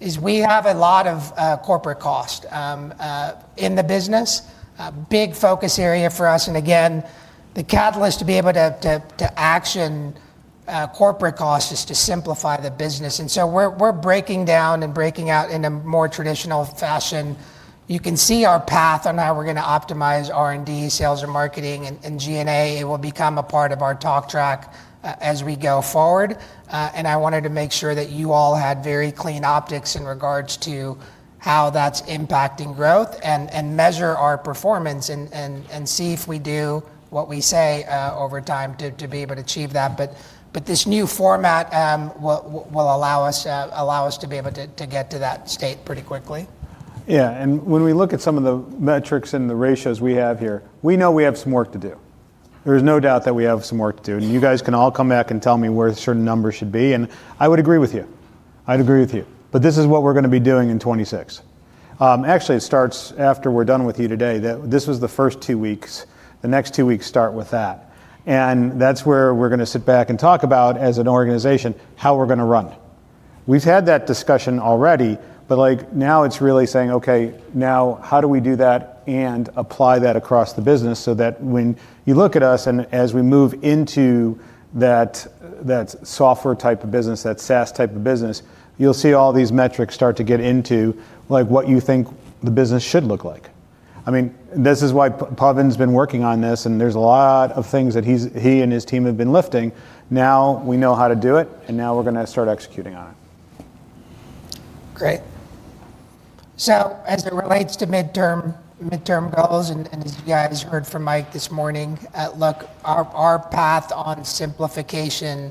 is we have a lot of corporate cost in the business. Big focus area for us. Again, the catalyst to be able to action corporate costs is to simplify the business. We're breaking down and breaking out in a more traditional fashion. You can see our path on how we're going to optimize R&D, sales, and marketing, and G&A. It will become a part of our talk track as we go forward. I wanted to make sure that you all had very clean optics in regards to how that's impacting growth and measure our performance and see if we do what we say over time to be able to achieve that. This new format will allow us to be able to get to that state pretty quickly. Yeah. When we look at some of the metrics and the ratios we have here, we know we have some work to do. There is no doubt that we have some work to do. You guys can all come back and tell me where certain numbers should be. I would agree with you. I would agree with you. This is what we are going to be doing in 2026. Actually, it starts after we are done with you today. This was the first two weeks. The next two weeks start with that. That is where we are going to sit back and talk about as an organization how we are going to run. We've had that discussion already, but now it's really saying, "Okay, now how do we do that and apply that across the business so that when you look at us and as we move into that software type of business, that SaaS type of business, you'll see all these metrics start to get into what you think the business should look like." I mean, this is why Pawan's been working on this, and there's a lot of things that he and his team have been lifting. Now we know how to do it, and now we're going to start executing on it. Great. As it relates to midterm goals, and as you guys heard from Mike this morning, look, our path on simplification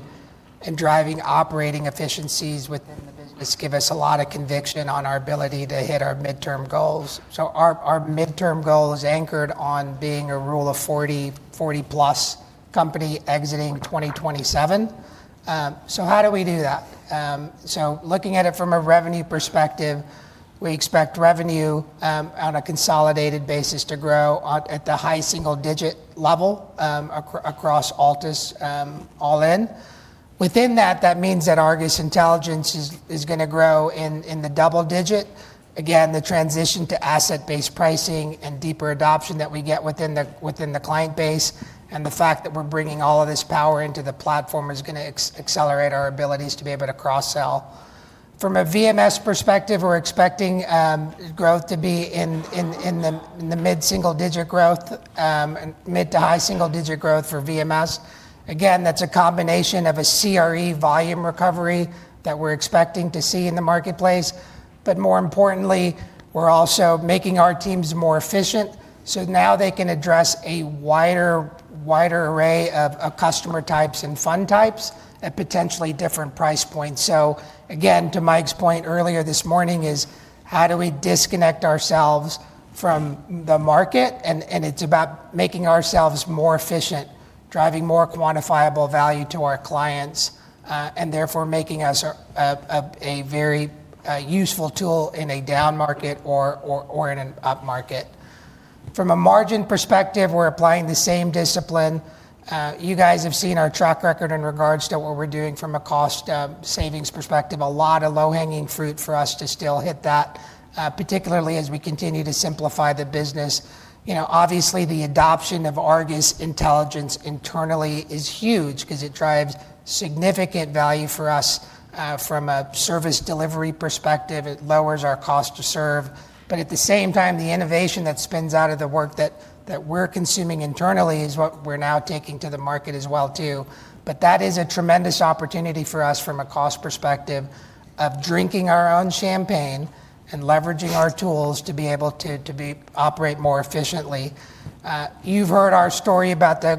and driving operating efficiencies within the business give us a lot of conviction on our ability to hit our midterm goals. Our midterm goal is anchored on being a Rule of 40, 40-plus company exiting 2027. How do we do that? Looking at it from a revenue perspective, we expect revenue on a consolidated basis to grow at the high single-digit level across Altus All-In. Within that, that means that ARGUS Intelligence is going to grow in the double digit. Again, the transition to asset-based pricing and deeper adoption that we get within the client base and the fact that we're bringing all of this power into the platform is going to accelerate our abilities to be able to cross-sell. From a VMS perspective, we're expecting growth to be in the mid-single-digit growth, mid to high single-digit growth for VMS. Again, that's a combination of a CRE volume recovery that we're expecting to see in the marketplace. More importantly, we're also making our teams more efficient so now they can address a wider array of customer types and fund types at potentially different price points. Again, to Mike's point earlier this morning is how do we disconnect ourselves from the market? It's about making ourselves more efficient, driving more quantifiable value to our clients, and therefore making us a very useful tool in a down market or in an up market. From a margin perspective, we're applying the same discipline. You guys have seen our track record in regards to what we're doing from a cost savings perspective. A lot of low-hanging fruit for us to still hit that, particularly as we continue to simplify the business. Obviously, the adoption of ARGUS Intelligence internally is huge because it drives significant value for us from a service delivery perspective. It lowers our cost to serve. At the same time, the innovation that spins out of the work that we're consuming internally is what we're now taking to the market as well too. That is a tremendous opportunity for us from a cost perspective of drinking our own champagne and leveraging our tools to be able to operate more efficiently. You've heard our story about our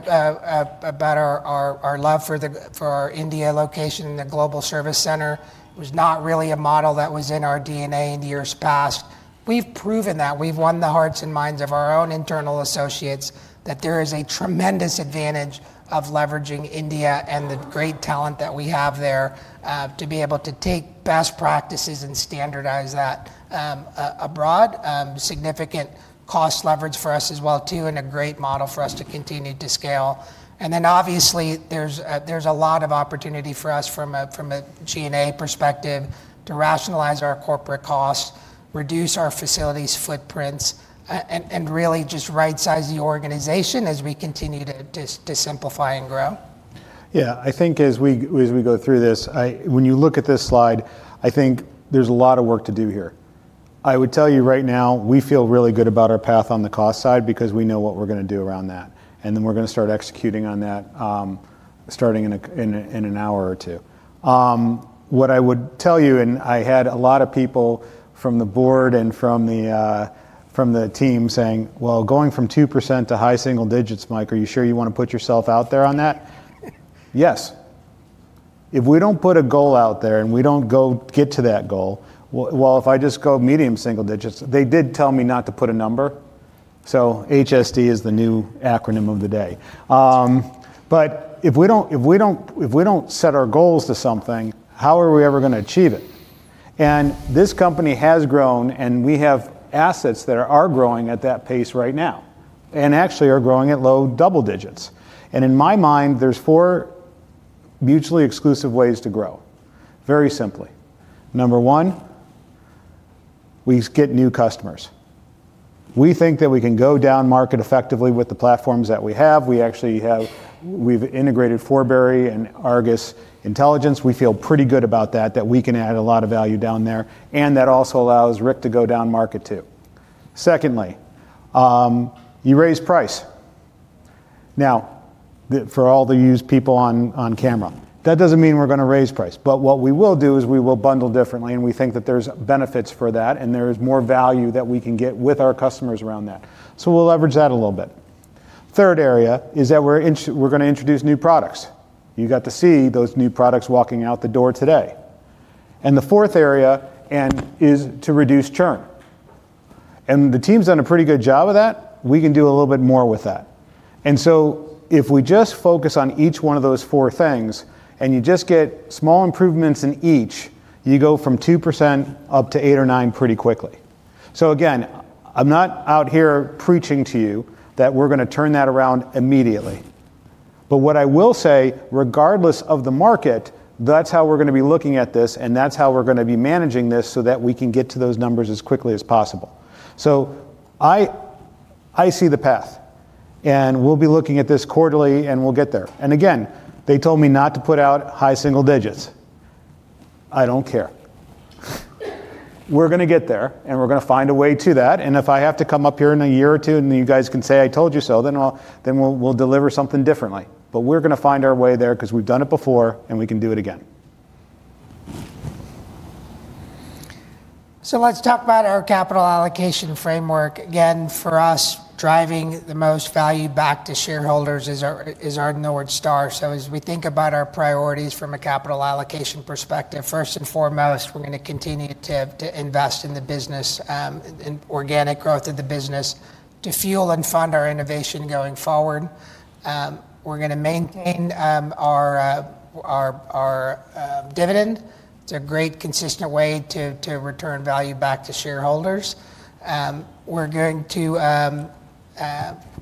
love for our India location and the Global Service Center. It was not really a model that was in our DNA in the years past. We've proven that. We've won the hearts and minds of our own internal associates that there is a tremendous advantage of leveraging India and the great talent that we have there to be able to take best practices and standardize that abroad. Significant cost leverage for us as well too, and a great model for us to continue to scale. Obviously, there is a lot of opportunity for us from a G&A perspective to rationalize our corporate costs, reduce our facilities' footprints, and really just right-size the organization as we continue to simplify and grow. Yeah. I think as we go through this, when you look at this slide, I think there's a lot of work to do here. I would tell you right now, we feel really good about our path on the cost side because we know what we're going to do around that. We are going to start executing on that starting in an hour or two. What I would tell you, I had a lot of people from the board and from the team saying, "Going from 2% to high single digits, Mike, are you sure you want to put yourself out there on that?" Yes. If we do not put a goal out there and we do not go get to that goal, if I just go medium single digits, they did tell me not to put a number. HSD is the new acronym of the day. If we do not set our goals to something, how are we ever going to achieve it? This company has grown, and we have assets that are growing at that pace right now and actually are growing at low double digits. In my mind, there are four mutually exclusive ways to grow. Very simply. Number one, we get new customers. We think that we can go down market effectively with the platforms that we have. We have integrated Forbury and ARGUS Intelligence. We feel pretty good about that, that we can add a lot of value down there, and that also allows Rick to go down market too. Secondly, you raise price. Now, for all the used people on camera, that does not mean we are going to raise price. What we will do is we will bundle differently, and we think that there's benefits for that, and there's more value that we can get with our customers around that. We will leverage that a little bit. The third area is that we're going to introduce new products. You got to see those new products walking out the door today. The fourth area is to reduce churn. The team's done a pretty good job of that. We can do a little bit more with that. If we just focus on each one of those four things and you just get small improvements in each, you go from 2% up to 8%-9% pretty quickly. Again, I'm not out here preaching to you that we're going to turn that around immediately. What I will say, regardless of the market, that's how we're going to be looking at this, and that's how we're going to be managing this so that we can get to those numbers as quickly as possible. I see the path, and we'll be looking at this quarterly, and we'll get there. Again, they told me not to put out high single digits. I don't care. We're going to get there, and we're going to find a way to that. If I have to come up here in a year or two and you guys can say, "I told you so," then we'll deliver something differently. We're going to find our way there because we've done it before, and we can do it again. Let's talk about our capital allocation framework. Again, for us, driving the most value back to shareholders is our North Star. As we think about our priorities from a capital allocation perspective, first and foremost, we're going to continue to invest in the business, in organic growth of the business, to fuel and fund our innovation going forward. We're going to maintain our dividend. It's a great, consistent way to return value back to shareholders. We're going to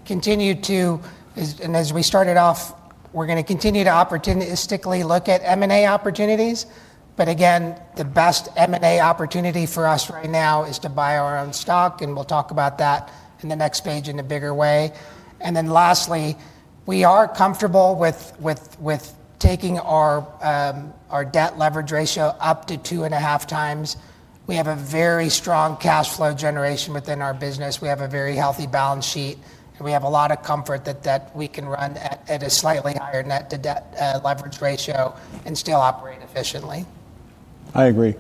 continue to, and as we started off, we're going to continue to opportunistically look at M&A opportunities. Again, the best M&A opportunity for us right now is to buy our own stock, and we'll talk about that in the next page in a bigger way. Lastly, we are comfortable with taking our debt leverage ratio up to 2.5 times. We have a very strong cash flow generation within our business. We have a very healthy balance sheet, and we have a lot of comfort that we can run at a slightly higher net debt leverage ratio and still operate efficiently. I agree.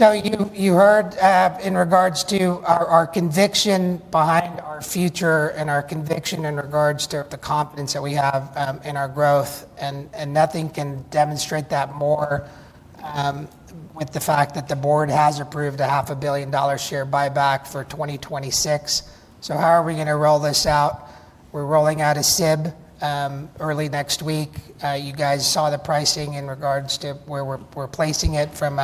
You heard in regards to our conviction behind our future and our conviction in regards to the confidence that we have in our growth, and nothing can demonstrate that more with the fact that the board has approved a 500,000,000 dollar share buyback for 2026. How are we going to roll this out? We're rolling out a SIB early next week. You guys saw the pricing in regards to where we're placing it from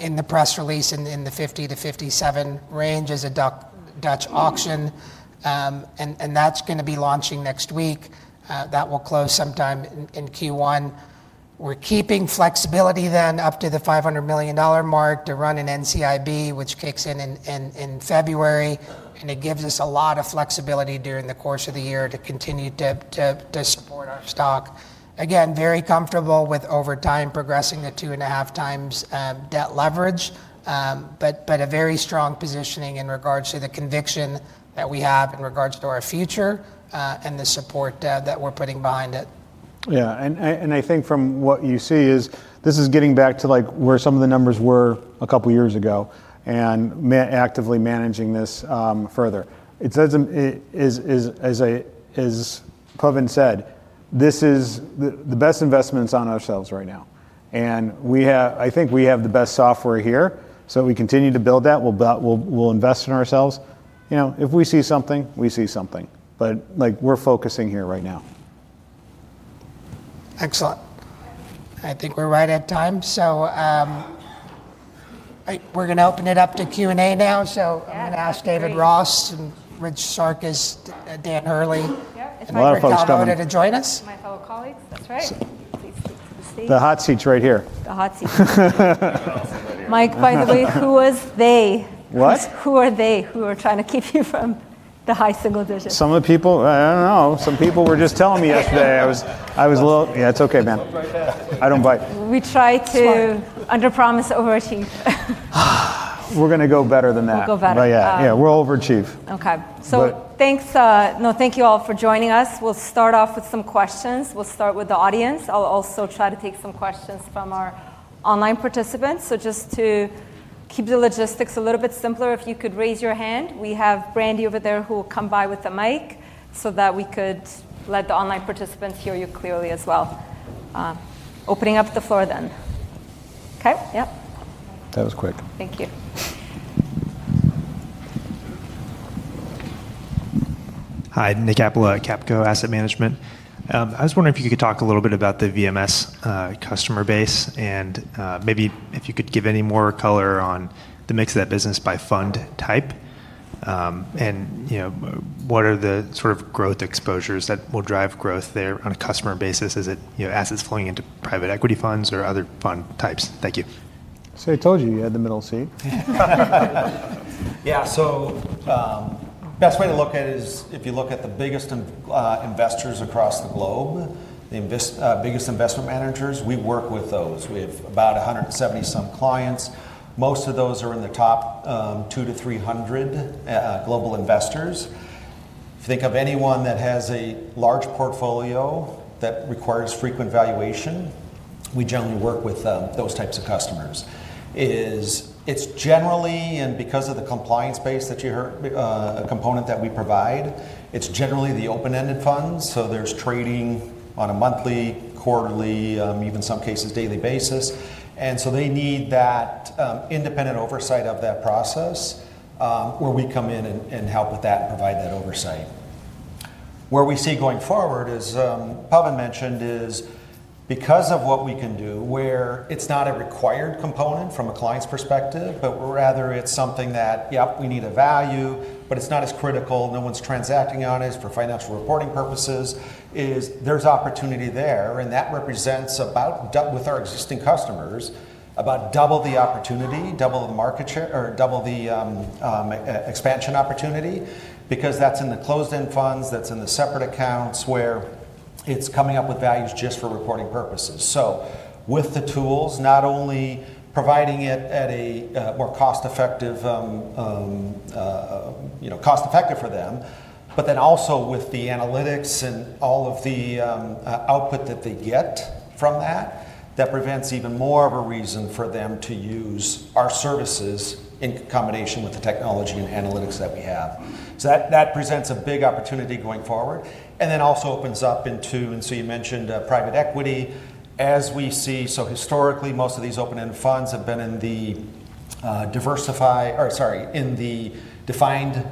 in the press release in the 50-57 range as a Dutch auction. That's going to be launching next week. That will close sometime in Q1. We're keeping flexibility then up to the 500,000,000 dollar mark to run an NCIB, which kicks in in February. It gives us a lot of flexibility during the course of the year to continue to support our stock. Again, very comfortable with over time progressing to 2.5 times debt leverage, but a very strong positioning in regards to the conviction that we have in regards to our future and the support that we're putting behind it. Yeah. I think from what you see is this is getting back to where some of the numbers were a couple of years ago and actively managing this further. As Pawan said, this is the best investments on ourselves right now. I think we have the best software here, so we continue to build that. We'll invest in ourselves. If we see something, we see something. We are focusing here right now. Excellent. I think we're right at time. We are going to open it up to Q&A now. I am going to ask David Ross and Rich Sarkis, Dan Hurley, if they are coming to join us. My fellow colleagues, that's right. The hot seats right here. The hot seats. Mike, by the way, who was they? What? Who are they who are trying to keep you from the high single digit? Some of the people, I don't know. Some people were just telling me yesterday. I was a little, yeah, it's okay, man. I don't bite. We try to under-promise, overachieve. We're going to go better than that. We'll go better. Yeah, yeah. We'll overachieve. Okay. Thanks all for joining us. We'll start off with some questions. We'll start with the audience. I'll also try to take some questions from our online participants. Just to keep the logistics a little bit simpler, if you could raise your hand. We have Brandy over there who will come by with the mic so that we could let the online participants hear you clearly as well. Opening up the floor then. Okay. Yeah. That was quick. Thank you. Hi, Nick Appelo at Capco Asset Management. I was wondering if you could talk a little bit about the VMS customer base and maybe if you could give any more color on the mix of that business by fund type and what are the sort of growth exposures that will drive growth there on a customer basis? Is it assets flowing into private equity funds or other fund types? Thank you. I told you you had the middle seat. Yeah. The best way to look at it is if you look at the biggest investors across the globe, the biggest investment managers, we work with those. We have about 170-some clients. Most of those are in the top 200-300 global investors. If you think of anyone that has a large portfolio that requires frequent valuation, we generally work with those types of customers. It's generally, and because of the compliance base that you heard, a component that we provide, it's generally the open-ended funds. There is trading on a monthly, quarterly, even in some cases daily basis. They need that independent oversight of that process where we come in and help with that and provide that oversight. Where we see going forward, as Pawan mentioned, is because of what we can do, where it's not a required component from a client's perspective, but rather it's something that, yep, we need a value, but it's not as critical. No one's transacting on it for financial reporting purposes. There's opportunity there, and that represents with our existing customers about double the opportunity, double the market share, or double the expansion opportunity because that's in the closed-end funds, that's in the separate accounts where it's coming up with values just for reporting purposes. With the tools, not only providing it at a more cost-effective cost effective for them, but then also with the analytics and all of the output that they get from that, that presents even more of a reason for them to use our services in combination with the technology and analytics that we have. That presents a big opportunity going forward. It also opens up into, and you mentioned private equity. As we see, historically, most of these open-ended funds have been in the defined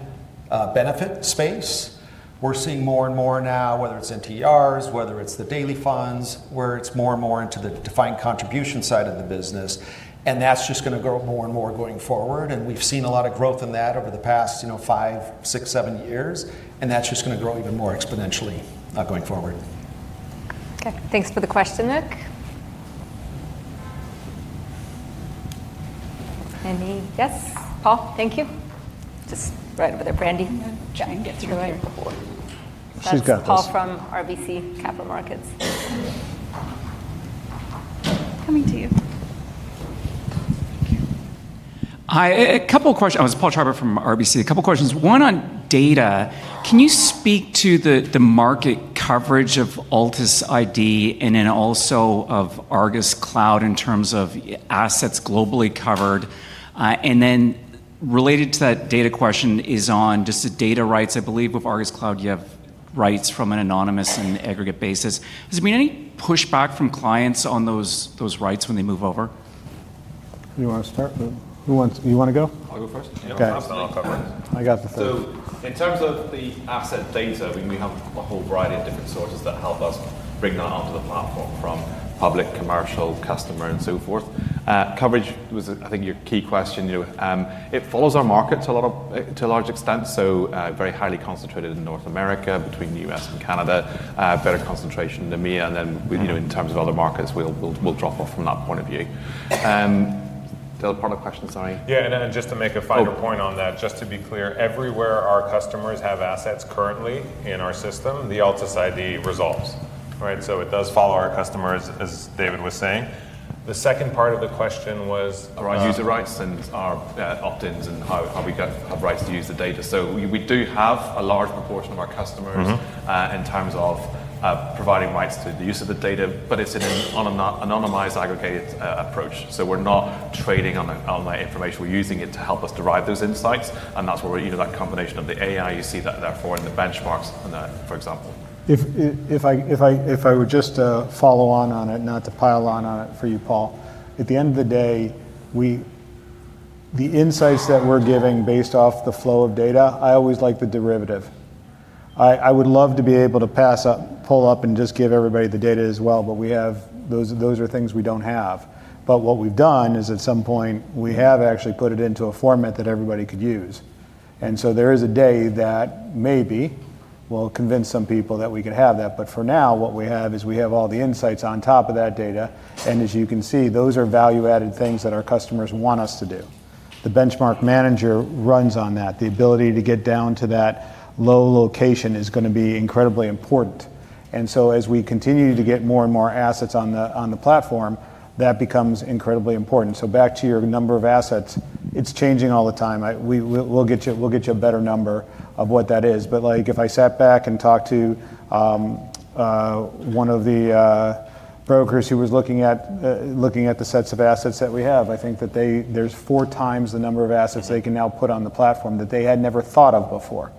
benefit space. We're seeing more and more now, whether it's NTRs, whether it's the daily funds, where it's more and more into the defined contribution side of the business. That's just going to grow more and more going forward. We've seen a lot of growth in that over the past five, six, seven years. That's just going to grow even more exponentially going forward. Okay. Thanks for the question, Nick. Any? Yes. Paul, thank you. Just right over there. Brandy. She's got this. Paul from RBC Capital Markets. Coming to you. Hi. A couple of questions. I was Paul Treiber from RBC. A couple of questions. One on data. Can you speak to the market coverage of Altus ID and then also of ARGUS Cloud in terms of assets globally covered? Related to that data question is on just the data rights. I believe with ARGUS Cloud, you have rights from an anonymous and aggregate basis. Has there been any pushback from clients on those rights when they move over? You want to start? You want to go? I'll go first. Okay. I'll cover it. I got the third. In terms of the asset data, we have a whole variety of different sources that help us bring that onto the platform from public, commercial, customer, and so forth. Coverage was, I think, your key question. It follows our markets to a large extent, so very highly concentrated in North America between the U.S. and Canada, better concentration in Canada. In terms of other markets, we will drop off from that point of view. The other part of the question, sorry. Yeah. Just to make a finer point on that, just to be clear, everywhere our customers have assets currently in our system, the Altus ID resolves. It does follow our customers, as David was saying. The second part of the question was. Our user rights and our opt-ins and how we have rights to use the data. We do have a large proportion of our customers in terms of providing rights to the use of the data, but it is an anonymized aggregated approach. We are not trading on that information. We are using it to help us derive those insights. That is where that combination of the AI, you see that therefore in the benchmarks and that, for example. If I would just follow on on it, not to pile on on it for you, Paul, at the end of the day, the insights that we're giving based off the flow of data, I always like the derivative. I would love to be able to pull up and just give everybody the data as well, but those are things we don't have. What we've done is at some point, we have actually put it into a format that everybody could use. There is a day that maybe we'll convince some people that we could have that. For now, what we have is we have all the insights on top of that data. As you can see, those are value-added things that our customers want us to do. The Benchmark Manager runs on that. The ability to get down to that low location is going to be incredibly important. As we continue to get more and more assets on the platform, that becomes incredibly important. Back to your number of assets, it's changing all the time. We'll get you a better number of what that is. If I sat back and talked to one of the brokers who was looking at the sets of assets that we have, I think that there's four times the number of assets they can now put on the platform that they had never thought of before.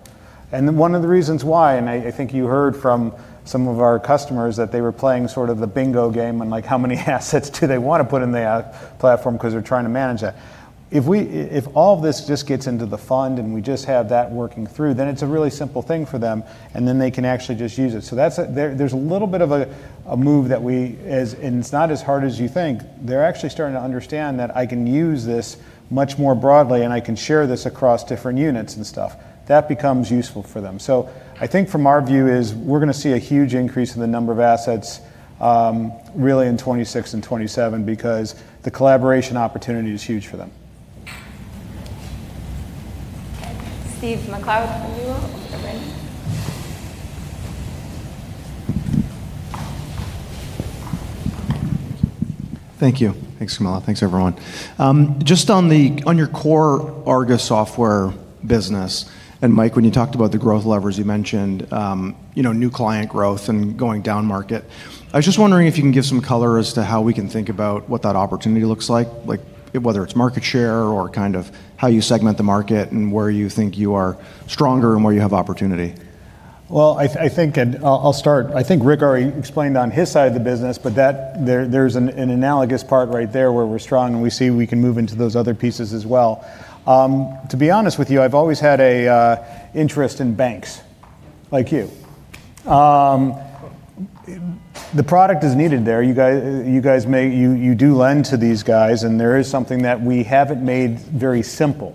One of the reasons why, and I think you heard from some of our customers that they were playing sort of the bingo game on how many assets do they want to put in the platform because they're trying to manage that. If all of this just gets into the fund and we just have that working through, then it's a really simple thing for them, and they can actually just use it. There's a little bit of a move that we, and it's not as hard as you think. They're actually starting to understand that I can use this much more broadly, and I can share this across different units and stuff. That becomes useful for them. I think from our view is we're going to see a huge increase in the number of assets really in 2026 and 2027 because the collaboration opportunity is huge for them. Stephen MacLeod, you will. Over to Brandy. Thank you. Thanks, Camilla. Thanks, everyone. Just on your core ARGUS software business, and Mike, when you talked about the growth levers, you mentioned new client growth and going down market. I was just wondering if you can give some color as to how we can think about what that opportunity looks like, whether it's market share or kind of how you segment the market and where you think you are stronger and where you have opportunity. I think Rick explained on his side of the business, but there's an analogous part right there where we're strong and we see we can move into those other pieces as well. To be honest with you, I've always had an interest in banks like you. The product is needed there. You do lend to these guys, and there is something that we haven't made very simple.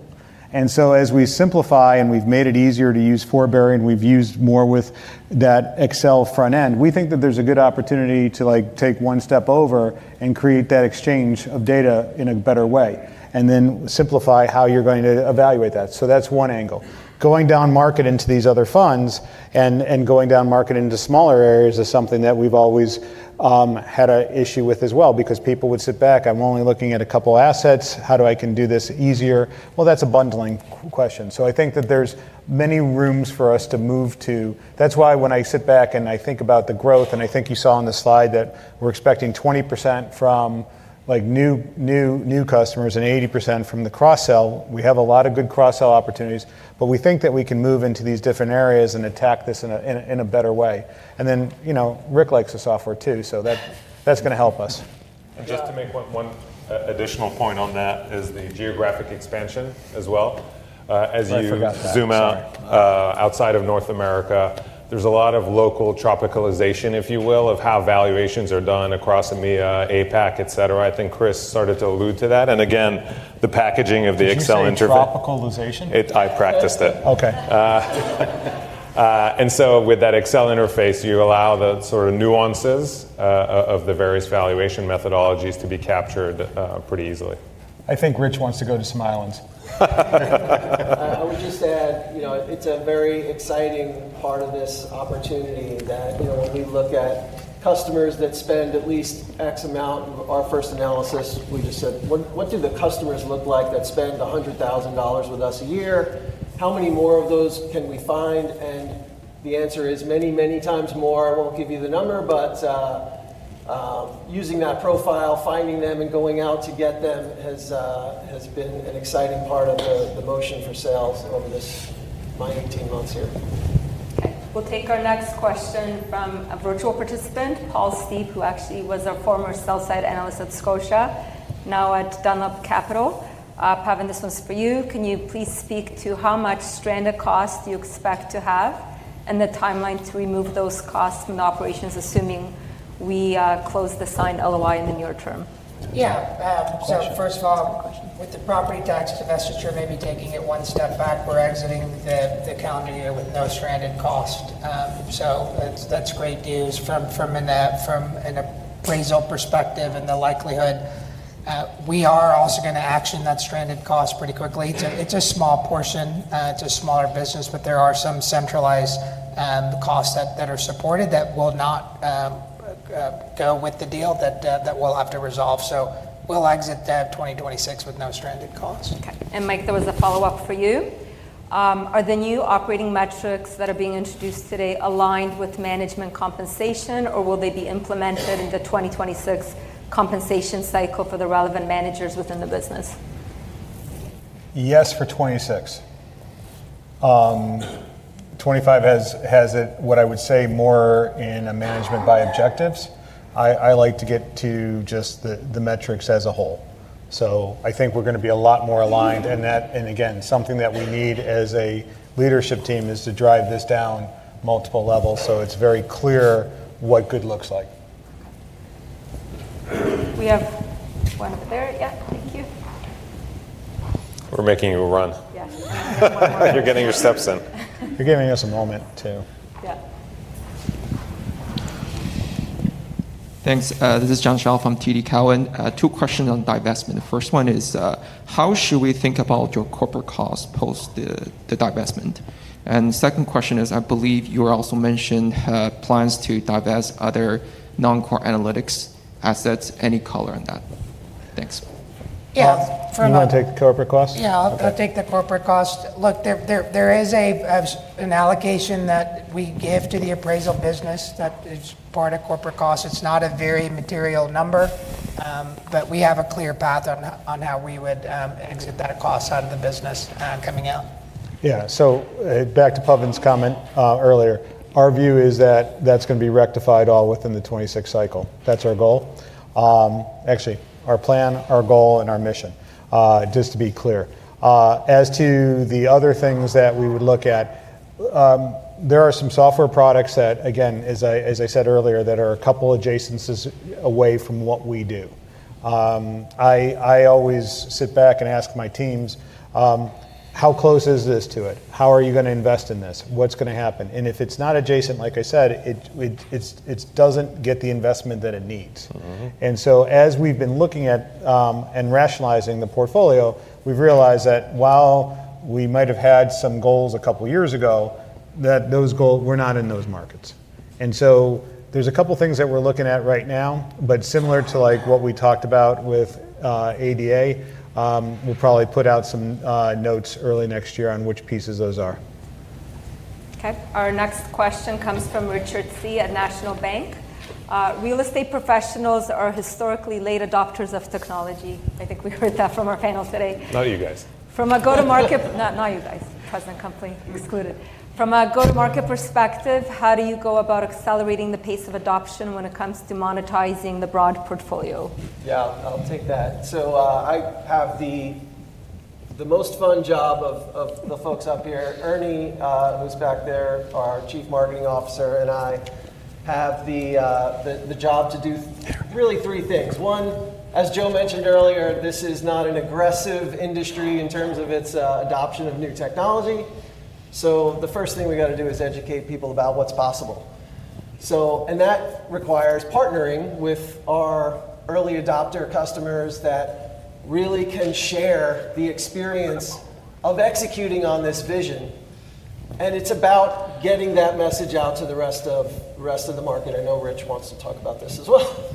As we simplify and we've made it easier to use Forbury and we've used more with that Excel front end, we think that there's a good opportunity to take one step over and create that exchange of data in a better way and then simplify how you're going to evaluate that. That is one angle. Going down market into these other funds and going down market into smaller areas is something that we've always had an issue with as well because people would sit back. I'm only looking at a couple of assets. How do I can do this easier? That is a bundling question. I think that there are many rooms for us to move to. That is why when I sit back and I think about the growth, and I think you saw on the slide that we're expecting 20% from new customers and 80% from the cross-sell. We have a lot of good cross-sell opportunities, but we think that we can move into these different areas and attack this in a better way. Rick likes the software too, so that is going to help us. Just to make one additional point on that is the geographic expansion as well. As you zoom out outside of North America, there is a lot of local tropicalization, if you will, of how valuations are done across Namibia, APAC, etc. I think Chris started to allude to that. Again, the packaging of the Excel interface. What is tropicalization? I practiced it. Okay. With that Excel interface, you allow the sort of nuances of the various valuation methodologies to be captured pretty easily. I think Rich wants to go to some islands. I would just add it's a very exciting part of this opportunity that when we look at customers that spend at least X amount, our first analysis, we just said, what do the customers look like that spend 100,000 dollars with us a year? How many more of those can we find? The answer is many, many times more. I won't give you the number, but using that profile, finding them and going out to get them has been an exciting part of the motion for sales over this 18 months here. Okay. We'll take our next question from a virtual participant, Paul Steve, who actually was a former sell-side analyst at Scotia, now at Dunlop Capital. Pawan, this one's for you. Can you please speak to how much stranded cost you expect to have and the timeline to remove those costs from the operations, assuming we close the signed LOI in the near term? Yeah. First of all, with the property tax divestiture, maybe taking it one step back, we're exiting the calendar year with no stranded cost. That's great news from an appraisal perspective and the likelihood. We are also going to action that stranded cost pretty quickly. It's a small portion. It's a smaller business, but there are some centralized costs that are supported that will not go with the deal that we'll have to resolve. We'll exit that 2026 with no stranded cost. Okay. Mike, there was a follow-up for you. Are the new operating metrics that are being introduced today aligned with management compensation, or will they be implemented in the 2026 compensation cycle for the relevant managers within the business? Yes, for 2026. 2025 has it, what I would say, more in a management by objectives. I like to get to just the metrics as a whole. I think we're going to be a lot more aligned. Again, something that we need as a leadership team is to drive this down multiple levels so it's very clear what good looks like. We have one over there. Yeah. Thank you. We're making you run. Yes. You're getting your steps in. You're giving us a moment too. Yeah. Thanks. This is John Schall from TD Cowen. Two questions on divestment. The first one is, how should we think about your corporate costs post the divestment? The second question is, I believe you also mentioned plans to divest other non-core analytics assets, any color on that? Thanks. Yeah. Do you want to take the corporate cost? Yeah. I'll take the corporate cost. Look, there is an allocation that we give to the appraisal business that is part of corporate costs. It's not a very material number, but we have a clear path on how we would exit that cost out of the business coming out. Yeah. Back to Pawan's comment earlier, our view is that that's going to be rectified all within the 2026 cycle. That's our goal. Actually, our plan, our goal, and our mission, just to be clear. As to the other things that we would look at, there are some software products that, again, as I said earlier, that are a couple of adjacencies away from what we do. I always sit back and ask my teams, how close is this to it? How are you going to invest in this? What's going to happen? If it's not adjacent, like I said, it doesn't get the investment that it needs. As we've been looking at and rationalizing the portfolio, we've realized that while we might have had some goals a couple of years ago, those goals were not in those markets. There are a couple of things that we are looking at right now, but similar to what we talked about with ADA, we will probably put out some notes early next year on which pieces those are. Okay. Our next question comes from Richard Tse at National Bank Financial. Real estate professionals are historically late adopters of technology. I think we heard that from our panel today. Not you guys. From a go-to-market, not you guys. President company excluded. From a go-to-market perspective, how do you go about accelerating the pace of adoption when it comes to monetizing the broad portfolio? Yeah, I'll take that. I have the most fun job of the folks up here. Ernie, who's back there, our Chief Marketing Officer, and I have the job to do really three things. One, as Joe mentioned earlier, this is not an aggressive industry in terms of its adoption of new technology. The first thing we got to do is educate people about what's possible. That requires partnering with our early adopter customers that really can share the experience of executing on this vision. It's about getting that message out to the rest of the market. I know Rich wants to talk about this as well.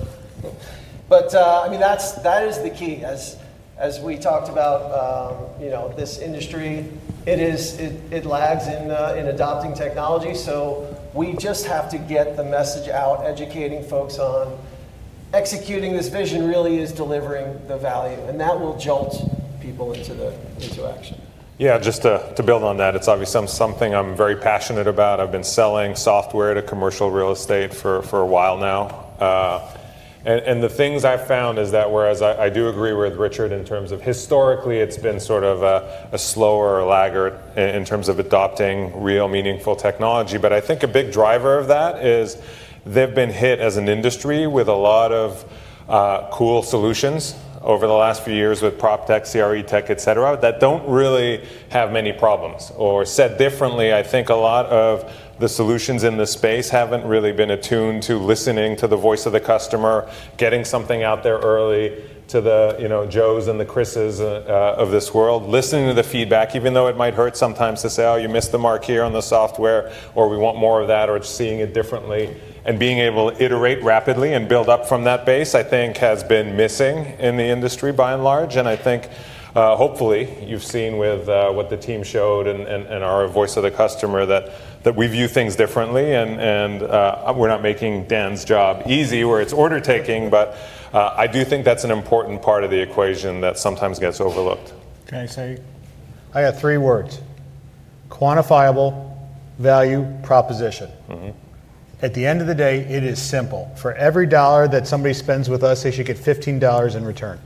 I mean, that is the key. As we talked about, this industry lags in adopting technology. We just have to get the message out, educating folks on executing this vision really is delivering the value. That will jolt people into action. Yeah. Just to build on that, it's obviously something I'm very passionate about. I've been selling software to commercial real estate for a while now. The things I've found is that whereas I do agree with Richard in terms of historically, it's been sort of a slower laggard in terms of adopting real, meaningful technology. I think a big driver of that is they've been hit as an industry with a lot of cool solutions over the last few years with proptech, CRE tech, etc., that don't really have many problems. Or said differently, I think a lot of the solutions in the space haven't really been attuned to listening to the voice of the customer, getting something out there early to the Joes and the Chrises of this world, listening to the feedback, even though it might hurt sometimes to say, "Oh, you missed the mark here on the software," or "We want more of that," or "Seeing it differently." Being able to iterate rapidly and build up from that base, I think, has been missing in the industry by and large. I think hopefully you've seen with what the team showed and our voice of the customer that we view things differently and we're not making Dan's job easy where it's order taking, but I do think that's an important part of the equation that sometimes gets overlooked. Can I say? I got three words: quantifiable, value, proposition. At the end of the day, it is simple. For every dollar that somebody spends with us, they should get 15 dollars in return.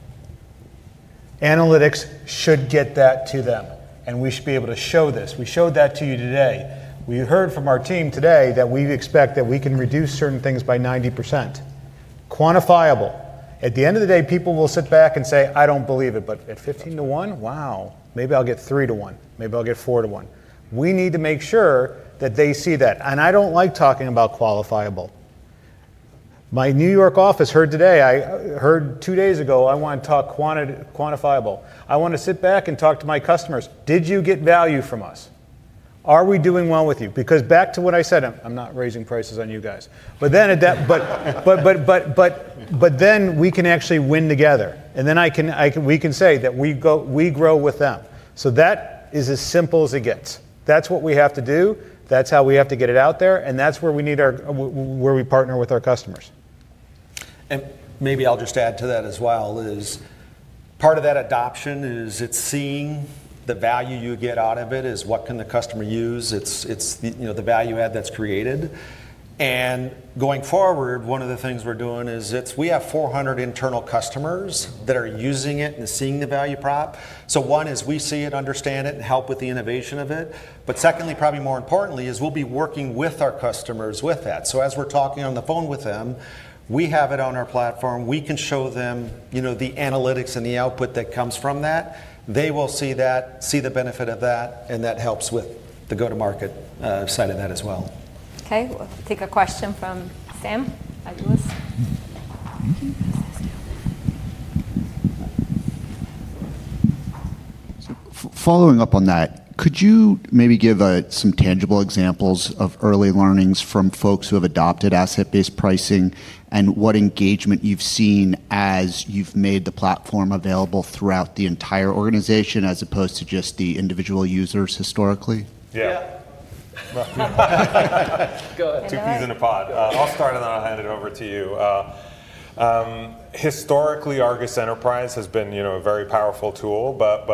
Analytics should get that to them, and we should be able to show this. We showed that to you today. We heard from our team today that we expect that we can reduce certain things by 90%. Quantifiable. At the end of the day, people will sit back and say, "I don't believe it, but at 15 to one, wow, maybe I'll get 3 to one. Maybe I'll get 4 to one." We need to make sure that they see that. I don't like talking about qualifiable. My New York office heard today, I heard two days ago, "I want to talk quantifiable." I want to sit back and talk to my customers. Did you get value from us? Are we doing well with you? Because back to what I said, I'm not raising prices on you guys. We can actually win together. We can say that we grow with them. That is as simple as it gets. That is what we have to do. That is how we have to get it out there. That is where we partner with our customers. Maybe I'll just add to that as well. Part of that adoption is it's seeing the value you get out of it. It is what can the customer use. It's the value add that's created. Going forward, one of the things we're doing is we have 400 internal customers that are using it and seeing the value prop. One is we see it, understand it, and help with the innovation of it. Probably more importantly, we'll be working with our customers with that. As we're talking on the phone with them, we have it on our platform. We can show them the analytics and the output that comes from that. They will see the benefit of that, and that helps with the go-to-market side of that as well. Okay. We'll take a question from Sam. Hi, Jules. Following up on that, could you maybe give some tangible examples of early learnings from folks who have adopted asset-based pricing and what engagement you've seen as you've made the platform available throughout the entire organization as opposed to just the individual users historically? Yeah. Go ahead. Two peas in a pod. I'll start and then I'll hand it over to you. Historically, ARGUS Enterprise has been a very powerful tool, but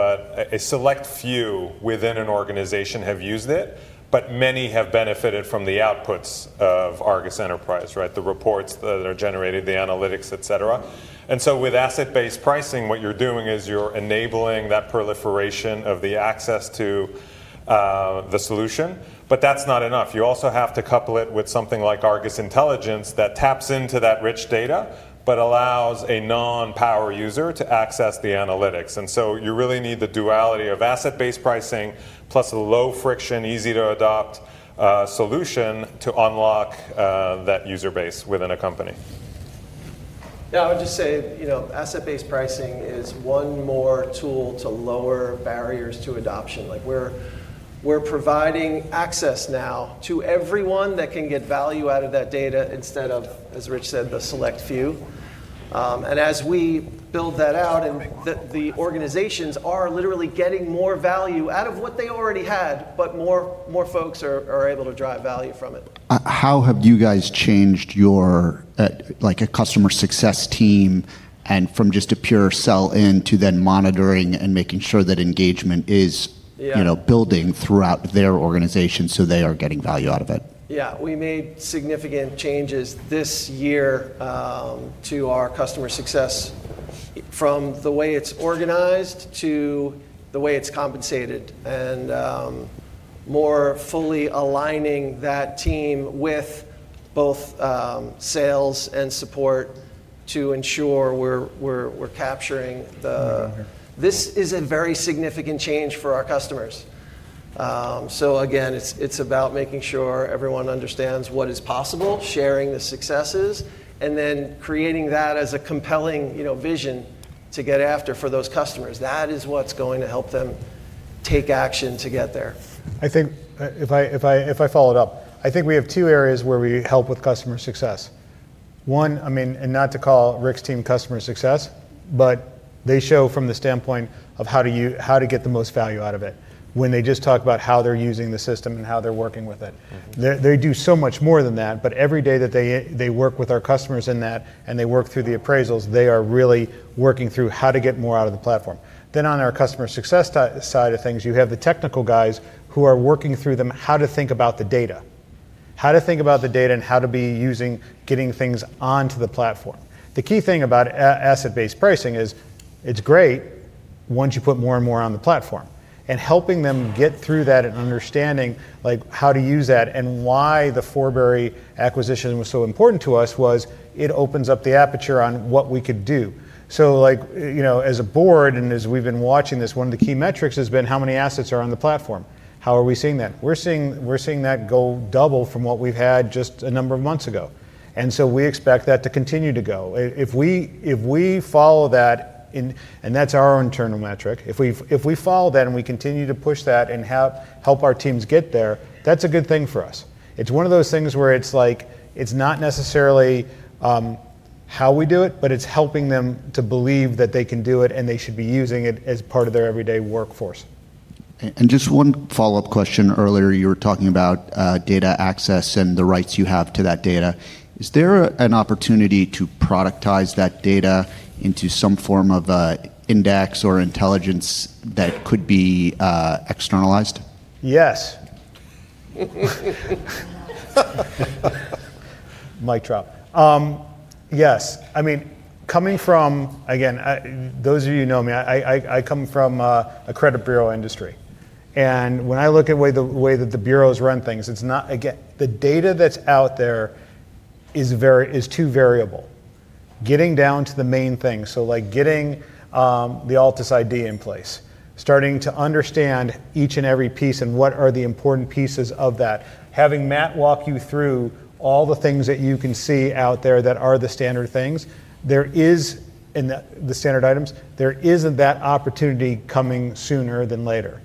a select few within an organization have used it, but many have benefited from the outputs of ARGUS Enterprise, right? The reports that are generated, the analytics, etc. With asset-based pricing, what you're doing is you're enabling that proliferation of the access to the solution, but that's not enough. You also have to couple it with something like ARGUS Intelligence that taps into that rich data, but allows a non-power user to access the analytics. You really need the duality of asset-based pricing plus a low-friction, easy-to-adopt solution to unlock that user base within a company. Yeah. I would just say asset-based pricing is one more tool to lower barriers to adoption. We're providing access now to everyone that can get value out of that data instead of, as Rich said, the select few. As we build that out, the organizations are literally getting more value out of what they already had, but more folks are able to drive value from it. How have you guys changed your customer success team from just a pure sell-in to then monitoring and making sure that engagement is building throughout their organization so they are getting value out of it? Yeah. We made significant changes this year to our customer success from the way it's organized to the way it's compensated and more fully aligning that team with both sales and support to ensure we're capturing the. This is a very significant change for our customers. It is about making sure everyone understands what is possible, sharing the successes, and then creating that as a compelling vision to get after for those customers. That is what is going to help them take action to get there. I think if I follow it up, I think we have two areas where we help with customer success. One, I mean, and not to call Rich's team customer success, but they show from the standpoint of how to get the most value out of it when they just talk about how they're using the system and how they're working with it. They do so much more than that, but every day that they work with our customers in that and they work through the appraisals, they are really working through how to get more out of the platform. On our customer success side of things, you have the technical guys who are working through them, how to think about the data, how to think about the data, and how to be using, getting things onto the platform. The key thing about asset-based pricing is it's great once you put more and more on the platform. Helping them get through that and understanding how to use that and why the Forbury acquisition was so important to us was it opens up the aperture on what we could do. As a board and as we've been watching this, one of the key metrics has been how many assets are on the platform. How are we seeing that? We're seeing that go double from what we've had just a number of months ago. We expect that to continue to go. If we follow that, and that's our internal metric, if we follow that and we continue to push that and help our teams get there, that's a good thing for us. It's one of those things where rit's like it's not necessarily how we do it, but it's helping them to believe that they can do it and they should be using it as part of their everyday workforce. Just one follow-up question. Earlier, you were talking about data access and the rights you have to that data. Is there an opportunity to productize that data into some form of index or intelligence that could be externalized? Yes. Mic drop. Yes. I mean, coming from, again, those of you who know me, I come from a credit bureau industry. And when I look at the way that the bureaus run things, it's not, again, the data that's out there is too variable. Getting down to the main things, like getting the Altus ID in place, starting to understand each and every piece and what are the important pieces of that, having Matt walk you through all the things that you can see out there that are the standard things, and the standard items, there isn't that opportunity coming sooner than later.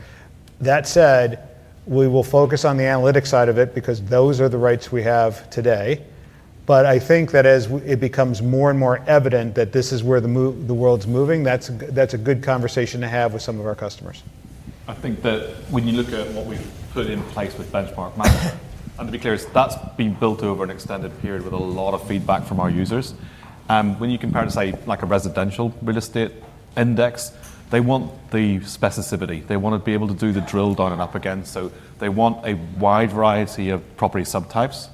That said, we will focus on the analytics side of it because those are the rights we have today. I think that as it becomes more and more evident that this is where the world's moving, that's a good conversation to have with some of our customers. I think that when you look at what we've put in place with Benchmark Manager, and to be clear, that's been built over an extended period with a lot of feedback from our users. When you compare it to, say, a residential real estate index, they want the specificity. They want to be able to do the drill down and up again. They want a wide variety of property subtypes,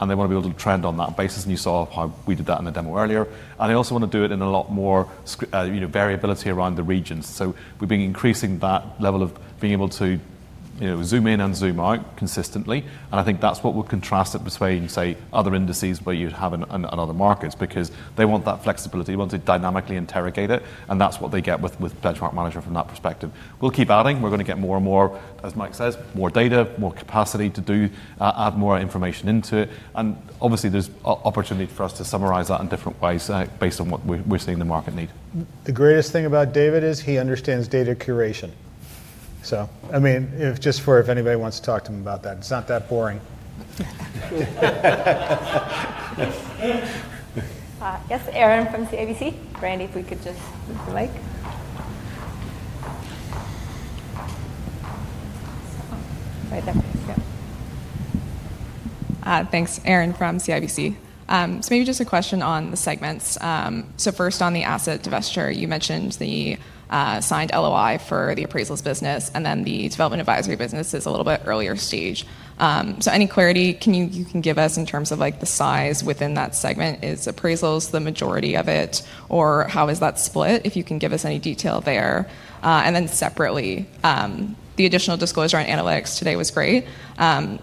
and they want to be able to trend on that basis. You saw how we did that in the demo earlier. They also want to do it in a lot more variability around the regions. We have been increasing that level of being able to zoom in and zoom out consistently. I think that's what will contrast it between, say, other indices you have in other markets because they want that flexibility. They want to dynamically interrogate it, and that's what they get with Benchmark Manager from that perspective. We'll keep adding. We're going to get more and more, as Mike says, more data, more capacity to add more information into it. Obviously, there's opportunity for us to summarize that in different ways based on what we're seeing the market need. The greatest thing about David is he understands data curation. I mean, just for if anybody wants to talk to him about that, it's not that boring. Yes. Erin from CIBC. Brandy, if we could just move the mic. Right there. Yeah. Thanks, Erin from CIBC. Maybe just a question on the segments. First, on the asset divestiture, you mentioned the signed LOI for the appraisals business, and then the development advisory business is a little bit earlier stage. Any clarity you can give us in terms of the size within that segment? Is appraisals the majority of it, or how is that split? If you can give us any detail there. Separately, the additional disclosure on analytics today was great.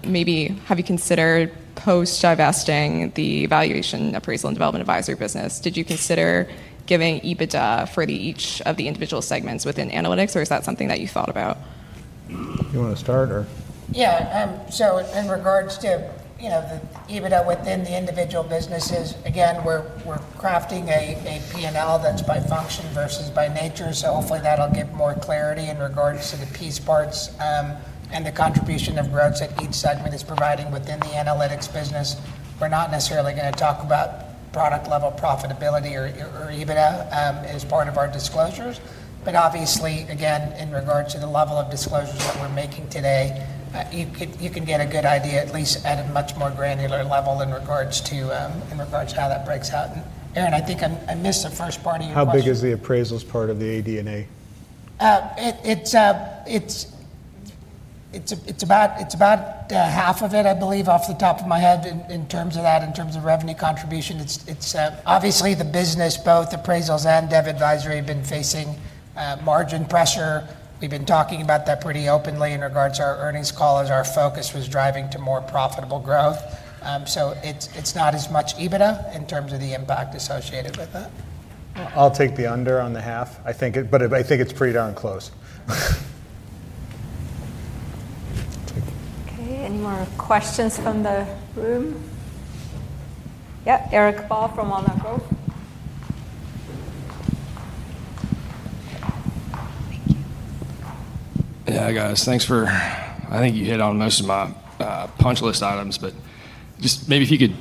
Maybe have you considered post-divesting the valuation, appraisal, and development advisory business? Did you consider giving EBITDA for each of the individual segments within analytics, or is that something that you thought about? You want to start or? Yeah. Sure. In regards to the EBITDA within the individual businesses, again, we're crafting a P&L that's by function versus by nature. Hopefully that'll give more clarity in regards to the piece parts and the contribution of growths that each segment is providing within the analytics business. We're not necessarily going to talk about product-level profitability or EBITDA as part of our disclosures. Obviously, again, in regards to the level of disclosures that we're making today, you can get a good idea, at least at a much more granular level in regards to how that breaks out. Aaron, I think I missed the first part of your question. How big is the appraisals part of the AD&A? It's about half of it, I believe, off the top of my head in terms of that, in terms of revenue contribution. It's obviously the business, both appraisals and dev advisory, have been facing margin pressure. We've been talking about that pretty openly in regards to our earnings call as our focus was driving to more profitable growth. It's not as much EBITDA in terms of the impact associated with that. I'll take the under on the half. I think it's pretty darn close. Okay. Any more questions from the room? Yeah. Eric Ball from Altus Group. Thank you. Yeah, guys. Thanks for I think you hit on most of my punch list items, but just maybe if you could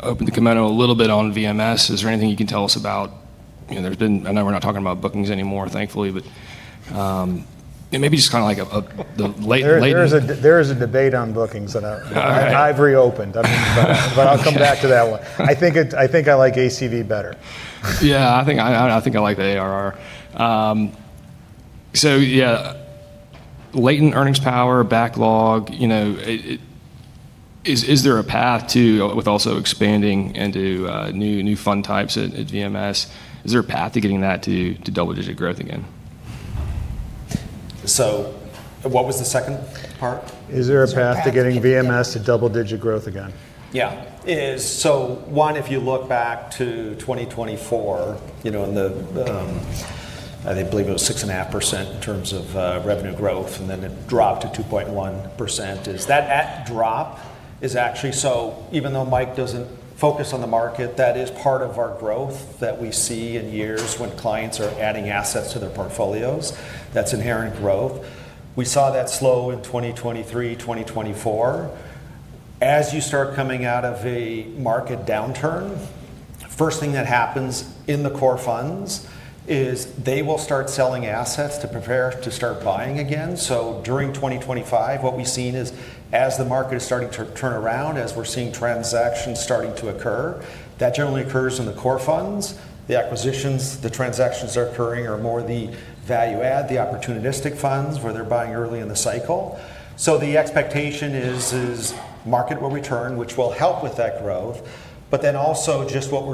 open the commando a little bit on VMS, is there anything you can tell us about? I know we're not talking about bookings anymore, thankfully, but maybe just kind of like the late. There is a debate on bookings that I've reopened. I mean, but I'll come back to that one. I think I like ACV better. Yeah. I think I like the ARR. Yeah, latent earnings power, backlog. Is there a path to, with also expanding into new fund types at VMS, is there a path to getting that to double-digit growth again? What was the second part? Is there a path to getting VMS to double-digit growth again? Yeah. So one, if you look back to 2024, and I believe it was 6.5% in terms of revenue growth, and then it dropped to 2.1%. That drop is actually, so even though Mike does not focus on the market, that is part of our growth that we see in years when clients are adding assets to their portfolios. That is inherent growth. We saw that slow in 2023, 2024. As you start coming out of a market downturn, the first thing that happens in the core funds is they will start selling assets to prepare to start buying again. During 2025, what we have seen is as the market is starting to turn around, as we are seeing transactions starting to occur, that generally occurs in the core funds. The acquisitions, the transactions that are occurring are more the value-add, the opportunistic funds where they are buying early in the cycle. The expectation is market will return, which will help with that growth. What we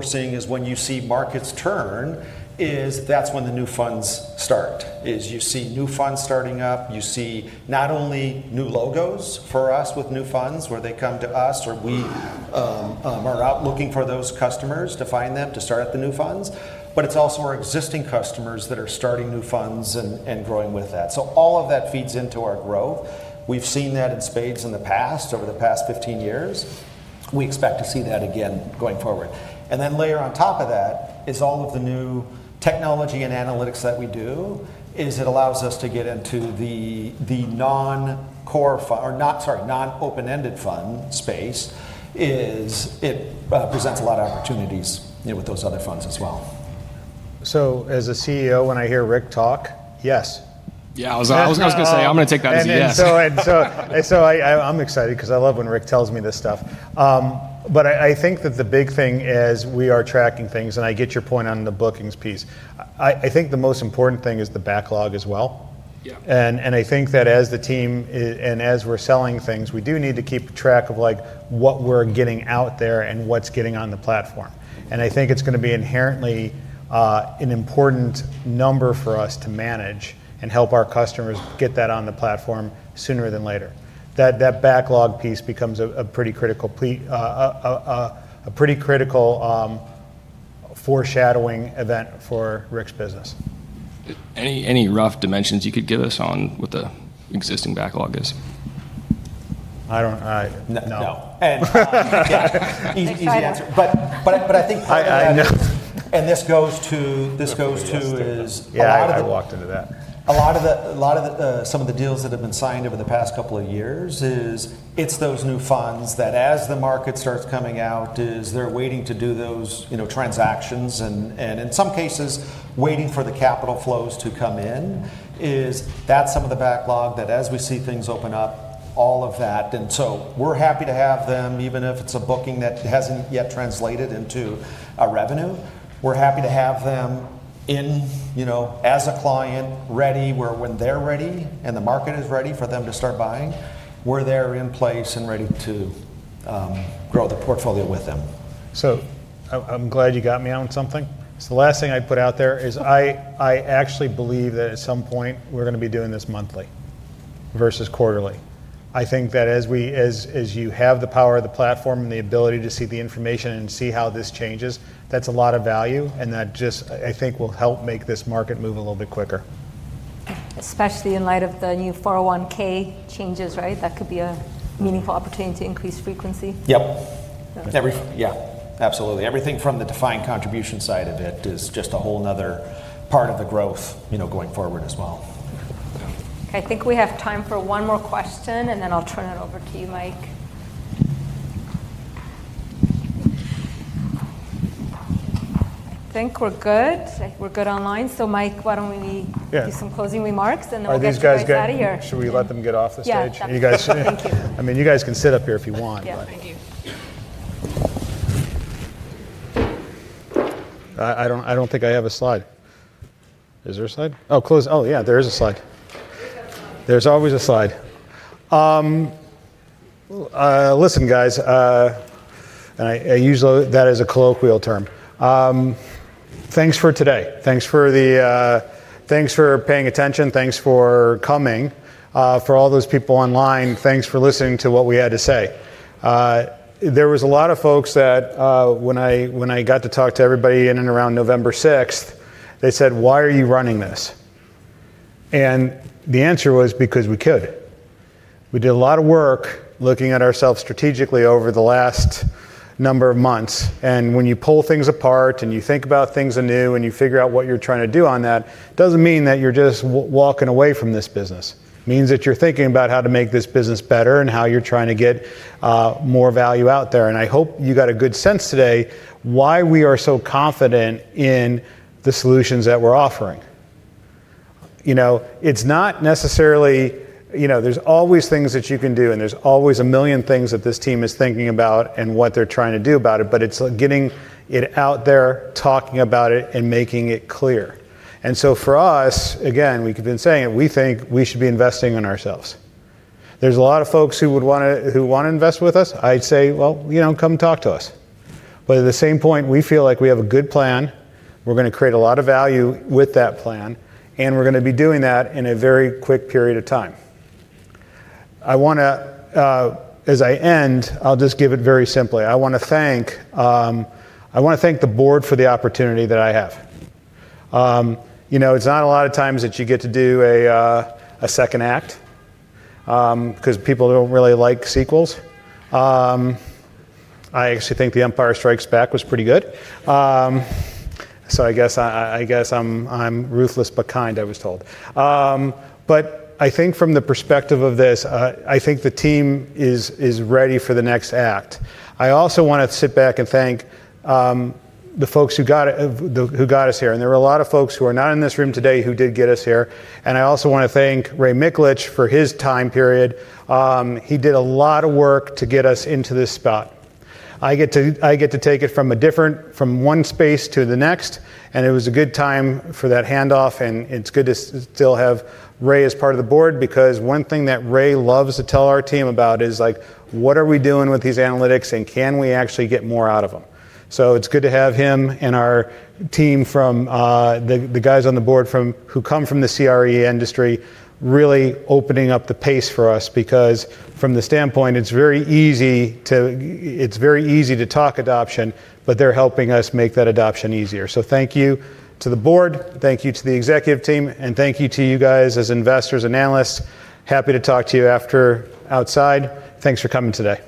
are seeing is when you see markets turn, that is when the new funds start. You see new funds starting up. You see not only new logos for us with new funds where they come to us or we are out looking for those customers to find them to start at the new funds, but it is also our existing customers that are starting new funds and growing with that. All of that feeds into our growth. We have seen that in spades in the past, over the past 15 years. We expect to see that again going forward. Layer on top of that is all of the new technology and analytics that we do as it allows us to get into the non-core fund or, sorry, non-open-ended fund space. It presents a lot of opportunities with those other funds as well. As a CEO, when I hear Rick talk, yes. Yeah. I was going to say, I'm going to take that as a yes. I'm excited because I love when Rick tells me this stuff. I think that the big thing is we are tracking things, and I get your point on the bookings piece. I think the most important thing is the backlog as well. I think that as the team and as we're selling things, we do need to keep track of what we're getting out there and what's getting on the platform. I think it's going to be inherently an important number for us to manage and help our customers get that on the platform sooner than later. That backlog piece becomes a pretty critical foreshadowing event for Rick's business. Any rough dimensions you could give us on what the existing backlog is? I don't. No. Easy answer. I think part of that, and this goes to a lot of the. Yeah. I never walked into that. A lot of some of the deals that have been signed over the past couple of years is it's those new funds that as the market starts coming out, they're waiting to do those transactions. In some cases, waiting for the capital flows to come in is that's some of the backlog that as we see things open up, all of that. We're happy to have them, even if it's a booking that hasn't yet translated into a revenue. We're happy to have them in as a client ready where when they're ready and the market is ready for them to start buying, we're there in place and ready to grow the portfolio with them. I'm glad you got me on something. The last thing I put out there is I actually believe that at some point we're going to be doing this monthly versus quarterly. I think that as you have the power of the platform and the ability to see the information and see how this changes, that's a lot of value. That just, I think, will help make this market move a little bit quicker. Especially in light of the new 401(k) changes, right? That could be a meaningful opportunity to increase frequency. Yep. Yeah. Absolutely. Everything from the defined contribution side of it is just a whole nother part of the growth going forward as well. Okay. I think we have time for one more question, and then I'll turn it over to you, Mike. I think we're good. I think we're good online. Mike, why don't we do some closing remarks and then we'll get you guys out of here. Should we let them get off the stage? Yeah. Yeah. You guys. Thank you. I mean, you guys can sit up here if you want, but. Yeah. Thank you. I do not think I have a slide. Is there a slide? Oh, close. Oh yeah, there is a slide. There is always a slide. Listen, guys, and I use that as a colloquial term. Thanks for today. Thanks for paying attention. Thanks for coming. For all those people online, thanks for listening to what we had to say. There were a lot of folks that when I got to talk to everybody in and around November 6, they said, "Why are you running this?" The answer was, "Because we could." We did a lot of work looking at ourselves strategically over the last number of months. When you pull things apart and you think about things anew and you figure out what you are trying to do on that, it does not mean that you are just walking away from this business. It means that you're thinking about how to make this business better and how you're trying to get more value out there. I hope you got a good sense today why we are so confident in the solutions that we're offering. It's not necessarily there's always things that you can do, and there's always a million things that this team is thinking about and what they're trying to do about it, but it's getting it out there, talking about it, and making it clear. For us, again, we've been saying it, we think we should be investing in ourselves. There's a lot of folks who want to invest with us. I'd say, "Well, come talk to us." At the same point, we feel like we have a good plan. We're going to create a lot of value with that plan, and we're going to be doing that in a very quick period of time. As I end, I'll just give it very simply. I want to thank the board for the opportunity that I have. It's not a lot of times that you get to do a second act because people don't really like sequels. I actually think The Empire Strikes Back was pretty good. I guess I'm ruthless but kind, I was told. I think from the perspective of this, I think the team is ready for the next act. I also want to sit back and thank the folks who got us here. There were a lot of folks who are not in this room today who did get us here. I also want to thank Ray Mikulich for his time period. He did a lot of work to get us into this spot. I get to take it from one space to the next, and it was a good time for that handoff. It is good to still have Ray as part of the board because one thing that Ray loves to tell our team about is, "What are we doing with these analytics, and can we actually get more out of them?" It is good to have him and our team from the guys on the board who come from the CRE industry really opening up the pace for us because from the standpoint, it is very easy to talk adoption, but they are helping us make that adoption easier. Thank you to the board. Thank you to the executive team, and thank you to you guys as investors, analysts. Happy to talk to you outside. Thanks for coming today.